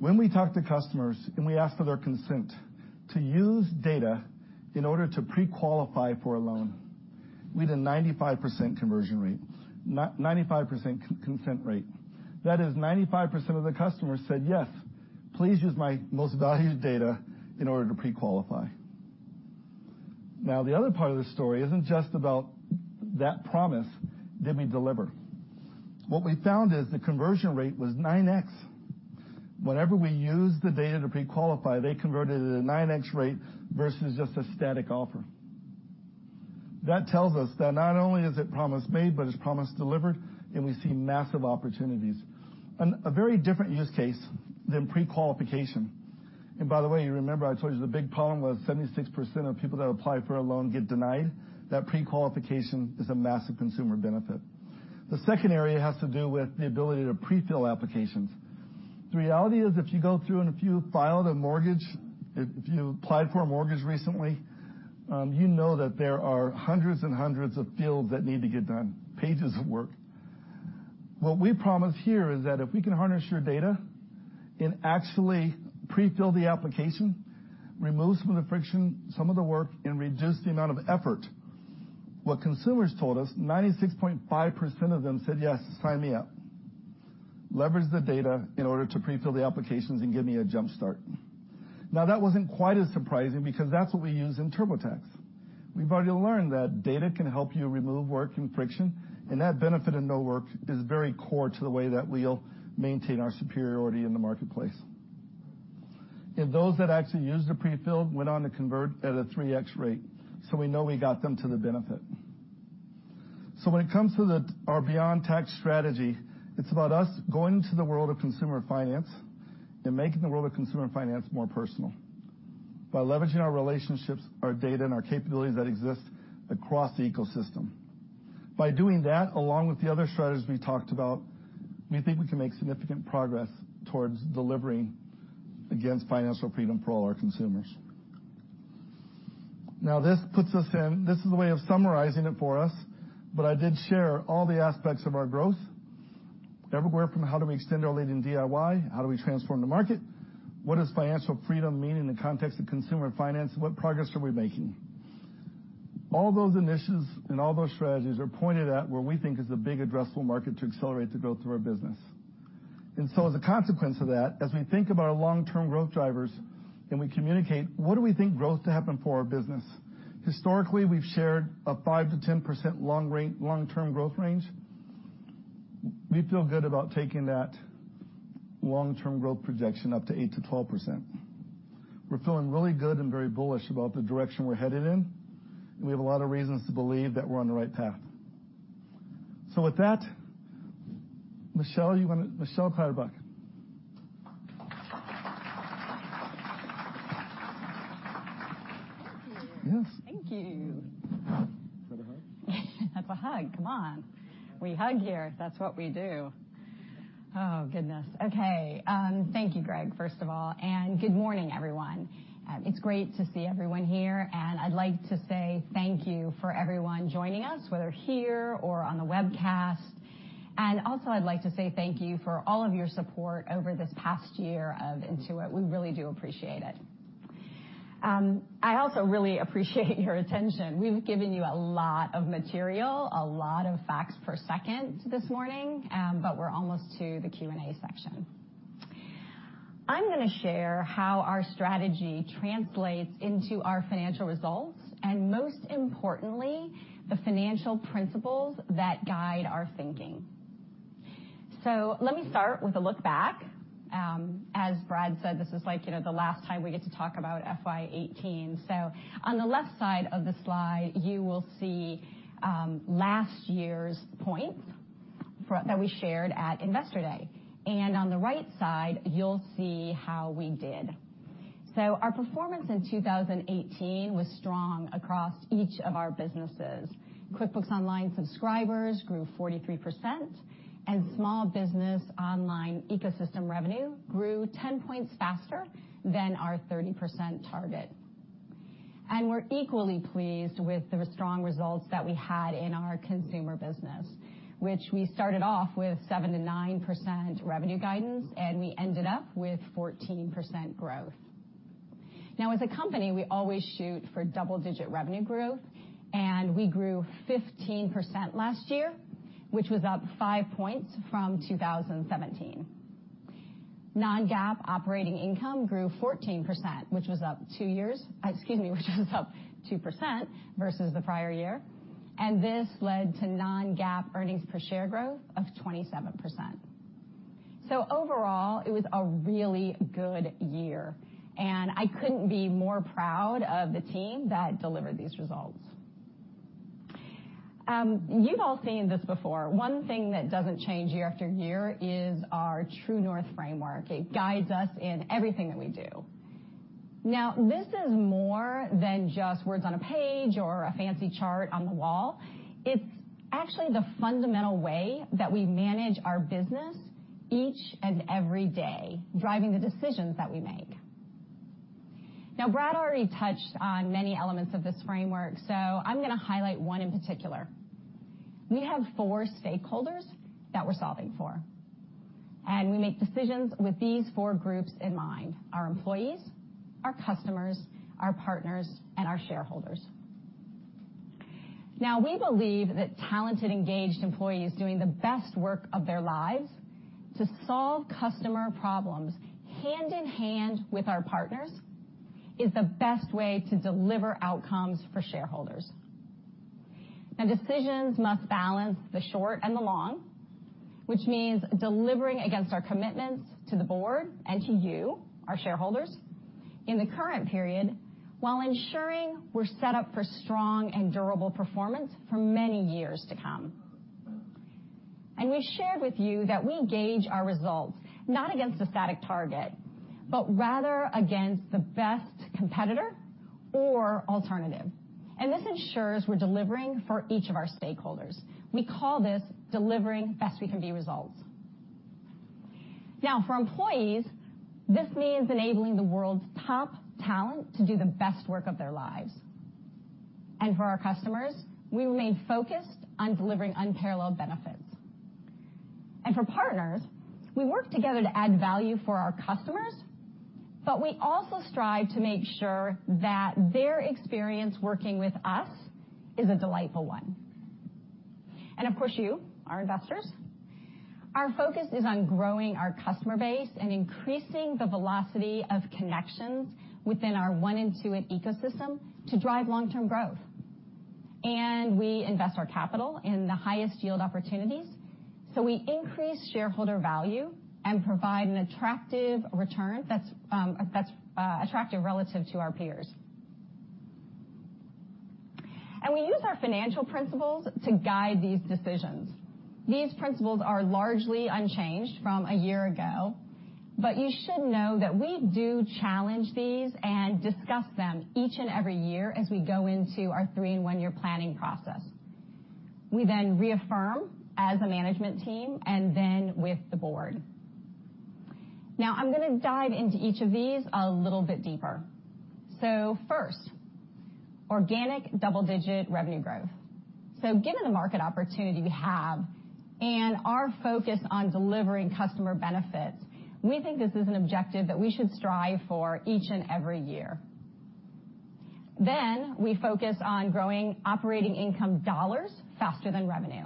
When we talk to customers and we ask for their consent to use data in order to pre-qualify for a loan, we had a 95% conversion rate, 95% consent rate. That is 95% of the customers said, "Yes, please use my most valued data in order to pre-qualify." The other part of the story isn't just about that promise, did we deliver? What we found is the conversion rate was 9X. Whenever we used the data to pre-qualify, they converted at a 9X rate versus just a static offer. That tells us that not only is it promise made, but it's promise delivered, and we see massive opportunities. A very different use case than pre-qualification. By the way, you remember I told you the big problem was 76% of people that apply for a loan get denied? That pre-qualification is a massive consumer benefit. The second area has to do with the ability to pre-fill applications. The reality is if you go through and if you filed a mortgage, if you applied for a mortgage recently, you know that there are hundreds and hundreds of fields that need to get done, pages of work. What we promise here is that if we can harness your data and actually pre-fill the application, remove some of the friction, some of the work, and reduce the amount of effort. What consumers told us, 96.5% of them said, "Yes, sign me up. Leverage the data in order to pre-fill the applications and give me a jump start." That wasn't quite as surprising because that's what we use in TurboTax. We've already learned that data can help you remove work and friction, that benefit of no work is very core to the way that we'll maintain our superiority in the marketplace. Those that actually used the pre-fill went on to convert at a 3X rate, we know we got them to the benefit. When it comes to our beyond tax strategy, it's about us going into the world of consumer finance and making the world of consumer finance more personal by leveraging our relationships, our data, and our capabilities that exist across the ecosystem. By doing that, along with the other strategies we talked about, we think we can make significant progress towards delivering against financial freedom for all our consumers. This is a way of summarizing it for us, I did share all the aspects of our growth, everywhere from how do we extend our lead in DIY, how do we transform the market? What does financial freedom mean in the context of consumer finance? What progress are we making? All those initiatives and all those strategies are pointed at where we think is the big addressable market to accelerate the growth of our business. As a consequence of that, as we think about our long-term growth drivers and we communicate, what do we think growth to happen for our business? Historically, we've shared a 5%-10% long-term growth range. We feel good about taking that long-term growth projection up to 8%-12%. We're feeling really good and very bullish about the direction we're headed in, and we have a lot of reasons to believe that we're on the right path. With that, Michelle, you want to Michelle Clatterbuck. Thank you. Yes. Thank you. Want a hug? Have a hug, come on. We hug here. That's what we do. Oh, goodness. Okay. Thank you, Greg, first of all. Good morning, everyone. It's great to see everyone here. I'd like to say thank you for everyone joining us, whether here or on the webcast. I'd like to say thank you for all of your support over this past year of Intuit. We really do appreciate it. I also really appreciate your attention. We've given you a lot of material, a lot of facts per second this morning. We're almost to the Q&A section. I'm going to share how our strategy translates into our financial results, and most importantly, the financial principles that guide our thinking. Let me start with a look back. As Brad said, this is the last time we get to talk about FY 2018. On the left side of the slide, you will see last year's point that we shared at Investor Day. On the right side, you'll see how we did. Our performance in 2018 was strong across each of our businesses. QuickBooks Online subscribers grew 43%, and small business online ecosystem revenue grew 10 points faster than our 30% target. We're equally pleased with the strong results that we had in our consumer business, which we started off with 7% to 9% revenue guidance, and we ended up with 14% growth. Now, as a company, we always shoot for double-digit revenue growth, and we grew 15% last year, which was up 5 points from 2017. Non-GAAP operating income grew 14%, which was up 2% versus the prior year, and this led to non-GAAP earnings per share growth of 27%. Overall, it was a really good year, and I couldn't be more proud of the team that delivered these results. You've all seen this before. One thing that doesn't change year after year is our True North framework. It guides us in everything that we do. Now, this is more than just words on a page or a fancy chart on the wall. It's actually the fundamental way that we manage our business each and every day, driving the decisions that we make. Now, Brad already touched on many elements of this framework, I'm going to highlight one in particular. We have four stakeholders that we're solving for, and we make decisions with these four groups in mind: our employees, our customers, our partners, and our shareholders. Now, we believe that talented, engaged employees doing the best work of their lives to solve customer problems hand in hand with our partners is the best way to deliver outcomes for shareholders. Now, decisions must balance the short and the long, which means delivering against our commitments to the board and to you, our shareholders, in the current period, while ensuring we're set up for strong and durable performance for many years to come. We shared with you that we gauge our results not against a static target, but rather against the best competitor or alternative. This ensures we're delivering for each of our stakeholders. We call this delivering best we can be results. Now, for employees, this means enabling the world's top talent to do the best work of their lives. For our customers, we remain focused on delivering unparalleled benefits. For partners, we work together to add value for our customers, but we also strive to make sure that their experience working with us is a delightful one. Of course, you, our investors. Our focus is on growing our customer base and increasing the velocity of connections within our One Intuit ecosystem to drive long-term growth. We invest our capital in the highest yield opportunities. We increase shareholder value and provide an attractive return that's attractive relative to our peers. We use our financial principles to guide these decisions. These principles are largely unchanged from a year ago, but you should know that we do challenge these and discuss them each and every year as we go into our three and one-year planning process. We reaffirm as a management team and then with the board. I'm going to dive into each of these a little bit deeper. First, organic double-digit revenue growth. Given the market opportunity we have and our focus on delivering customer benefits, we think this is an objective that we should strive for each and every year. We focus on growing operating income dollars faster than revenue.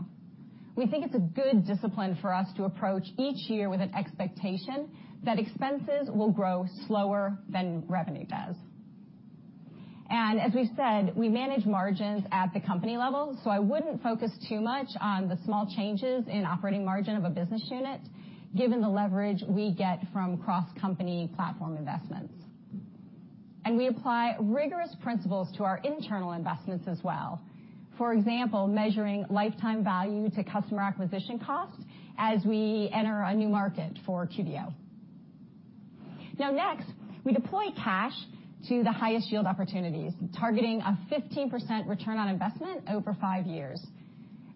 We think it's a good discipline for us to approach each year with an expectation that expenses will grow slower than revenue does. As we've said, we manage margins at the company level, so I wouldn't focus too much on the small changes in operating margin of a business unit, given the leverage we get from cross-company platform investments. We apply rigorous principles to our internal investments as well. For example, measuring lifetime value to customer acquisition costs as we enter a new market for QBO. We deploy cash to the highest yield opportunities, targeting a 15% return on investment over 5 years.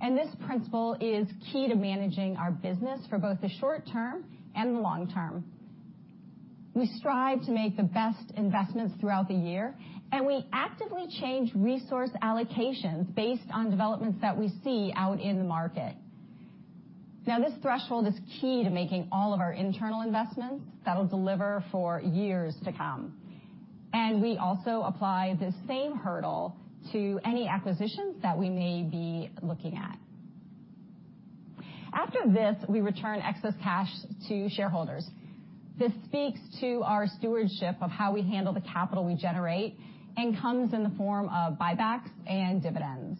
This principle is key to managing our business for both the short term and the long term. We strive to make the best investments throughout the year. We actively change resource allocations based on developments that we see out in the market. This threshold is key to making all of our internal investments that'll deliver for years to come. We also apply the same hurdle to any acquisitions that we may be looking at. After this, we return excess cash to shareholders. This speaks to our stewardship of how we handle the capital we generate and comes in the form of buybacks and dividends.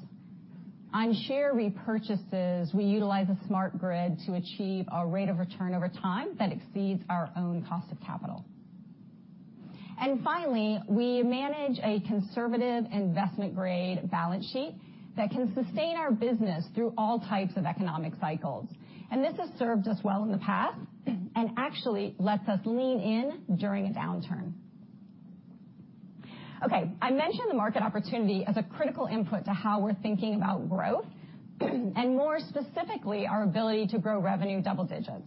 On share repurchases, we utilize a smart grid to achieve a rate of return over time that exceeds our own cost of capital. Finally, we manage a conservative investment-grade balance sheet that can sustain our business through all types of economic cycles. This has served us well in the past and actually lets us lean in during a downturn. I mentioned the market opportunity as a critical input to how we're thinking about growth, more specifically, our ability to grow revenue double digits.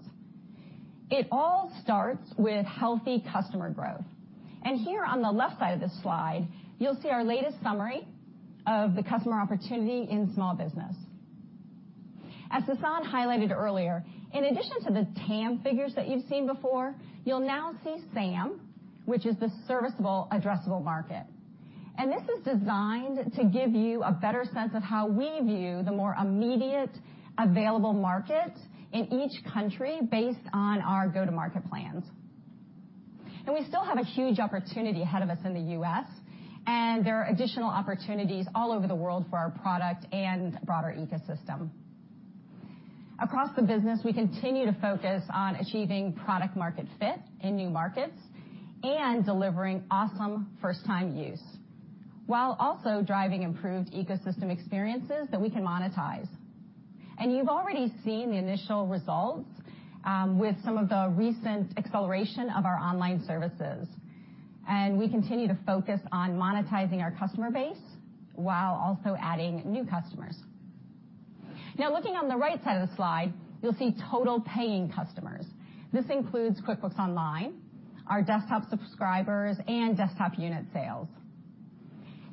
It all starts with healthy customer growth. Here on the left side of this slide, you'll see our latest summary of the customer opportunity in small business. As Sasan highlighted earlier, in addition to the TAM figures that you've seen before, you'll now see SAM, which is the serviceable addressable market. This is designed to give you a better sense of how we view the more immediate available market in each country based on our go-to-market plans. We still have a huge opportunity ahead of us in the U.S., there are additional opportunities all over the world for our product and broader ecosystem. Across the business, we continue to focus on achieving product-market fit in new markets and delivering awesome first-time use, while also driving improved ecosystem experiences that we can monetize. You've already seen the initial results with some of the recent acceleration of our online services. We continue to focus on monetizing our customer base while also adding new customers. Looking on the right side of the slide, you'll see total paying customers. This includes QuickBooks Online, our desktop subscribers, and desktop unit sales.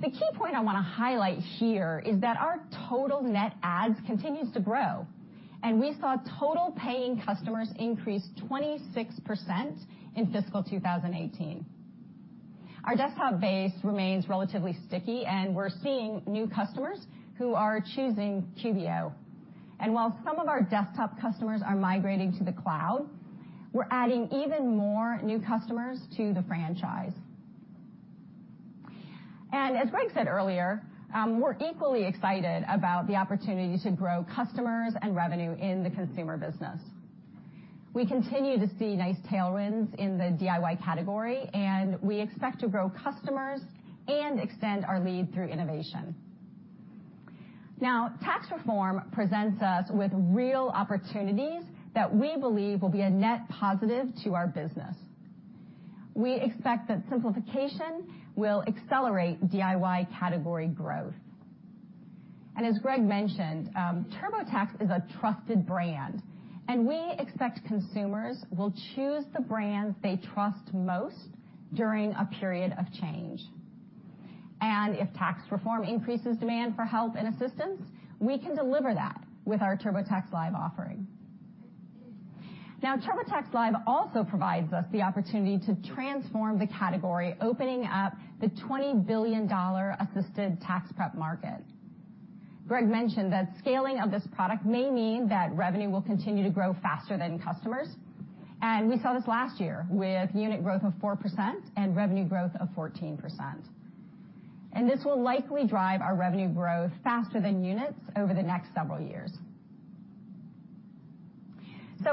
The key point I want to highlight here is that our total net adds continues to grow. We saw total paying customers increase 26% in fiscal 2018. Our desktop base remains relatively sticky. We're seeing new customers who are choosing QBO. While some of our desktop customers are migrating to the cloud, we're adding even more new customers to the franchise. As Greg Johnson said earlier, we're equally excited about the opportunity to grow customers and revenue in the consumer business. We continue to see nice tailwinds in the DIY category, and we expect to grow customers and extend our lead through innovation. Tax reform presents us with real opportunities that we believe will be a net positive to our business. We expect that simplification will accelerate DIY category growth. As Greg Johnson mentioned, TurboTax is a trusted brand, and we expect consumers will choose the brands they trust most during a period of change. If tax reform increases demand for help and assistance, we can deliver that with our TurboTax Live offering. TurboTax Live also provides us the opportunity to transform the category, opening up the $20 billion assisted tax prep market. Greg Johnson mentioned that scaling of this product may mean that revenue will continue to grow faster than customers, and we saw this last year with unit growth of 4% and revenue growth of 14%. This will likely drive our revenue growth faster than units over the next several years.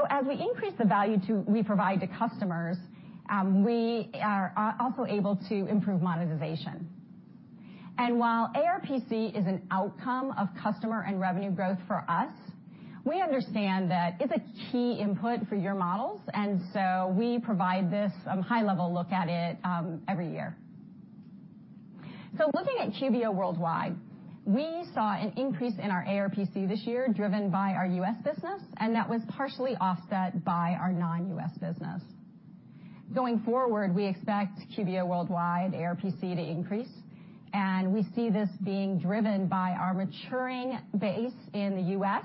As we increase the value we provide to customers, we are also able to improve monetization. While ARPC is an outcome of customer and revenue growth for us, we understand that it's a key input for your models. We provide this, a high-level look at it every year. Looking at QBO worldwide, we saw an increase in our ARPC this year, driven by our U.S. business, and that was partially offset by our non-U.S. business. Going forward, we expect QBO Worldwide ARPC to increase. We see this being driven by our maturing base in the U.S.,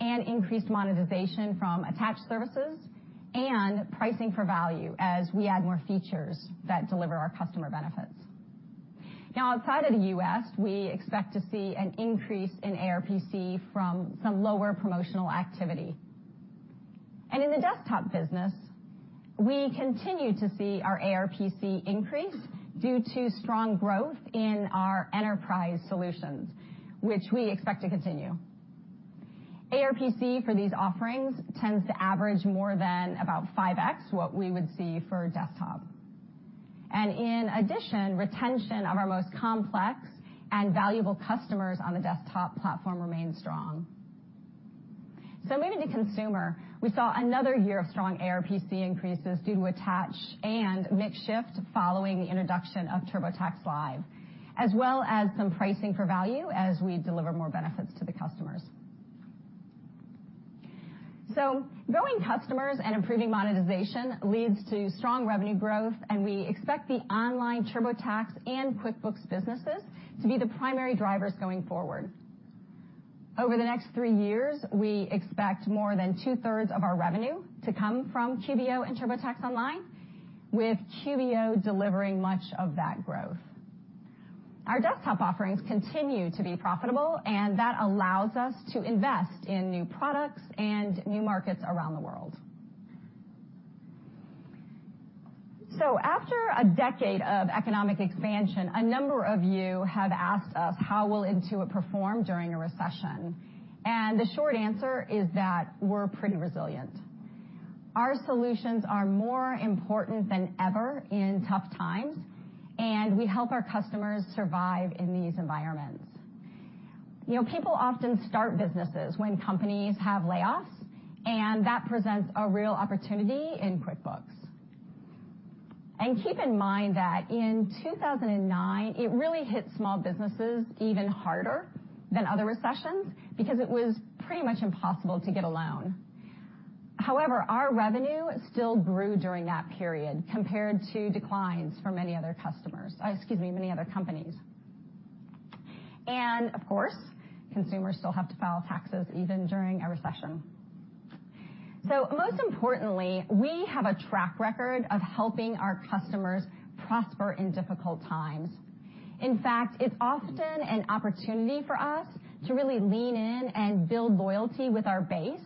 and increased monetization from attached services, and pricing for value as we add more features that deliver our customer benefits. Outside of the U.S., we expect to see an increase in ARPC from some lower promotional activity. In the desktop business, we continue to see our ARPC increase due to strong growth in our enterprise solutions, which we expect to continue. ARPC for these offerings tends to average more than about 5x what we would see for desktop. In addition, retention of our most complex and valuable customers on the desktop platform remains strong. Moving to consumer, we saw another year of strong ARPC increases due to attach and mix shift following the introduction of TurboTax Live, as well as some pricing for value as we deliver more benefits to the customers. Growing customers and improving monetization leads to strong revenue growth, and we expect the online TurboTax and QuickBooks businesses to be the primary drivers going forward. Over the next 3 years, we expect more than 2/3 of our revenue to come from QBO and TurboTax Online, with QBO delivering much of that growth. Our desktop offerings continue to be profitable, and that allows us to invest in new products and new markets around the world. After a decade of economic expansion, a number of you have asked us how will Intuit perform during a recession. The short answer is that we're pretty resilient. Our solutions are more important than ever in tough times. We help our customers survive in these environments. People often start businesses when companies have layoffs, and that presents a real opportunity in QuickBooks. Keep in mind that in 2009, it really hit small businesses even harder than other recessions, because it was pretty much impossible to get a loan. However, our revenue still grew during that period compared to declines for many other companies. Of course, consumers still have to file taxes even during a recession. Most importantly, we have a track record of helping our customers prosper in difficult times. In fact, it's often an opportunity for us to really lean in and build loyalty with our base,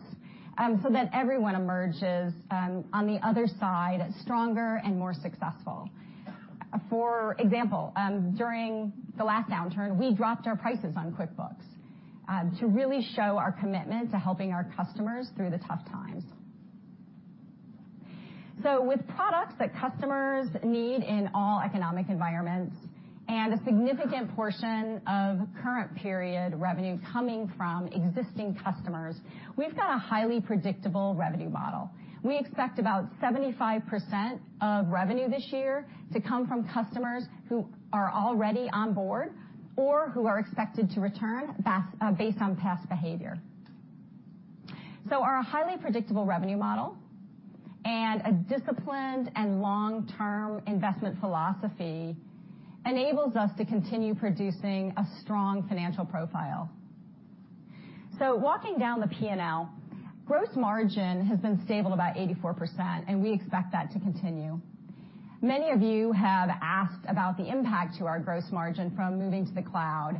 so that everyone emerges on the other side stronger and more successful. For example, during the last downturn, we dropped our prices on QuickBooks to really show our commitment to helping our customers through the tough times. With products that customers need in all economic environments, and a significant portion of current period revenue coming from existing customers, we've got a highly predictable revenue model. We expect about 75% of revenue this year to come from customers who are already on board or who are expected to return based on past behavior. Our highly predictable revenue model and a disciplined and long-term investment philosophy enables us to continue producing a strong financial profile. Walking down the P&L, gross margin has been stable, about 84%, and we expect that to continue. Many of you have asked about the impact to our gross margin from moving to the cloud.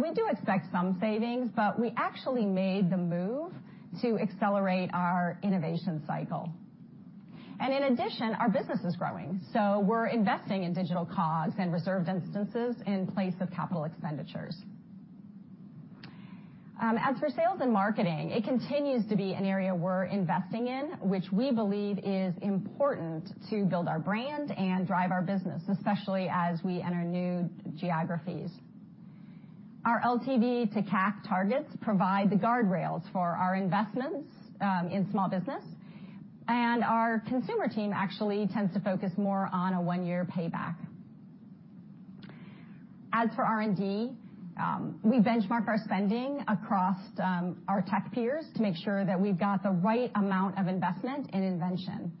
We do expect some savings, but we actually made the move to accelerate our innovation cycle. In addition, our business is growing, so we're investing in digital COGS and reserved instances in place of capital expenditures. As for sales and marketing, it continues to be an area we're investing in, which we believe is important to build our brand and drive our business, especially as we enter new geographies. Our LTV to CAC targets provide the guardrails for our investments in small business, and our consumer team actually tends to focus more on a one-year payback. As for R&D, we benchmark our spending across our tech peers to make sure that we've got the right amount of investment and invention.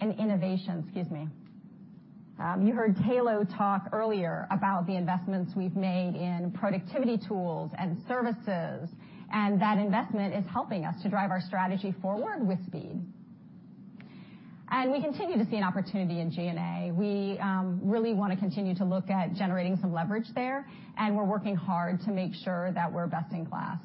Innovation, excuse me. You heard Tayloe talk earlier about the investments we've made in productivity tools and services, and that investment is helping us to drive our strategy forward with speed. We continue to see an opportunity in G&A. We really want to continue to look at generating some leverage there, and we're working hard to make sure that we're best in class.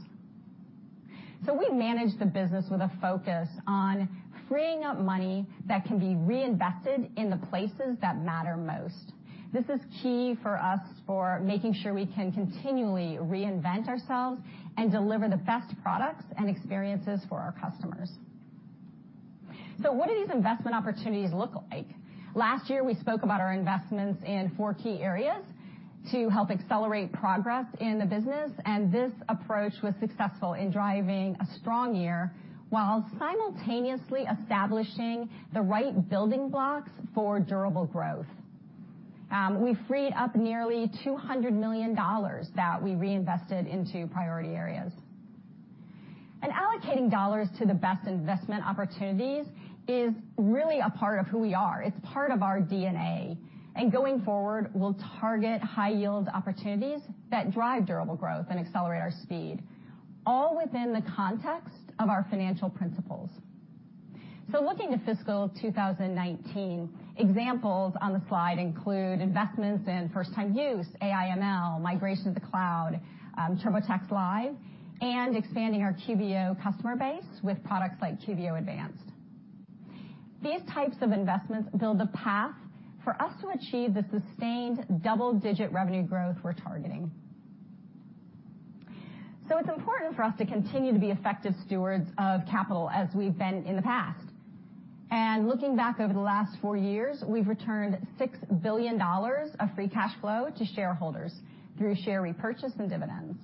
We manage the business with a focus on freeing up money that can be reinvested in the places that matter most. This is key for us for making sure we can continually reinvent ourselves and deliver the best products and experiences for our customers. What do these investment opportunities look like? Last year, we spoke about our investments in four key areas to help accelerate progress in the business. This approach was successful in driving a strong year while simultaneously establishing the right building blocks for durable growth. We freed up nearly $200 million that we reinvested into priority areas. Allocating dollars to the best investment opportunities is really a part of who we are. It's part of our DNA. Going forward, we'll target high-yield opportunities that drive durable growth and accelerate our speed, all within the context of our financial principles. Looking to fiscal 2019, examples on the slide include investments in first time use, AI/ML, migration to the cloud, TurboTax Live, and expanding our QBO customer base with products like QBO Advanced. These types of investments build the path for us to achieve the sustained double-digit revenue growth we're targeting. It's important for us to continue to be effective stewards of capital as we've been in the past. Looking back over the last four years, we've returned $6 billion of free cash flow to shareholders through share repurchase and dividends.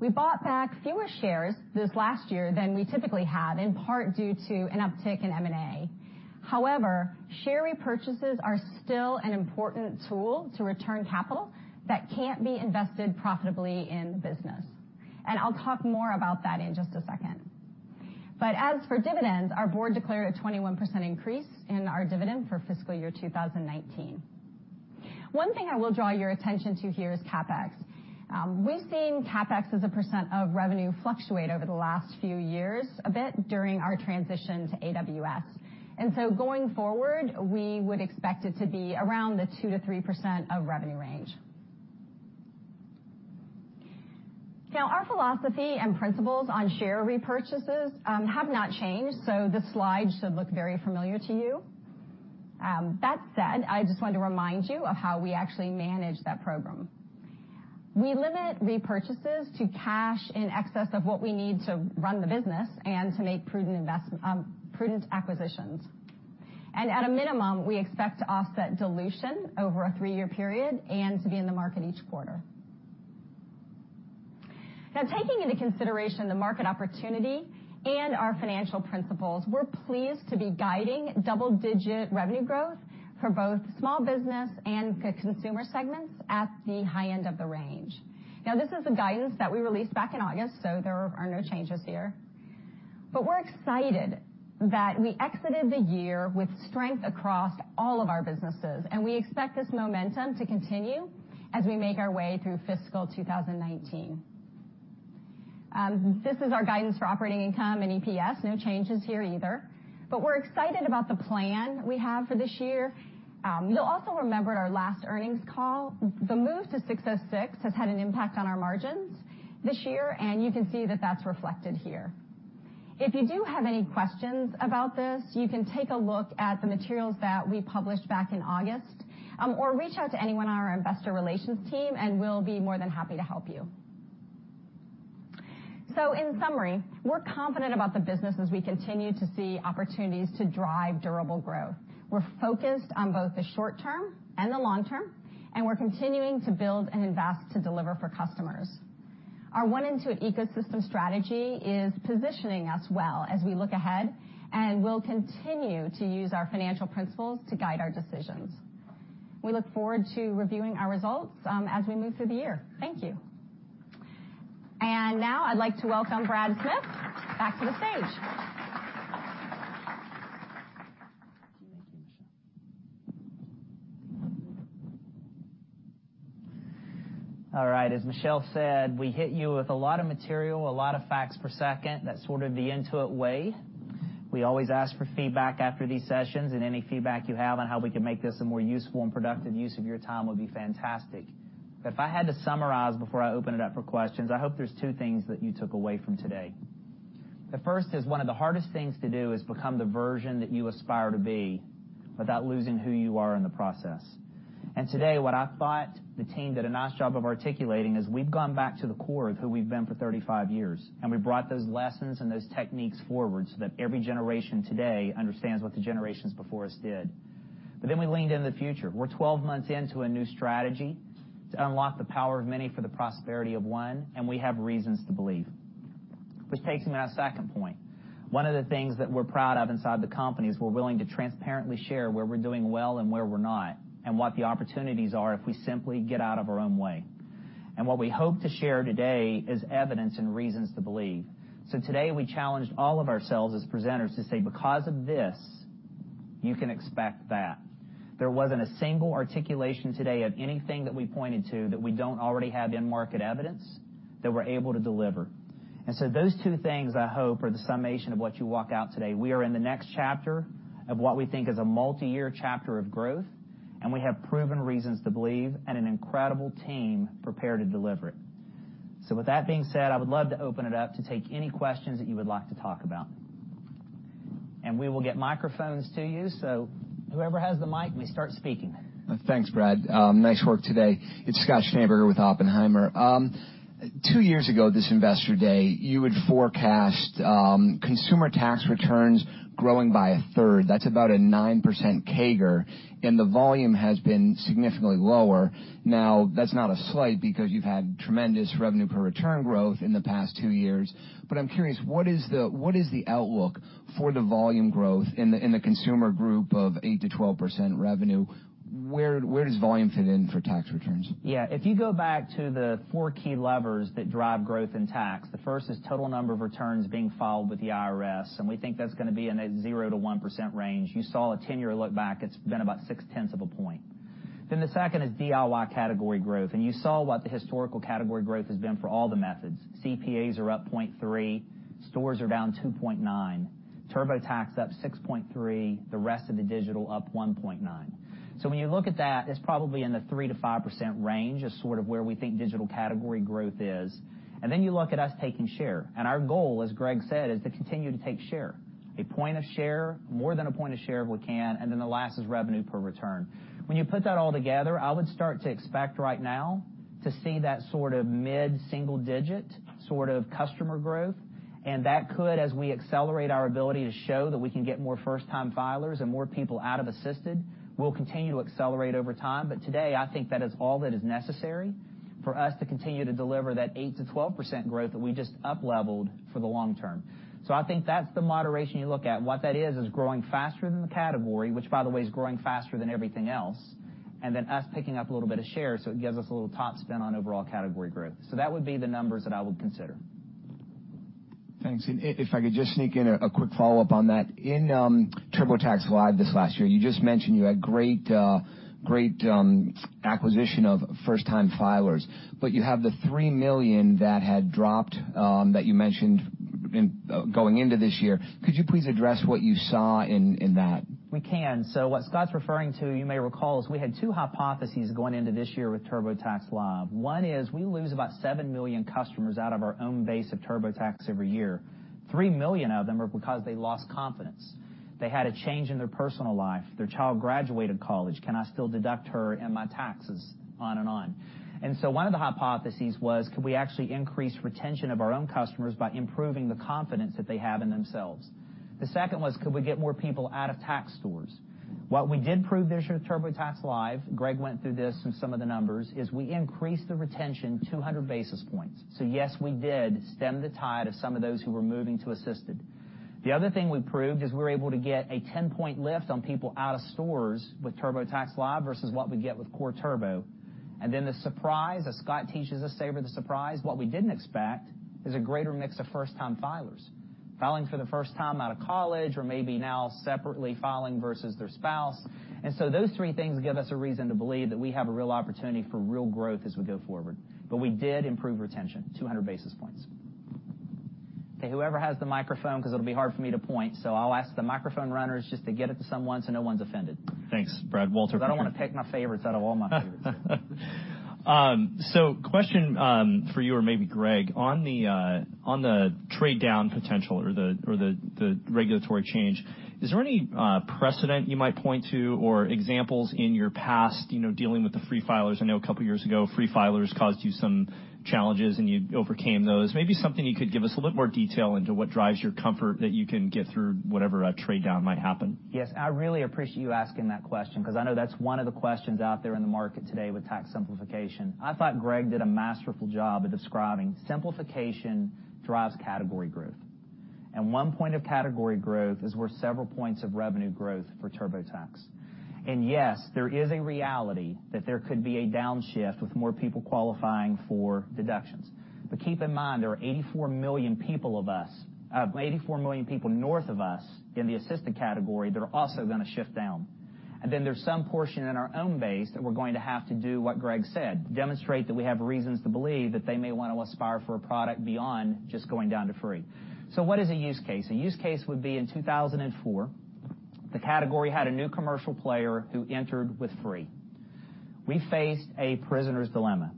We bought back fewer shares this last year than we typically have, in part due to an uptick in M&A. However, share repurchases are still an important tool to return capital that can't be invested profitably in the business. I'll talk more about that in just a second. As for dividends, our board declared a 21% increase in our dividend for fiscal year 2019. One thing I will draw your attention to here is CapEx. We've seen CapEx as a % of revenue fluctuate over the last few years a bit during our transition to AWS. Going forward, we would expect it to be around the 2%-3% of revenue range. Now, our philosophy and principles on share repurchases have not changed, this slide should look very familiar to you. That said, I just wanted to remind you of how we actually manage that program. We limit repurchases to cash in excess of what we need to run the business and to make prudent acquisitions. At a minimum, we expect to offset dilution over a three-year period and to be in the market each quarter. Now, taking into consideration the market opportunity and our financial principles, we're pleased to be guiding double-digit revenue growth for both small business and consumer segments at the high end of the range. Now, this is the guidance that we released back in August, there are no changes here. We're excited that we exited the year with strength across all of our businesses. We expect this momentum to continue as we make our way through fiscal 2019. This is our guidance for operating income and EPS. No changes here either. We're excited about the plan we have for this year. You'll also remember at our last earnings call, the move to 606 has had an impact on our margins this year. You can see that that's reflected here. If you do have any questions about this, you can take a look at the materials that we published back in August, reach out to anyone on our investor relations team, we'll be more than happy to help you. In summary, we're confident about the business as we continue to see opportunities to drive durable growth. We're focused on both the short term and the long term, we're continuing to build and invest to deliver for customers. Our One Intuit ecosystem strategy is positioning us well as we look ahead, we'll continue to use our financial principles to guide our decisions. We look forward to reviewing our results as we move through the year. Thank you. Now I'd like to welcome Brad Smith back to the stage. All right. As Michelle said, we hit you with a lot of material, a lot of facts per second. That's sort of the Intuit way. We always ask for feedback after these sessions, any feedback you have on how we can make this a more useful and productive use of your time would be fantastic. If I had to summarize before I open it up for questions, I hope there's two things that you took away from today. The first is, one of the hardest things to do is become the version that you aspire to be without losing who you are in the process. Today, what I thought the team did a nice job of articulating is we've gone back to the core of who we've been for 35 years, we brought those lessons and those techniques forward so that every generation today understands what the generations before us did. We leaned into the future. We're 12 months into a new strategy to unlock the power of many for the prosperity of one, we have reasons to believe. Which takes me to my second point. One of the things that we're proud of inside the company is we're willing to transparently share where we're doing well and where we're not, what the opportunities are if we simply get out of our own way. What we hope to share today is evidence and reasons to believe. Today, we challenged all of ourselves as presenters to say, "Because of this, you can expect that." There wasn't a single articulation today of anything that we pointed to that we don't already have end market evidence that we're able to deliver. Those two things, I hope, are the summation of what you walk out today. We are in the next chapter of what we think is a multi-year chapter of growth, we have proven reasons to believe and an incredible team prepared to deliver it. With that being said, I would love to open it up to take any questions that you would like to talk about. We will get microphones to you, so whoever has the mic may start speaking. Thanks, Brad. Nice work today. It is Scott Schneeberger with Oppenheimer. Two years ago this investor day, you had forecast consumer tax returns growing by a third. That is about a 9% CAGR. The volume has been significantly lower. That is not a slight because you have had tremendous revenue per return growth in the past two years. I am curious, what is the outlook for the volume growth in the consumer group of 8%-12% revenue? Where does volume fit in for tax returns? Yeah. If you go back to the four key levers that drive growth in tax, the first is total number of returns being filed with the IRS, and we think that is going to be in a 0-1% range. You saw a 10-year look back, it has been about six tenths of a point. The second is DIY category growth. You saw what the historical category growth has been for all the methods. CPAs are up 0.3, stores are down 2.9, TurboTax up 6.3, the rest of the digital up 1.9. When you look at that, it is probably in the 3-5% range is sort of where we think digital category growth is. Then you look at us taking share. Our goal, as Greg Johnson said, is to continue to take share. A point of share, more than a point of share if we can. Then the last is revenue per return. When you put that all together, I would start to expect right now to see that sort of mid-single digit sort of customer growth. That could, as we accelerate our ability to show that we can get more first-time filers and more people out of assisted, will continue to accelerate over time. Today, I think that is all that is necessary for us to continue to deliver that 8%-12% growth that we just upleveled for the long term. I think that is the moderation you look at. What that is growing faster than the category, which by the way, is growing faster than everything else. Then us picking up a little bit of share. It gives us a little top spin on overall category growth. That would be the numbers that I would consider. Thanks. If I could just sneak in a quick follow-up on that. In TurboTax Live this last year, you just mentioned you had great acquisition of first-time filers, but you have the 3 million that had dropped, that you mentioned going into this year. Could you please address what you saw in that? We can. What Scott's referring to, you may recall, is we had two hypotheses going into this year with TurboTax Live. One is we lose about 7 million customers out of our own base of TurboTax every year. 3 million of them are because they lost confidence. They had a change in their personal life. Their child graduated college. Can I still deduct her in my taxes? On and on. One of the hypotheses was, could we actually increase retention of our own customers by improving the confidence that they have in themselves? The second was, could we get more people out of tax stores? What we did prove this year with TurboTax Live, Greg went through this and some of the numbers, is we increased the retention 200 basis points. Yes, we did stem the tide of some of those who were moving to assisted. The other thing we proved is we were able to get a 10-point lift on people out of stores with TurboTax Live versus what we get with core Turbo. The surprise, as Scott teaches us, savor the surprise. What we didn't expect is a greater mix of first-time filers. Filing for the first time out of college or maybe now separately filing versus their spouse. Those three things give us a reason to believe that we have a real opportunity for real growth as we go forward. We did improve retention 200 basis points. Okay, whoever has the microphone, because it'll be hard for me to point. I'll ask the microphone runners just to get it to someone so no one's offended. Thanks, Brad. Walter, go ahead. Because I don't want to pick my favorites out of all my favorites. Question for you or maybe Greg. On the trade down potential or the regulatory change, is there any precedent you might point to or examples in your past dealing with the free filers? I know a couple years ago, free filers caused you some challenges and you overcame those. Maybe something you could give us a little more detail into what drives your comfort that you can get through whatever trade down might happen. Yes, I really appreciate you asking that question because I know that's one of the questions out there in the market today with tax simplification. I thought Greg did a masterful job of describing simplification drives category growth. One point of category growth is worth several points of revenue growth for TurboTax. Yes, there is a reality that there could be a downshift with more people qualifying for deductions. Keep in mind, there are 84 million people north of us in the assisted category that are also going to shift down. Then there's some portion in our own base that we're going to have to do what Greg said, demonstrate that we have reasons to believe that they may want to aspire for a product beyond just going down to free. What is a use case? A use case would be in 2004, the category had a new commercial player who entered with free. We faced a prisoner's dilemma.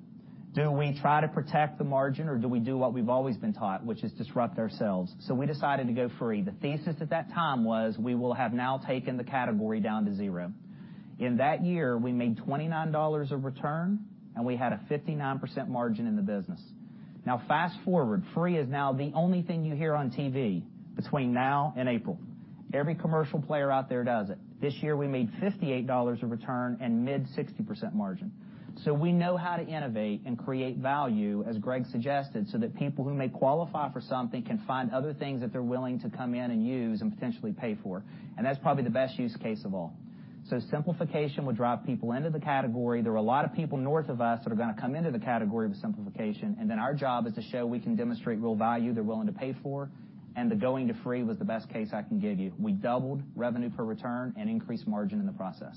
Do we try to protect the margin, or do we do what we've always been taught, which is disrupt ourselves? We decided to go free. The thesis at that time was we will have now taken the category down to zero. In that year, we made $29 a return, and we had a 59% margin in the business. Now, fast-forward, free is now the only thing you hear on TV between now and April. Every commercial player out there does it. This year, we made $58 a return and mid 60% margin. We know how to innovate and create value, as Greg suggested, so that people who may qualify for something can find other things that they're willing to come in and use and potentially pay for. That's probably the best use case of all. Simplification will drive people into the category. There are a lot of people north of us that are going to come into the category with simplification, and then our job is to show we can demonstrate real value they're willing to pay for, and the going to free was the best case I can give you. We doubled revenue per return and increased margin in the process.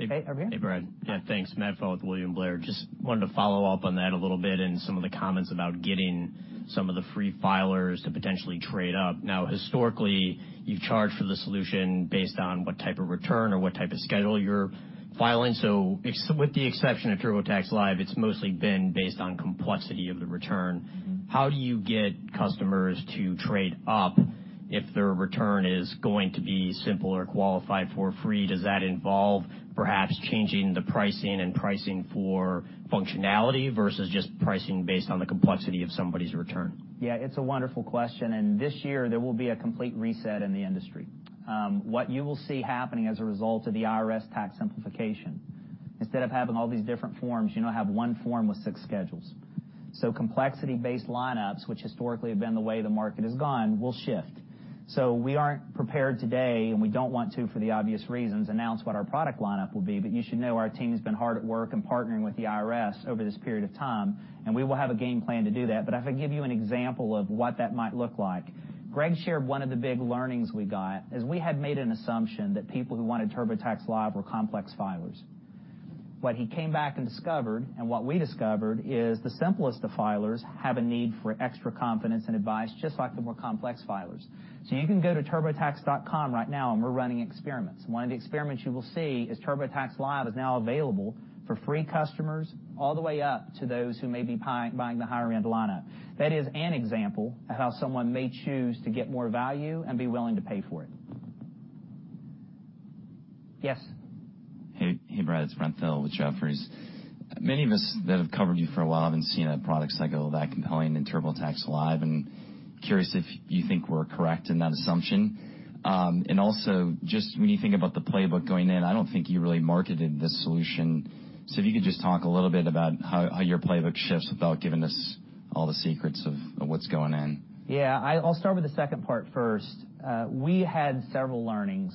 Okay, over here. Hey, Brad. Yeah, thanks. Matt Pfau with William Blair. Just wanted to follow up on that a little and some of the comments about getting some of the free filers to potentially trade up. Historically, you've charged for the solution based on what type of return or what type of schedule you're filing. With the exception of TurboTax Live, it's mostly been based on complexity of the return. How do you get customers to trade up if their return is going to be simple or qualify for free? Does that involve perhaps changing the pricing and pricing for functionality versus just pricing based on the complexity of somebody's return? It's a wonderful question, this year, there will be a complete reset in the industry. What you will see happening as a result of the IRS tax simplification Instead of having all these different forms, you now have one form with six schedules. Complexity-based lineups, which historically have been the way the market has gone, will shift. We aren't prepared today, and we don't want to, for the obvious reasons, announce what our product lineup will be. You should know our team has been hard at work and partnering with the IRS over this period of time, and we will have a game plan to do that. If I give you an example of what that might look like, Greg shared one of the big learnings we got is we had made an assumption that people who wanted TurboTax Live were complex filers. What he came back and discovered, and what we discovered, is the simplest of filers have a need for extra confidence and advice, just like the more complex filers. You can go to turbotax.com right now, and we're running experiments. One of the experiments you will see is TurboTax Live is now available for free customers, all the way up to those who may be buying the higher-end lineup. That is an example of how someone may choose to get more value and be willing to pay for it. Yes? Hey, Brad. It is Brent Thill with Jefferies. Many of us that have covered you for a while have not seen a product cycle that compelling in TurboTax Live and curious if you think we are correct in that assumption. When you think about the playbook going in, I do not think you really marketed this solution. If you could just talk a little bit about how your playbook shifts without giving us all the secrets of what is going in. Yeah. I will start with the second part first. We had several learnings.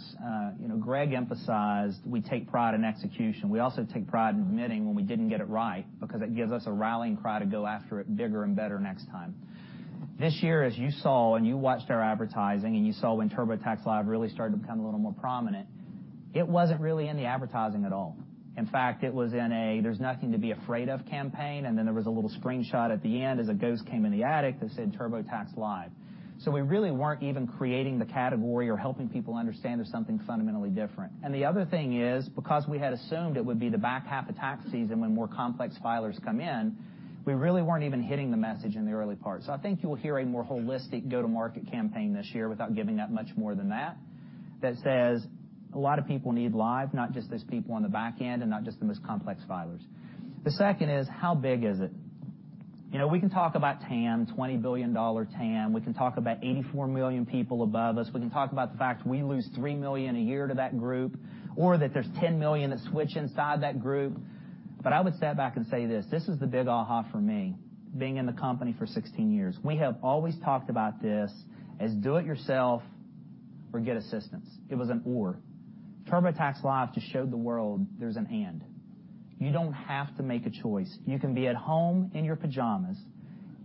Greg emphasized we take pride in execution. We also take pride in admitting when we did not get it right because it gives us a rallying cry to go after it bigger and better next time. This year, as you saw and you watched our advertising and you saw when TurboTax Live really started to become a little more prominent, it was not really in the advertising at all. In fact, it was in a there is-nothing-to-be-afraid-of campaign, and then there was a little screenshot at the end as a ghost came in the attic that said, "TurboTax Live." We really were not even creating the category or helping people understand there is something fundamentally different. The other thing is, because we had assumed it would be the back half of tax season when more complex filers come in, we really were not even hitting the message in the early part. I think you will hear a more holistic go-to-market campaign this year without giving up much more than that says a lot of people need Live, not just those people on the back end and not just the most complex filers. The second is, how big is it? We can talk about TAM, $20 billion TAM. We can talk about 84 million people above us. We can talk about the fact we lose 3 million a year to that group, or that there is 10 million that switch inside that group. I would step back and say this is the big aha for me, being in the company for 16 years. We have always talked about this as do it yourself or get assistance. It was an or. TurboTax Live just showed the world there is an and. You do not have to make a choice. You can be at home in your pajamas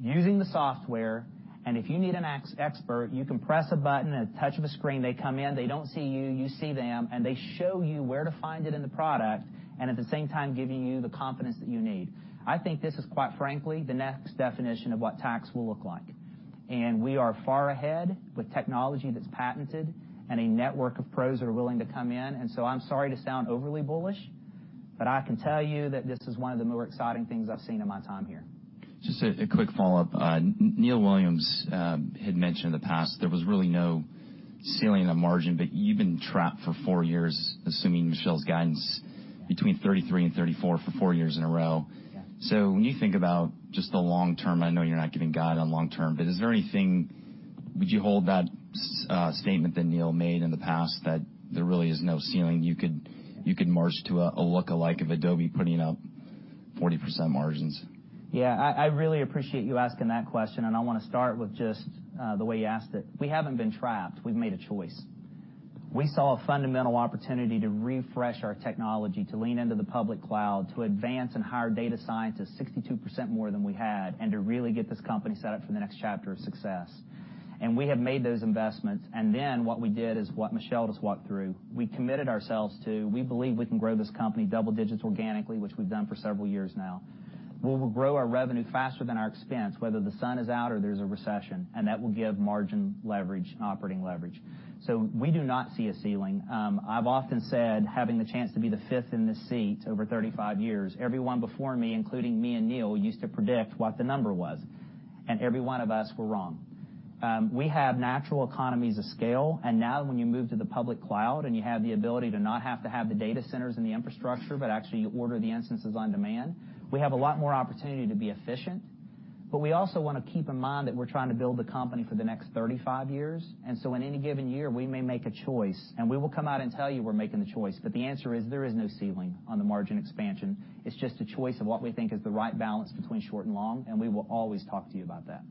using the software, and if you need an expert, you can press a button, at a touch of a screen they come in, they do not see you see them, and they show you where to find it in the product, and at the same time, giving you the confidence that you need. I think this is, quite frankly, the next definition of what tax will look like. We are far ahead with technology that is patented and a network of pros that are willing to come in. I'm sorry to sound overly bullish, but I can tell you that this is one of the more exciting things I've seen in my time here. Just a quick follow-up. Neil Williams had mentioned in the past there was really no ceiling on margin, but you've been trapped for 4 years, assuming Michelle's guidance, between 33% and 34% for 4 years in a row. Yeah. When you think about just the long term, I know you're not giving guide on long term, but is there anything, would you hold that statement that Neil made in the past, that there really is no ceiling? You could march to a lookalike of Adobe putting up 40% margins. I really appreciate you asking that question, and I want to start with just the way you asked it. We haven't been trapped. We've made a choice. We saw a fundamental opportunity to refresh our technology, to lean into the public cloud, to advance and hire data scientists, 62% more than we had, and to really get this company set up for the next chapter of success. We have made those investments. Then what we did is what Michelle just walked through. We committed ourselves to, we believe we can grow this company double digits organically, which we've done for several years now. We will grow our revenue faster than our expense, whether the sun is out or there's a recession, and that will give margin leverage and operating leverage. We do not see a ceiling. I've often said, having the chance to be the fifth in this seat over 35 years, everyone before me, including me and Neil, used to predict what the number was, and every one of us were wrong. We have natural economies of scale, and now when you move to the public cloud and you have the ability to not have to have the data centers and the infrastructure, but actually order the instances on demand, we have a lot more opportunity to be efficient. We also want to keep in mind that we're trying to build the company for the next 35 years. In any given year, we may make a choice, and we will come out and tell you we're making the choice. The answer is, there is no ceiling on the margin expansion. It's just a choice of what we think is the right balance between short and long, and we will always talk to you about that.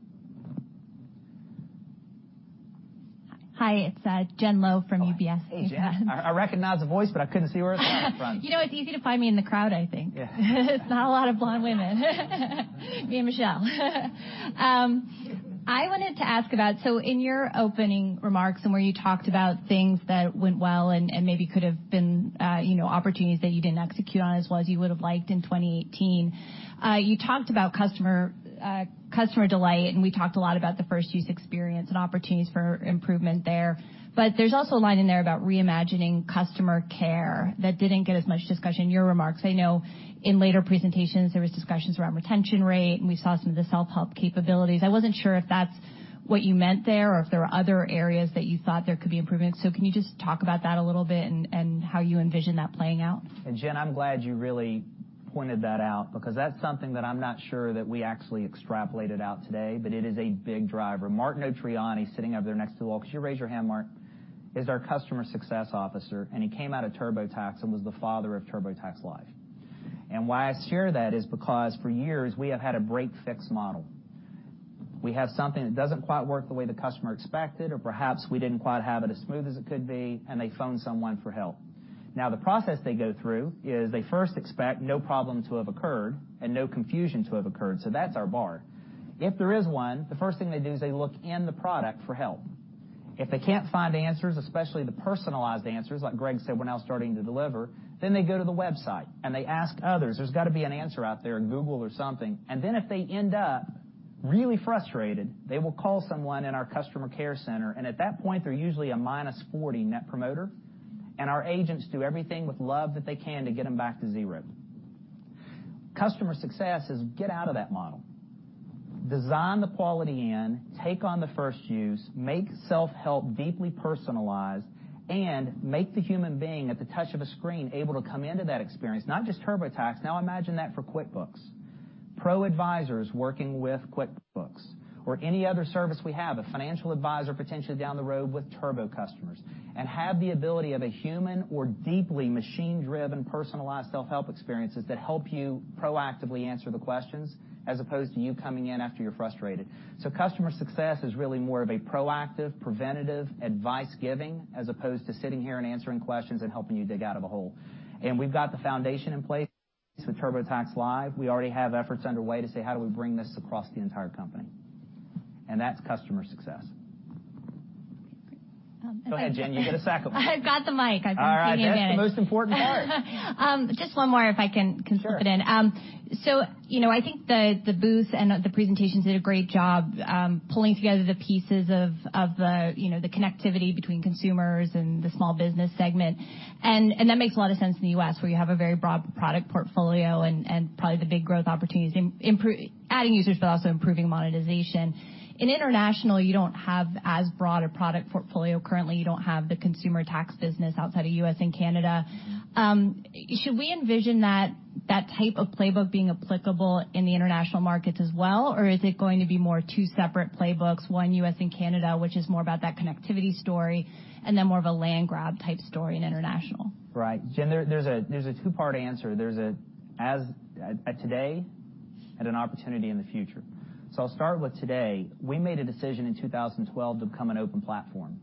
Hi, it's Jennifer Lowe from UBS. Oh, hey, Jen. I recognized the voice, but I couldn't see where it was coming from. You know, it's easy to find me in the crowd, I think. Yeah. There's not a lot of blonde women. Me and Michelle. In your opening remarks and where you talked about things that went well and maybe could have been opportunities that you didn't execute on as well as you would have liked in 2018, you talked about customer delight, and we talked a lot about the first use experience and opportunities for improvement there. There's also a line in there about reimagining customer care that didn't get as much discussion in your remarks. I know in later presentations, there was discussions around retention rate, and we saw some of the self-help capabilities. I wasn't sure if that's what you meant there or if there were other areas that you thought there could be improvement. Can you just talk about that a little bit and how you envision that playing out? Jen, I'm glad you really pointed that out because that's something that I'm not sure that we actually extrapolated out today, but it is a big driver. Mark Notarainni, sitting over there next to Lowell. Could you raise your hand, Mark? Is our customer success officer, and he came out of TurboTax and was the father of TurboTax Live. Why I share that is because for years, we have had a break-fix model. We have something that doesn't quite work the way the customer expected, or perhaps we didn't quite have it as smooth as it could be, and they phone someone for help. Now, the process they go through is they first expect no problems to have occurred and no confusion to have occurred. That's our bar. If there is one, the first thing they do is they look in the product for help. If they can't find answers, especially the personalized answers, like Greg said, we're now starting to deliver, then they go to the website, and they ask others, "There's got to be an answer out there in Google or something." Then if they end up really frustrated, they will call someone in our customer care center, and at that point, they're usually a minus 40 Net Promoter, and our agents do everything with love that they can to get them back to zero. Customer success is get out of that model. Design the quality in, take on the first use, make self-help deeply personalized, and make the human being at the touch of a screen able to come into that experience, not just TurboTax. Now imagine that for QuickBooks. ProAdvisors working with QuickBooks or any other service we have, a financial advisor potentially down the road with Turbo customers, and have the ability of a human or deeply machine-driven, personalized self-help experiences that help you proactively answer the questions as opposed to you coming in after you're frustrated. Customer success is really more of a proactive, preventative advice-giving as opposed to sitting here and answering questions and helping you dig out of a hole. We've got the foundation in place with TurboTax Live. We already have efforts underway to say, "How do we bring this across the entire company?" That's customer success. Go ahead, Jen. You get a sack of them. I've got the mic. I've been taking a minute. All right. That's the most important part. Just one more if I can stuff it in. Sure. I think the booth and the presentations did a great job pulling together the pieces of the connectivity between consumers and the small business segment. That makes a lot of sense in the U.S., where you have a very broad product portfolio and probably the big growth opportunities, adding users, but also improving monetization. In international, you don't have as broad a product portfolio currently. You don't have the consumer tax business outside of U.S. and Canada. Should we envision that type of playbook being applicable in the international markets as well? Or is it going to be more two separate playbooks, one U.S. and Canada, which is more about that connectivity story, and then more of a land grab type story in international? Right. Jen, there's a two-part answer. There's at today and an opportunity in the future. I'll start with today. We made a decision in 2012 to become an open platform,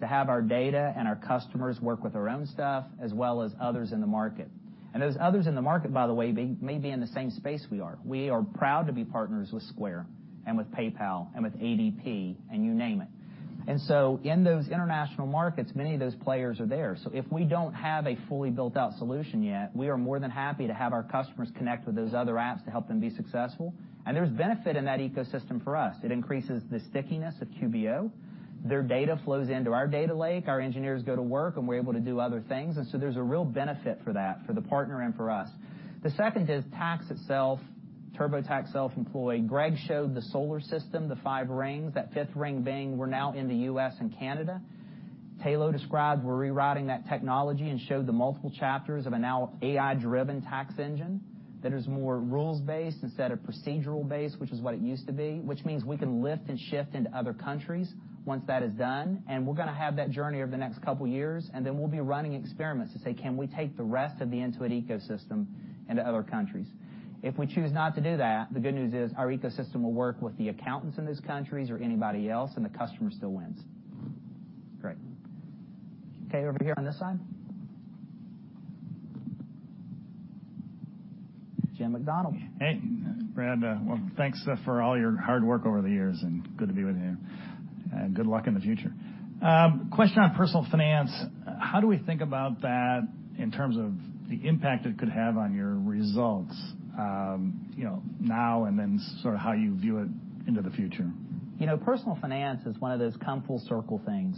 to have our data and our customers work with our own stuff, as well as others in the market. Those others in the market, by the way, may be in the same space we are. We are proud to be partners with Square and with PayPal and with ADP, and you name it. In those international markets, many of those players are there. If we don't have a fully built-out solution yet, we are more than happy to have our customers connect with those other apps to help them be successful. There's benefit in that ecosystem for us. It increases the stickiness of QBO. Their data flows into our data lake, our engineers go to work, and we're able to do other things. There's a real benefit for that, for the partner and for us. The second is tax itself, TurboTax Self-Employed. Greg showed the solar system, the five rings, that fifth ring being we're now in the U.S. and Canada. Tayloe described we're rewriting that technology and showed the multiple chapters of a now AI-driven tax engine that is more rules-based instead of procedural-based, which is what it used to be, which means we can lift and shift into other countries once that is done, and we're going to have that journey over the next couple of years, and then we'll be running experiments to say, "Can we take the rest of the Intuit ecosystem into other countries?" If we choose not to do that, the good news is our ecosystem will work with the accountants in those countries or anybody else, and the customer still wins. Great. Okay, over here on this side. Jennifer McDonald. Hey, Brad. Well, thanks for all your hard work over the years, and good to be with you. Good luck in the future. Question on personal finance. How do we think about that in terms of the impact it could have on your results now and then how you view it into the future? Personal finance is one of those come full circle things.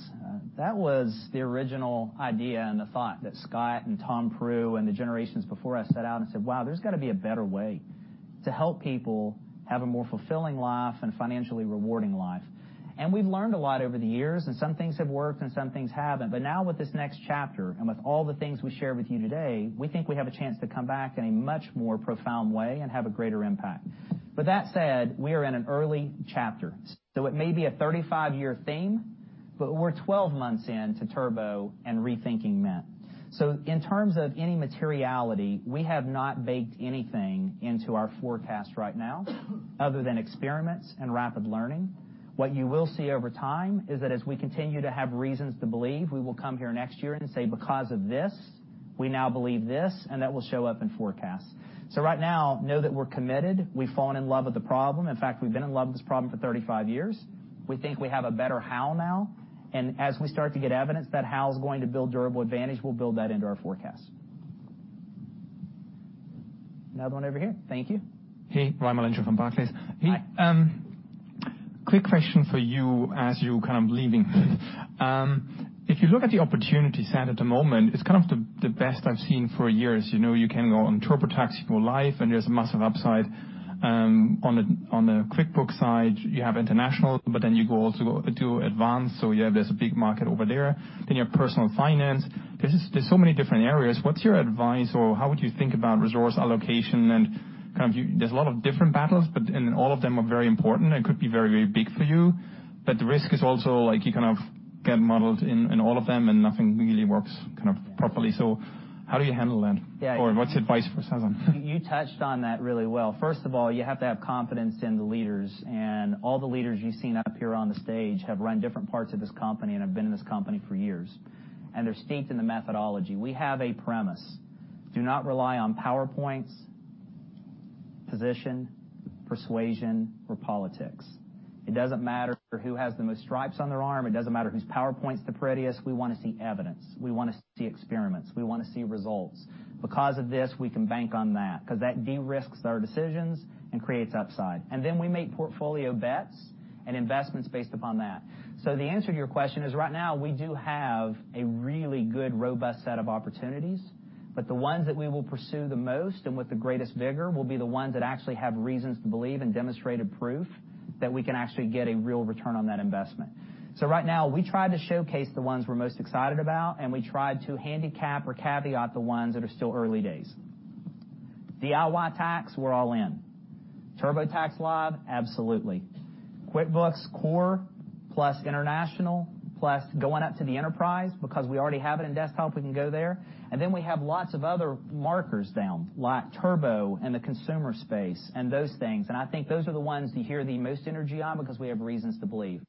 That was the original idea and the thought that Scott and Tom Proulx and the generations before us sat out and said, "Wow, there's got to be a better way to help people have a more fulfilling life and financially rewarding life." We've learned a lot over the years, and some things have worked and some things haven't. Now with this next chapter, and with all the things we shared with you today, we think we have a chance to come back in a much more profound way and have a greater impact. With that said, we are in an early chapter, so it may be a 35-year theme, but we're 12 months in to Turbo and rethinking Mint. In terms of any materiality, we have not baked anything into our forecast right now other than experiments and rapid learning. What you will see over time is that as we continue to have reasons to believe, we will come here next year and say, "Because of this, we now believe this," and that will show up in forecasts. Right now, know that we're committed. We've fallen in love with the problem. In fact, we've been in love with this problem for 35 years. We think we have a better how now, and as we start to get evidence that how is going to build durable advantage, we'll build that into our forecast. Another one over here. Thank you. Hey, Ryan Kalender from Barclays. Hi. Quick question for you as you're kind of leaving. If you look at the opportunity set at the moment, it's kind of the best I've seen for years. You can go on TurboTax Live, there's a massive upside. On the QuickBooks side, you have international, you also go to Advanced, yeah, there's a big market over there. You have personal finance. There's so many different areas. What's your advice, or how would you think about resource allocation and kind of, there's a lot of different battles, all of them are very important and could be very, very big for you. The risk is also, like you kind of get muddled in all of them, and nothing really works kind of properly. How do you handle that? Yeah. What's the advice for Sasan? You touched on that really well. First of all, you have to have confidence in the leaders, all the leaders you've seen up here on the stage have run different parts of this company and have been in this company for years, and they're steeped in the methodology. We have a premise. Do not rely on PowerPoints, position, persuasion, or politics. It doesn't matter who has the most stripes on their arm. It doesn't matter whose PowerPoint's the prettiest. We want to see evidence. We want to see experiments. We want to see results. Because of this, we can bank on that because that de-risks our decisions and creates upside. We make portfolio bets and investments based upon that. The answer to your question is right now, we do have a really good, robust set of opportunities, but the ones that we will pursue the most and with the greatest vigor will be the ones that actually have reasons to believe and demonstrated proof that we can actually get a real return on that investment. Right now, we tried to showcase the ones we're most excited about, and we tried to handicap or caveat the ones that are still early days. DIY tax, we're all in. TurboTax Live, absolutely. QuickBooks Core plus international, plus going up to the enterprise because we already have it in desktop, we can go there. We have lots of other markers down, like Turbo and the consumer space and those things. I think those are the ones you hear the most energy on because we have reasons to believe.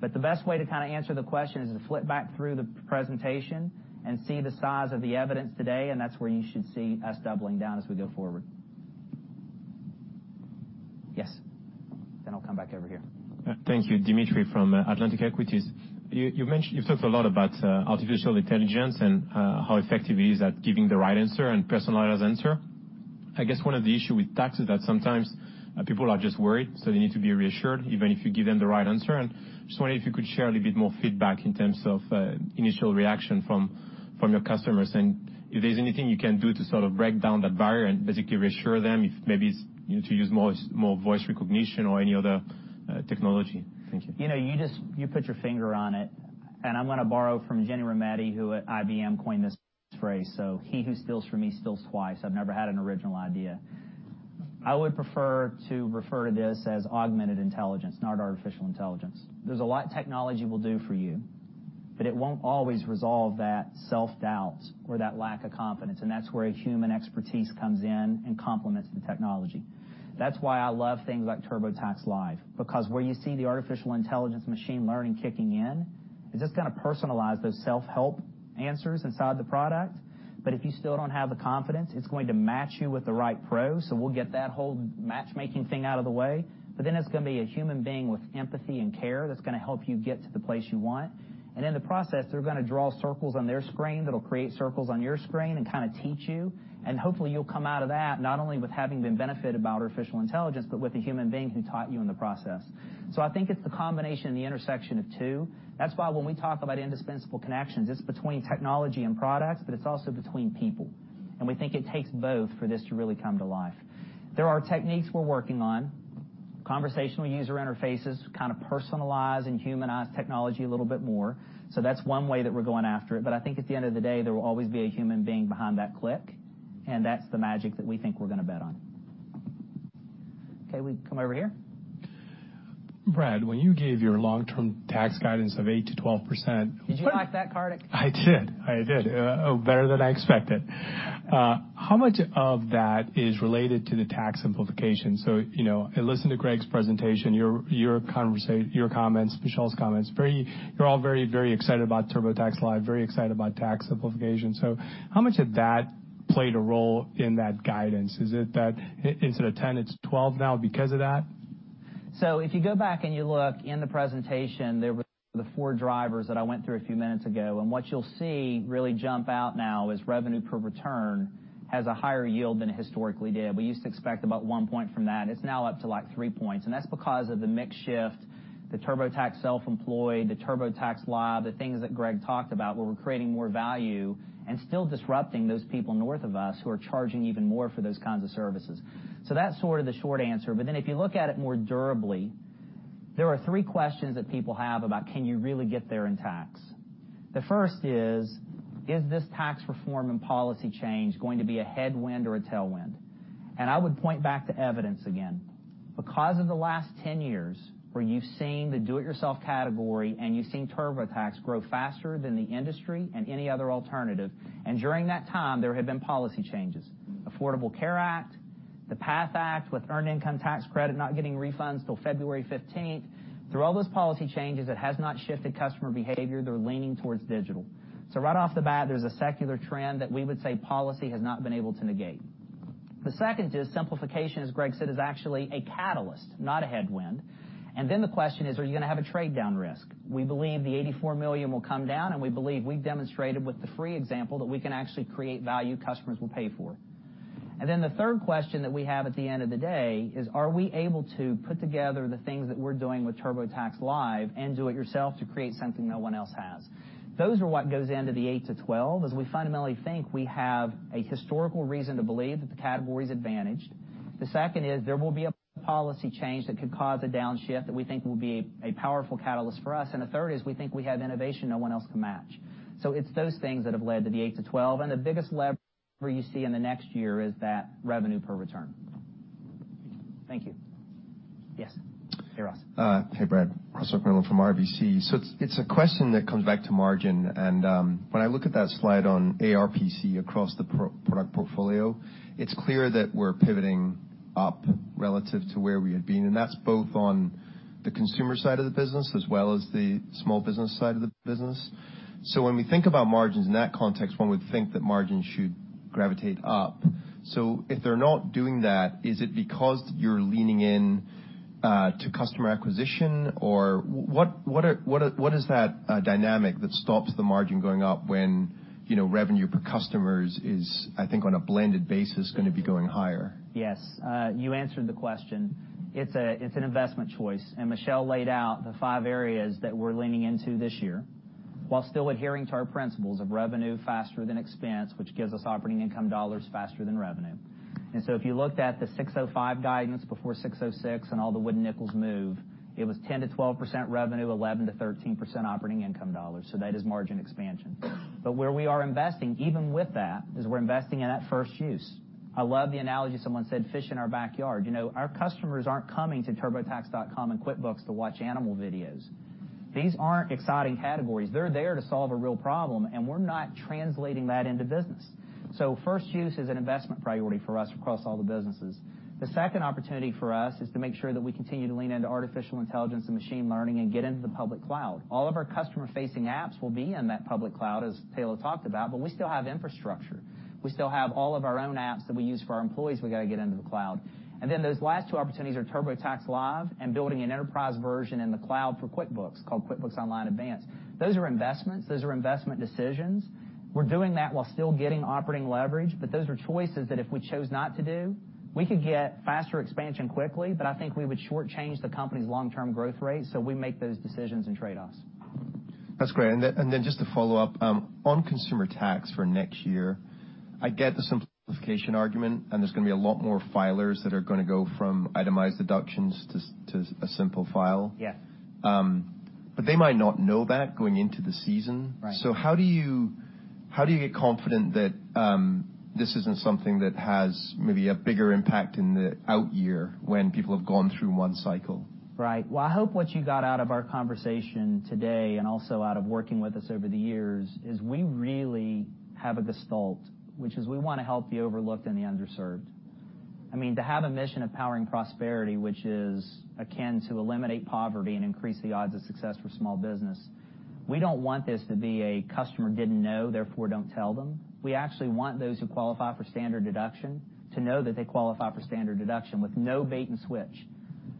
The best way to kind of answer the question is to flip back through the presentation and see the size of the evidence today, that's where you should see us doubling down as we go forward. I'll come back over here. Thank you. Dimitri from Atlantic Equities. You've talked a lot about artificial intelligence and how effective it is at giving the right answer and personalized answer. I guess one of the issue with tax is that sometimes people are just worried, so they need to be reassured even if you give them the right answer. Just wondering if you could share a little bit more feedback in terms of initial reaction from your customers and if there's anything you can do to sort of break down that barrier and basically reassure them if maybe it's to use more voice recognition or any other technology. Thank you. You put your finger on it, I'm going to borrow from Ginni Rometty, who at IBM coined this phrase. He who steals from me steals twice. I've never had an original idea. I would prefer to refer to this as augmented intelligence, not artificial intelligence. There's a lot technology will do for you, it won't always resolve that self-doubt or that lack of confidence, that's where human expertise comes in and complements the technology. That's why I love things like TurboTax Live, because where you see the artificial intelligence machine learning kicking in, it's just going to personalize those self-help answers inside the product. If you still don't have the confidence, it's going to match you with the right pro. We'll get that whole matchmaking thing out of the way. It's going to be a human being with empathy and care that's going to help you get to the place you want. In the process, they're going to draw circles on their screen that'll create circles on your screen and kind of teach you. Hopefully, you'll come out of that, not only with having been benefited by artificial intelligence, but with a human being who taught you in the process. I think it's the combination and the intersection of two. That's why when we talk about indispensable connections, it's between technology and products, it's also between people. We think it takes both for this to really come to life. There are techniques we're working on, conversational user interfaces, kind of personalize and humanize technology a little bit more. That's one way that we're going after it. I think at the end of the day, there will always be a human being behind that click, and that's the magic that we think we're going to bet on. Okay, we can come over here. Brad, when you gave your long-term tax guidance of 8%-12%? Did you like that, Kartik? I did. I did. Better than I expected. How much of that is related to the tax simplification? I listened to Greg's presentation, your comments, Michelle's comments. You're all very, very excited about TurboTax Live, very excited about tax simplification. How much of that played a role in that guidance? Is it that instead of 10, it's 12 now because of that? If you go back and you look in the presentation, there were the four drivers that I went through a few minutes ago, and what you'll see really jump out now is revenue per return has a higher yield than it historically did. We used to expect about one point from that. It's now up to like three points, and that's because of the mix shift, the TurboTax Self-Employed, the TurboTax Live, the things that Greg talked about, where we're creating more value and still disrupting those people north of us who are charging even more for those kinds of services. That's sort of the short answer. If you look at it more durably, there are three questions that people have about can you really get there in tax? The first is: Is this tax reform and policy change going to be a headwind or a tailwind? I would point back to evidence again. Because of the last 10 years where you've seen the do-it-yourself category and you've seen TurboTax grow faster than the industry and any other alternative, and during that time, there have been policy changes. Affordable Care Act, the PATH Act with earned income tax credit not getting refunds till February 15th. Through all those policy changes, it has not shifted customer behavior. They're leaning towards digital. Right off the bat, there's a secular trend that we would say policy has not been able to negate. The second is simplification, as Greg said, is actually a catalyst, not a headwind. The question is: Are you going to have a trade-down risk? We believe the 84 million will come down, and we believe we've demonstrated with the free example that we can actually create value customers will pay for. The third question that we have at the end of the day is, are we able to put together the things that we're doing with TurboTax Live and do-it-yourself to create something no one else has? Those are what goes into the 8 to 12 as we fundamentally think we have a historical reason to believe that the category is advantaged. The second is there will be a policy change that could cause a downshift that we think will be a powerful catalyst for us, and the third is we think we have innovation no one else can match. It's those things that have led to the 8 to 12, and the biggest lever you see in the next year is that revenue per return. Thank you. Yes. Hey, Ross. Hey, Brad. Ross MacMillan from RBC. It's a question that comes back to margin, and when I look at that slide on ARPC across the product portfolio, it's clear that we're pivoting up relative to where we had been, and that's both on the consumer side of the business as well as the small business side of the business. When we think about margins in that context, one would think that margins should gravitate up. If they're not doing that, is it because you're leaning in to customer acquisition? Or what is that dynamic that stops the margin going up when revenue per customers is, I think, on a blended basis, going to be going higher? Yes. You answered the question. It's an investment choice, Michelle laid out the five areas that we're leaning into this year, while still adhering to our principles of revenue faster than expense, which gives us operating income dollars faster than revenue. If you looked at the ASC 605 guidance before ASC 606 and all the wooden nickels move, it was 10%-12% revenue, 11%-13% operating income dollars. That is margin expansion. Where we are investing, even with that, is we're investing in that first use. I love the analogy, someone said, fish in our backyard. Our customers aren't coming to turbotax.com and QuickBooks to watch animal videos. These aren't exciting categories. They're there to solve a real problem, and we're not translating that into business. First use is an investment priority for us across all the businesses. The second opportunity for us is to make sure that we continue to lean into artificial intelligence and machine learning and get into the public cloud. All of our customer-facing apps will be in that public cloud, as Tayloe talked about, but we still have infrastructure. We still have all of our own apps that we use for our employees we've got to get into the cloud. Those last two opportunities are TurboTax Live and building an enterprise version in the cloud for QuickBooks called QuickBooks Online Advanced. Those are investments. Those are investment decisions. We're doing that while still getting operating leverage, but those are choices that if we chose not to do, we could get faster expansion quickly, but I think we would shortchange the company's long-term growth rate. We make those decisions and trade-offs. That's great. Just to follow up, on consumer tax for next year, I get the simplification argument, and there's going to be a lot more filers that are going to go from itemized deductions to a simple file. Yes. They might not know that going into the season. Right. How do you get confident that this isn't something that has maybe a bigger impact in the out year when people have gone through one cycle? Right. Well, I hope what you got out of our conversation today and also out of working with us over the years is we really have a gestalt, which is we want to help the overlooked and the underserved. I mean, to have a mission of powering prosperity, which is akin to eliminate poverty and increase the odds of success for small business, we don't want this to be a customer didn't know, therefore don't tell them. We actually want those who qualify for standard deduction to know that they qualify for standard deduction with no bait and switch.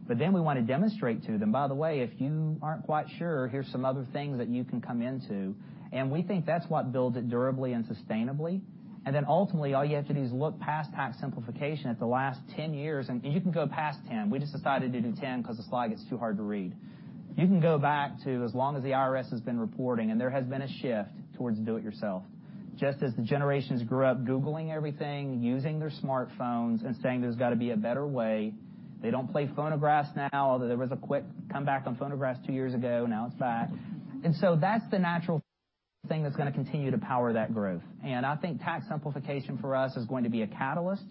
Then we want to demonstrate to them, by the way, if you aren't quite sure, here's some other things that you can come into, and we think that's what builds it durably and sustainably. Ultimately, all you have to do is look past tax simplification at the last 10 years, you can go past 10. We just decided to do 10 because the slide gets too hard to read. You can go back to as long as the IRS has been reporting, there has been a shift towards do it yourself. Just as the generations grew up googling everything, using their smartphones, saying, "There's got to be a better way," they don't play phonographs now, although there was a quick comeback on phonographs two years ago, now it's back. So that's the natural thing that's going to continue to power that growth. I think tax simplification for us is going to be a catalyst.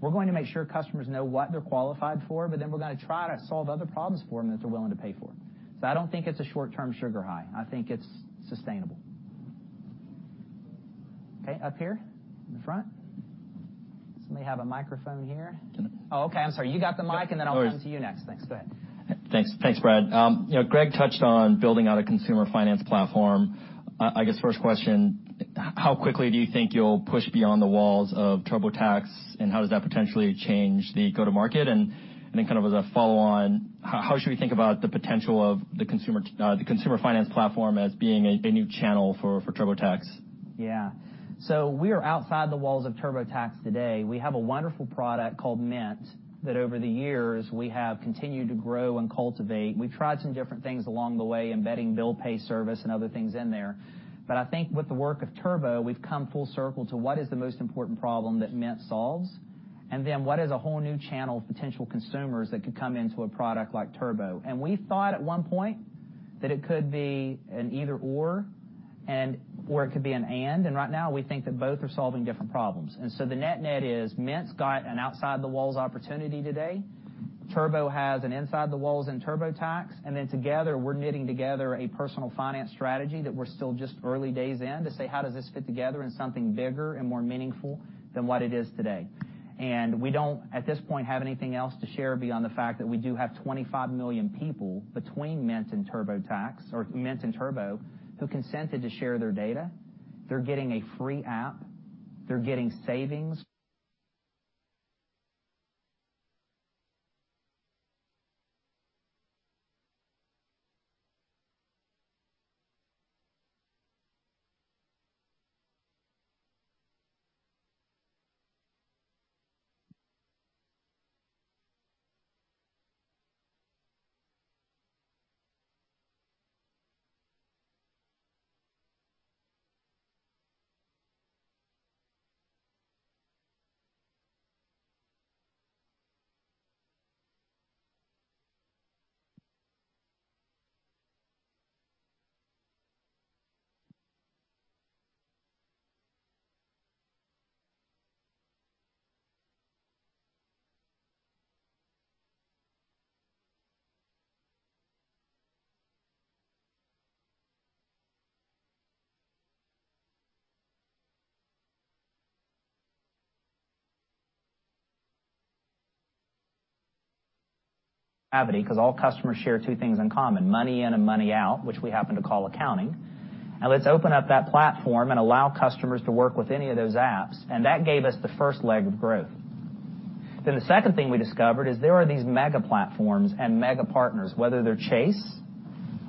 We're going to make sure customers know what they're qualified for, we're going to try to solve other problems for them that they're willing to pay for. I don't think it's a short-term sugar high. I think it's sustainable. Up here in the front. Somebody have a microphone here? I'm sorry. You got the mic, and then I'll come to you next. Thanks, Brad. Greg touched on building out a consumer finance platform. I guess first question, how quickly do you think you'll push beyond the walls of TurboTax, and how does that potentially change the go-to-market? Kind of as a follow-on, how should we think about the potential of the consumer finance platform as being a new channel for TurboTax? We are outside the walls of TurboTax today. We have a wonderful product called Mint that over the years we have continued to grow and cultivate. We've tried some different things along the way, embedding bill pay service and other things in there. I think with the work of Turbo, we've come full circle to what is the most important problem that Mint solves, what is a whole new channel of potential consumers that could come into a product like Turbo. We thought at one point that it could be an either/or it could be an and, right now we think that both are solving different problems. The net-net is Mint's got an outside the walls opportunity today. Turbo has an inside the walls in TurboTax, together, we're knitting together a personal finance strategy that we're still just early days in to say, how does this fit together in something bigger and more meaningful than what it is today? We don't, at this point, have anything else to share beyond the fact that we do have 25 million people between Mint and TurboTax, or Mint and Turbo, who consented to share their data. They're getting a free app. They're getting savings. [inaudible] because all customers share two things in common, money in and money out, which we happen to call accounting. Let's open up that platform and allow customers to work with any of those apps, and that gave us the first leg of growth. The second thing we discovered is there are these mega platforms and mega partners, whether they are Chase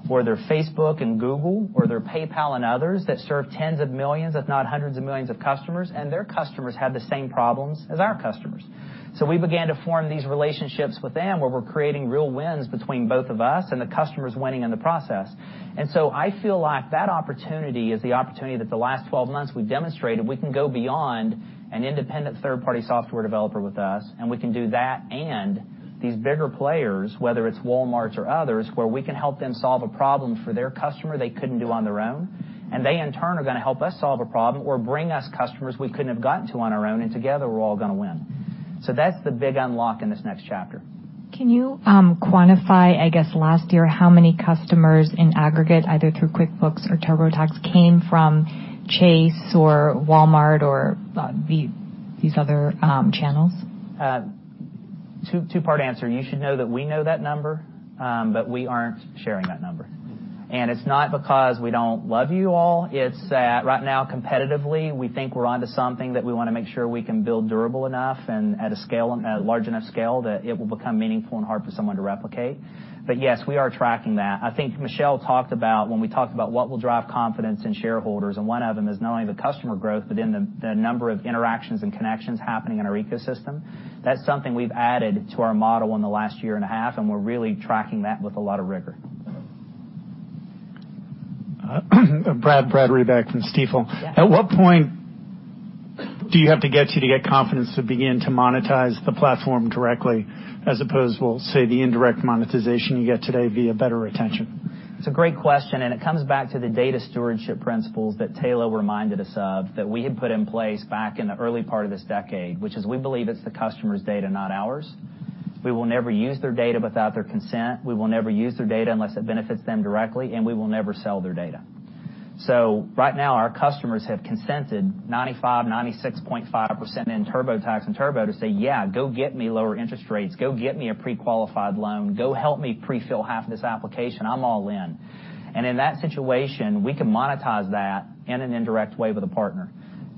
or they are Facebook and Google, or they are PayPal and others that serve tens of millions, if not hundreds of millions of customers, and their customers have the same problems as our customers. We began to form these relationships with them, where we are creating real wins between both of us and the customers winning in the process. I feel like that opportunity is the opportunity that the last 12 months we have demonstrated we can go beyond an independent third-party software developer with us, and we can do that and these bigger players, whether it is Walmart or others, where we can help them solve a problem for their customer they could not do on their own, and they in turn are going to help us solve a problem or bring us customers we could not have gotten to on our own, and together we are all going to win. That is the big unlock in this next chapter. Can you quantify, I guess, last year, how many customers in aggregate, either through QuickBooks or TurboTax, came from Chase or Walmart or these other channels? Two part answer. You should know that we know that number, but we are not sharing that number. It is not because we do not love you all, it is that right now, competitively, we think we are onto something that we want to make sure we can build durable enough and at a large enough scale that it will become meaningful and hard for someone to replicate. Yes, we are tracking that. I think Michelle talked about when we talked about what will drive confidence in shareholders, and one of them is not only the customer growth but in the number of interactions and connections happening in our ecosystem. That is something we have added to our model in the last year and a half, and we are really tracking that with a lot of rigor. Brad Reback from Stifel. Yeah. At what point do you have to get to get confidence to begin to monetize the platform directly as opposed, we'll say, the indirect monetization you get today via better retention? It's a great question, and it comes back to the data stewardship principles that Tayloe reminded us of, that we had put in place back in the early part of this decade, which is we believe it's the customer's data, not ours. We will never use their data without their consent. We will never use their data unless it benefits them directly, and we will never sell their data. Right now, our customers have consented 95, 96.5% in TurboTax and Turbo to say, "Yeah, go get me lower interest rates. Go get me a pre-qualified loan. Go help me pre-fill half of this application. I'm all in." In that situation, we can monetize that in an indirect way with a partner.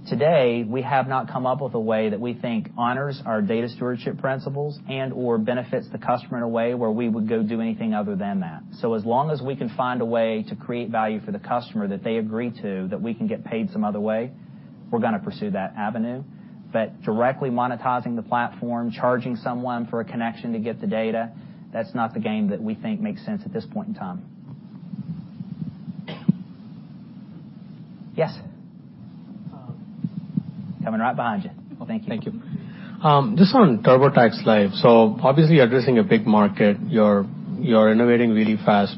Today, we have not come up with a way that we think honors our data stewardship principles and/or benefits the customer in a way where we would go do anything other than that. As long as we can find a way to create value for the customer that they agree to, that we can get paid some other way, we're going to pursue that avenue. Directly monetizing the platform, charging someone for a connection to get the data, that's not the game that we think makes sense at this point in time. Yes? Coming right behind you. Well, thank you. Thank you. Just on TurboTax Live, obviously addressing a big market, you're innovating really fast,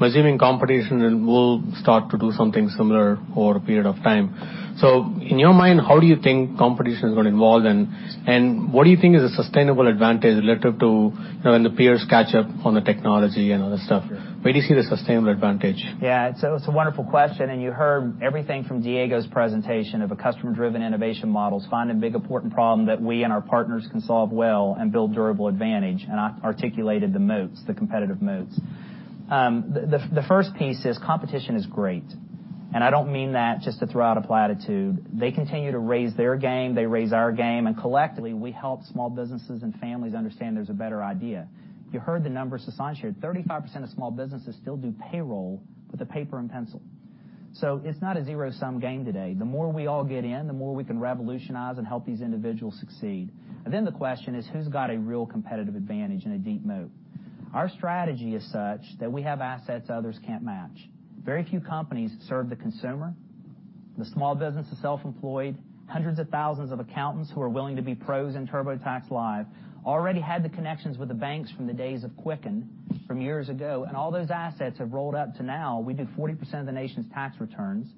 assuming competition will start to do something similar over a period of time. In your mind, how do you think competition is going to evolve, and what do you think is a sustainable advantage relative to when the peers catch up on the technology and all that stuff? Where do you see the sustainable advantage? Yeah. It's a wonderful question, you heard everything from Diego's presentation of a customer-driven innovation models, find a big, important problem that we and our partners can solve well and build durable advantage. I articulated the moats, the competitive moats. The first piece is competition is great. I don't mean that just to throw out a platitude. They continue to raise their game, they raise our game, and collectively, we help small businesses and families understand there's a better idea. You heard the numbers Sasan shared, 35% of small businesses still do payroll with a paper and pencil. It's not a zero-sum game today. The more we all get in, the more we can revolutionize and help these individuals succeed. The question is, who's got a real competitive advantage and a deep moat? Our strategy is such that we have assets others can't match. Very few companies serve the consumer, the small business, the self-employed, hundreds of thousands of accountants who are willing to be pros in TurboTax Live, already had the connections with the banks from the days of Quicken from years ago. All those assets have rolled up to now, we do 40% of the nation's tax returns.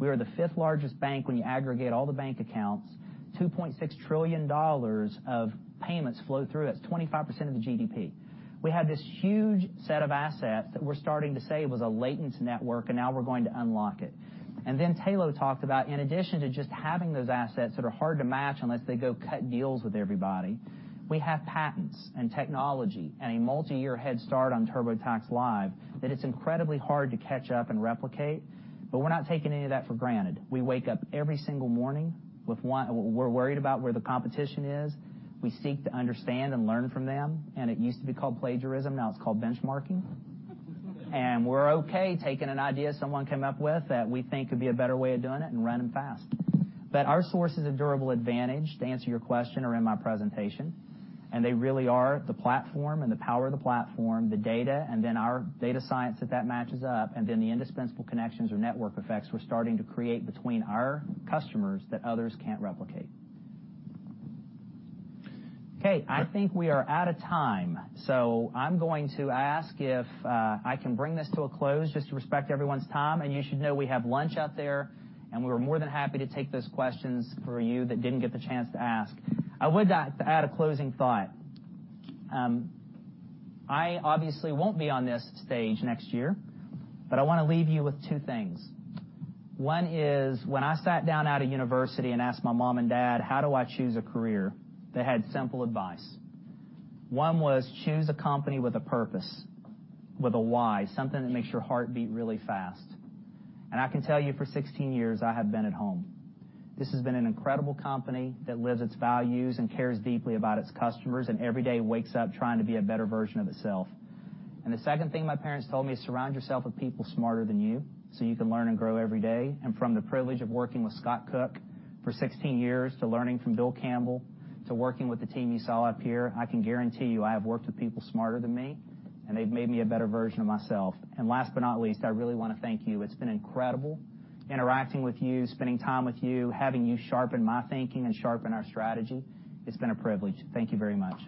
We are the fifth-largest bank when you aggregate all the bank accounts, $2.6 trillion of payments flow through us, 25% of the GDP. We had this huge set of assets that we're starting to say was a latent network, now we're going to unlock it. Tayloe talked about, in addition to just having those assets that are hard to match unless they go cut deals with everybody, we have patents and technology and a multi-year head start on TurboTax Live that it's incredibly hard to catch up and replicate. We're not taking any of that for granted. We wake up every single morning, we're worried about where the competition is. We seek to understand and learn from them. It used to be called plagiarism, now it's called benchmarking. We're okay taking an idea someone came up with that we think could be a better way of doing it and running fast. Our sources of durable advantage, to answer your question, are in my presentation, and they really are the platform and the power of the platform, the data, and then our data science that matches up, and then the indispensable connections or network effects we're starting to create between our customers that others can't replicate. I think we are out of time. I'm going to ask if I can bring this to a close just to respect everyone's time, and you should know we have lunch out there, and we are more than happy to take those questions for you that didn't get the chance to ask. I would add a closing thought. I obviously won't be on this stage next year. I want to leave you with two things. One is when I sat down out of university and asked my mom and dad, "How do I choose a career?" They had simple advice. One was, choose a company with a purpose, with a why, something that makes your heart beat really fast. I can tell you for 16 years, I have been at home. This has been an incredible company that lives its values and cares deeply about its customers, and every day wakes up trying to be a better version of itself. The second thing my parents told me is, surround yourself with people smarter than you so you can learn and grow every day. From the privilege of working with Scott Cook for 16 years, to learning from Bill Campbell, to working with the team you saw up here, I can guarantee you I have worked with people smarter than me, and they've made me a better version of myself. Last but not least, I really want to thank you. It's been incredible interacting with you, spending time with you, having you sharpen my thinking and sharpen our strategy. It's been a privilege. Thank you very much.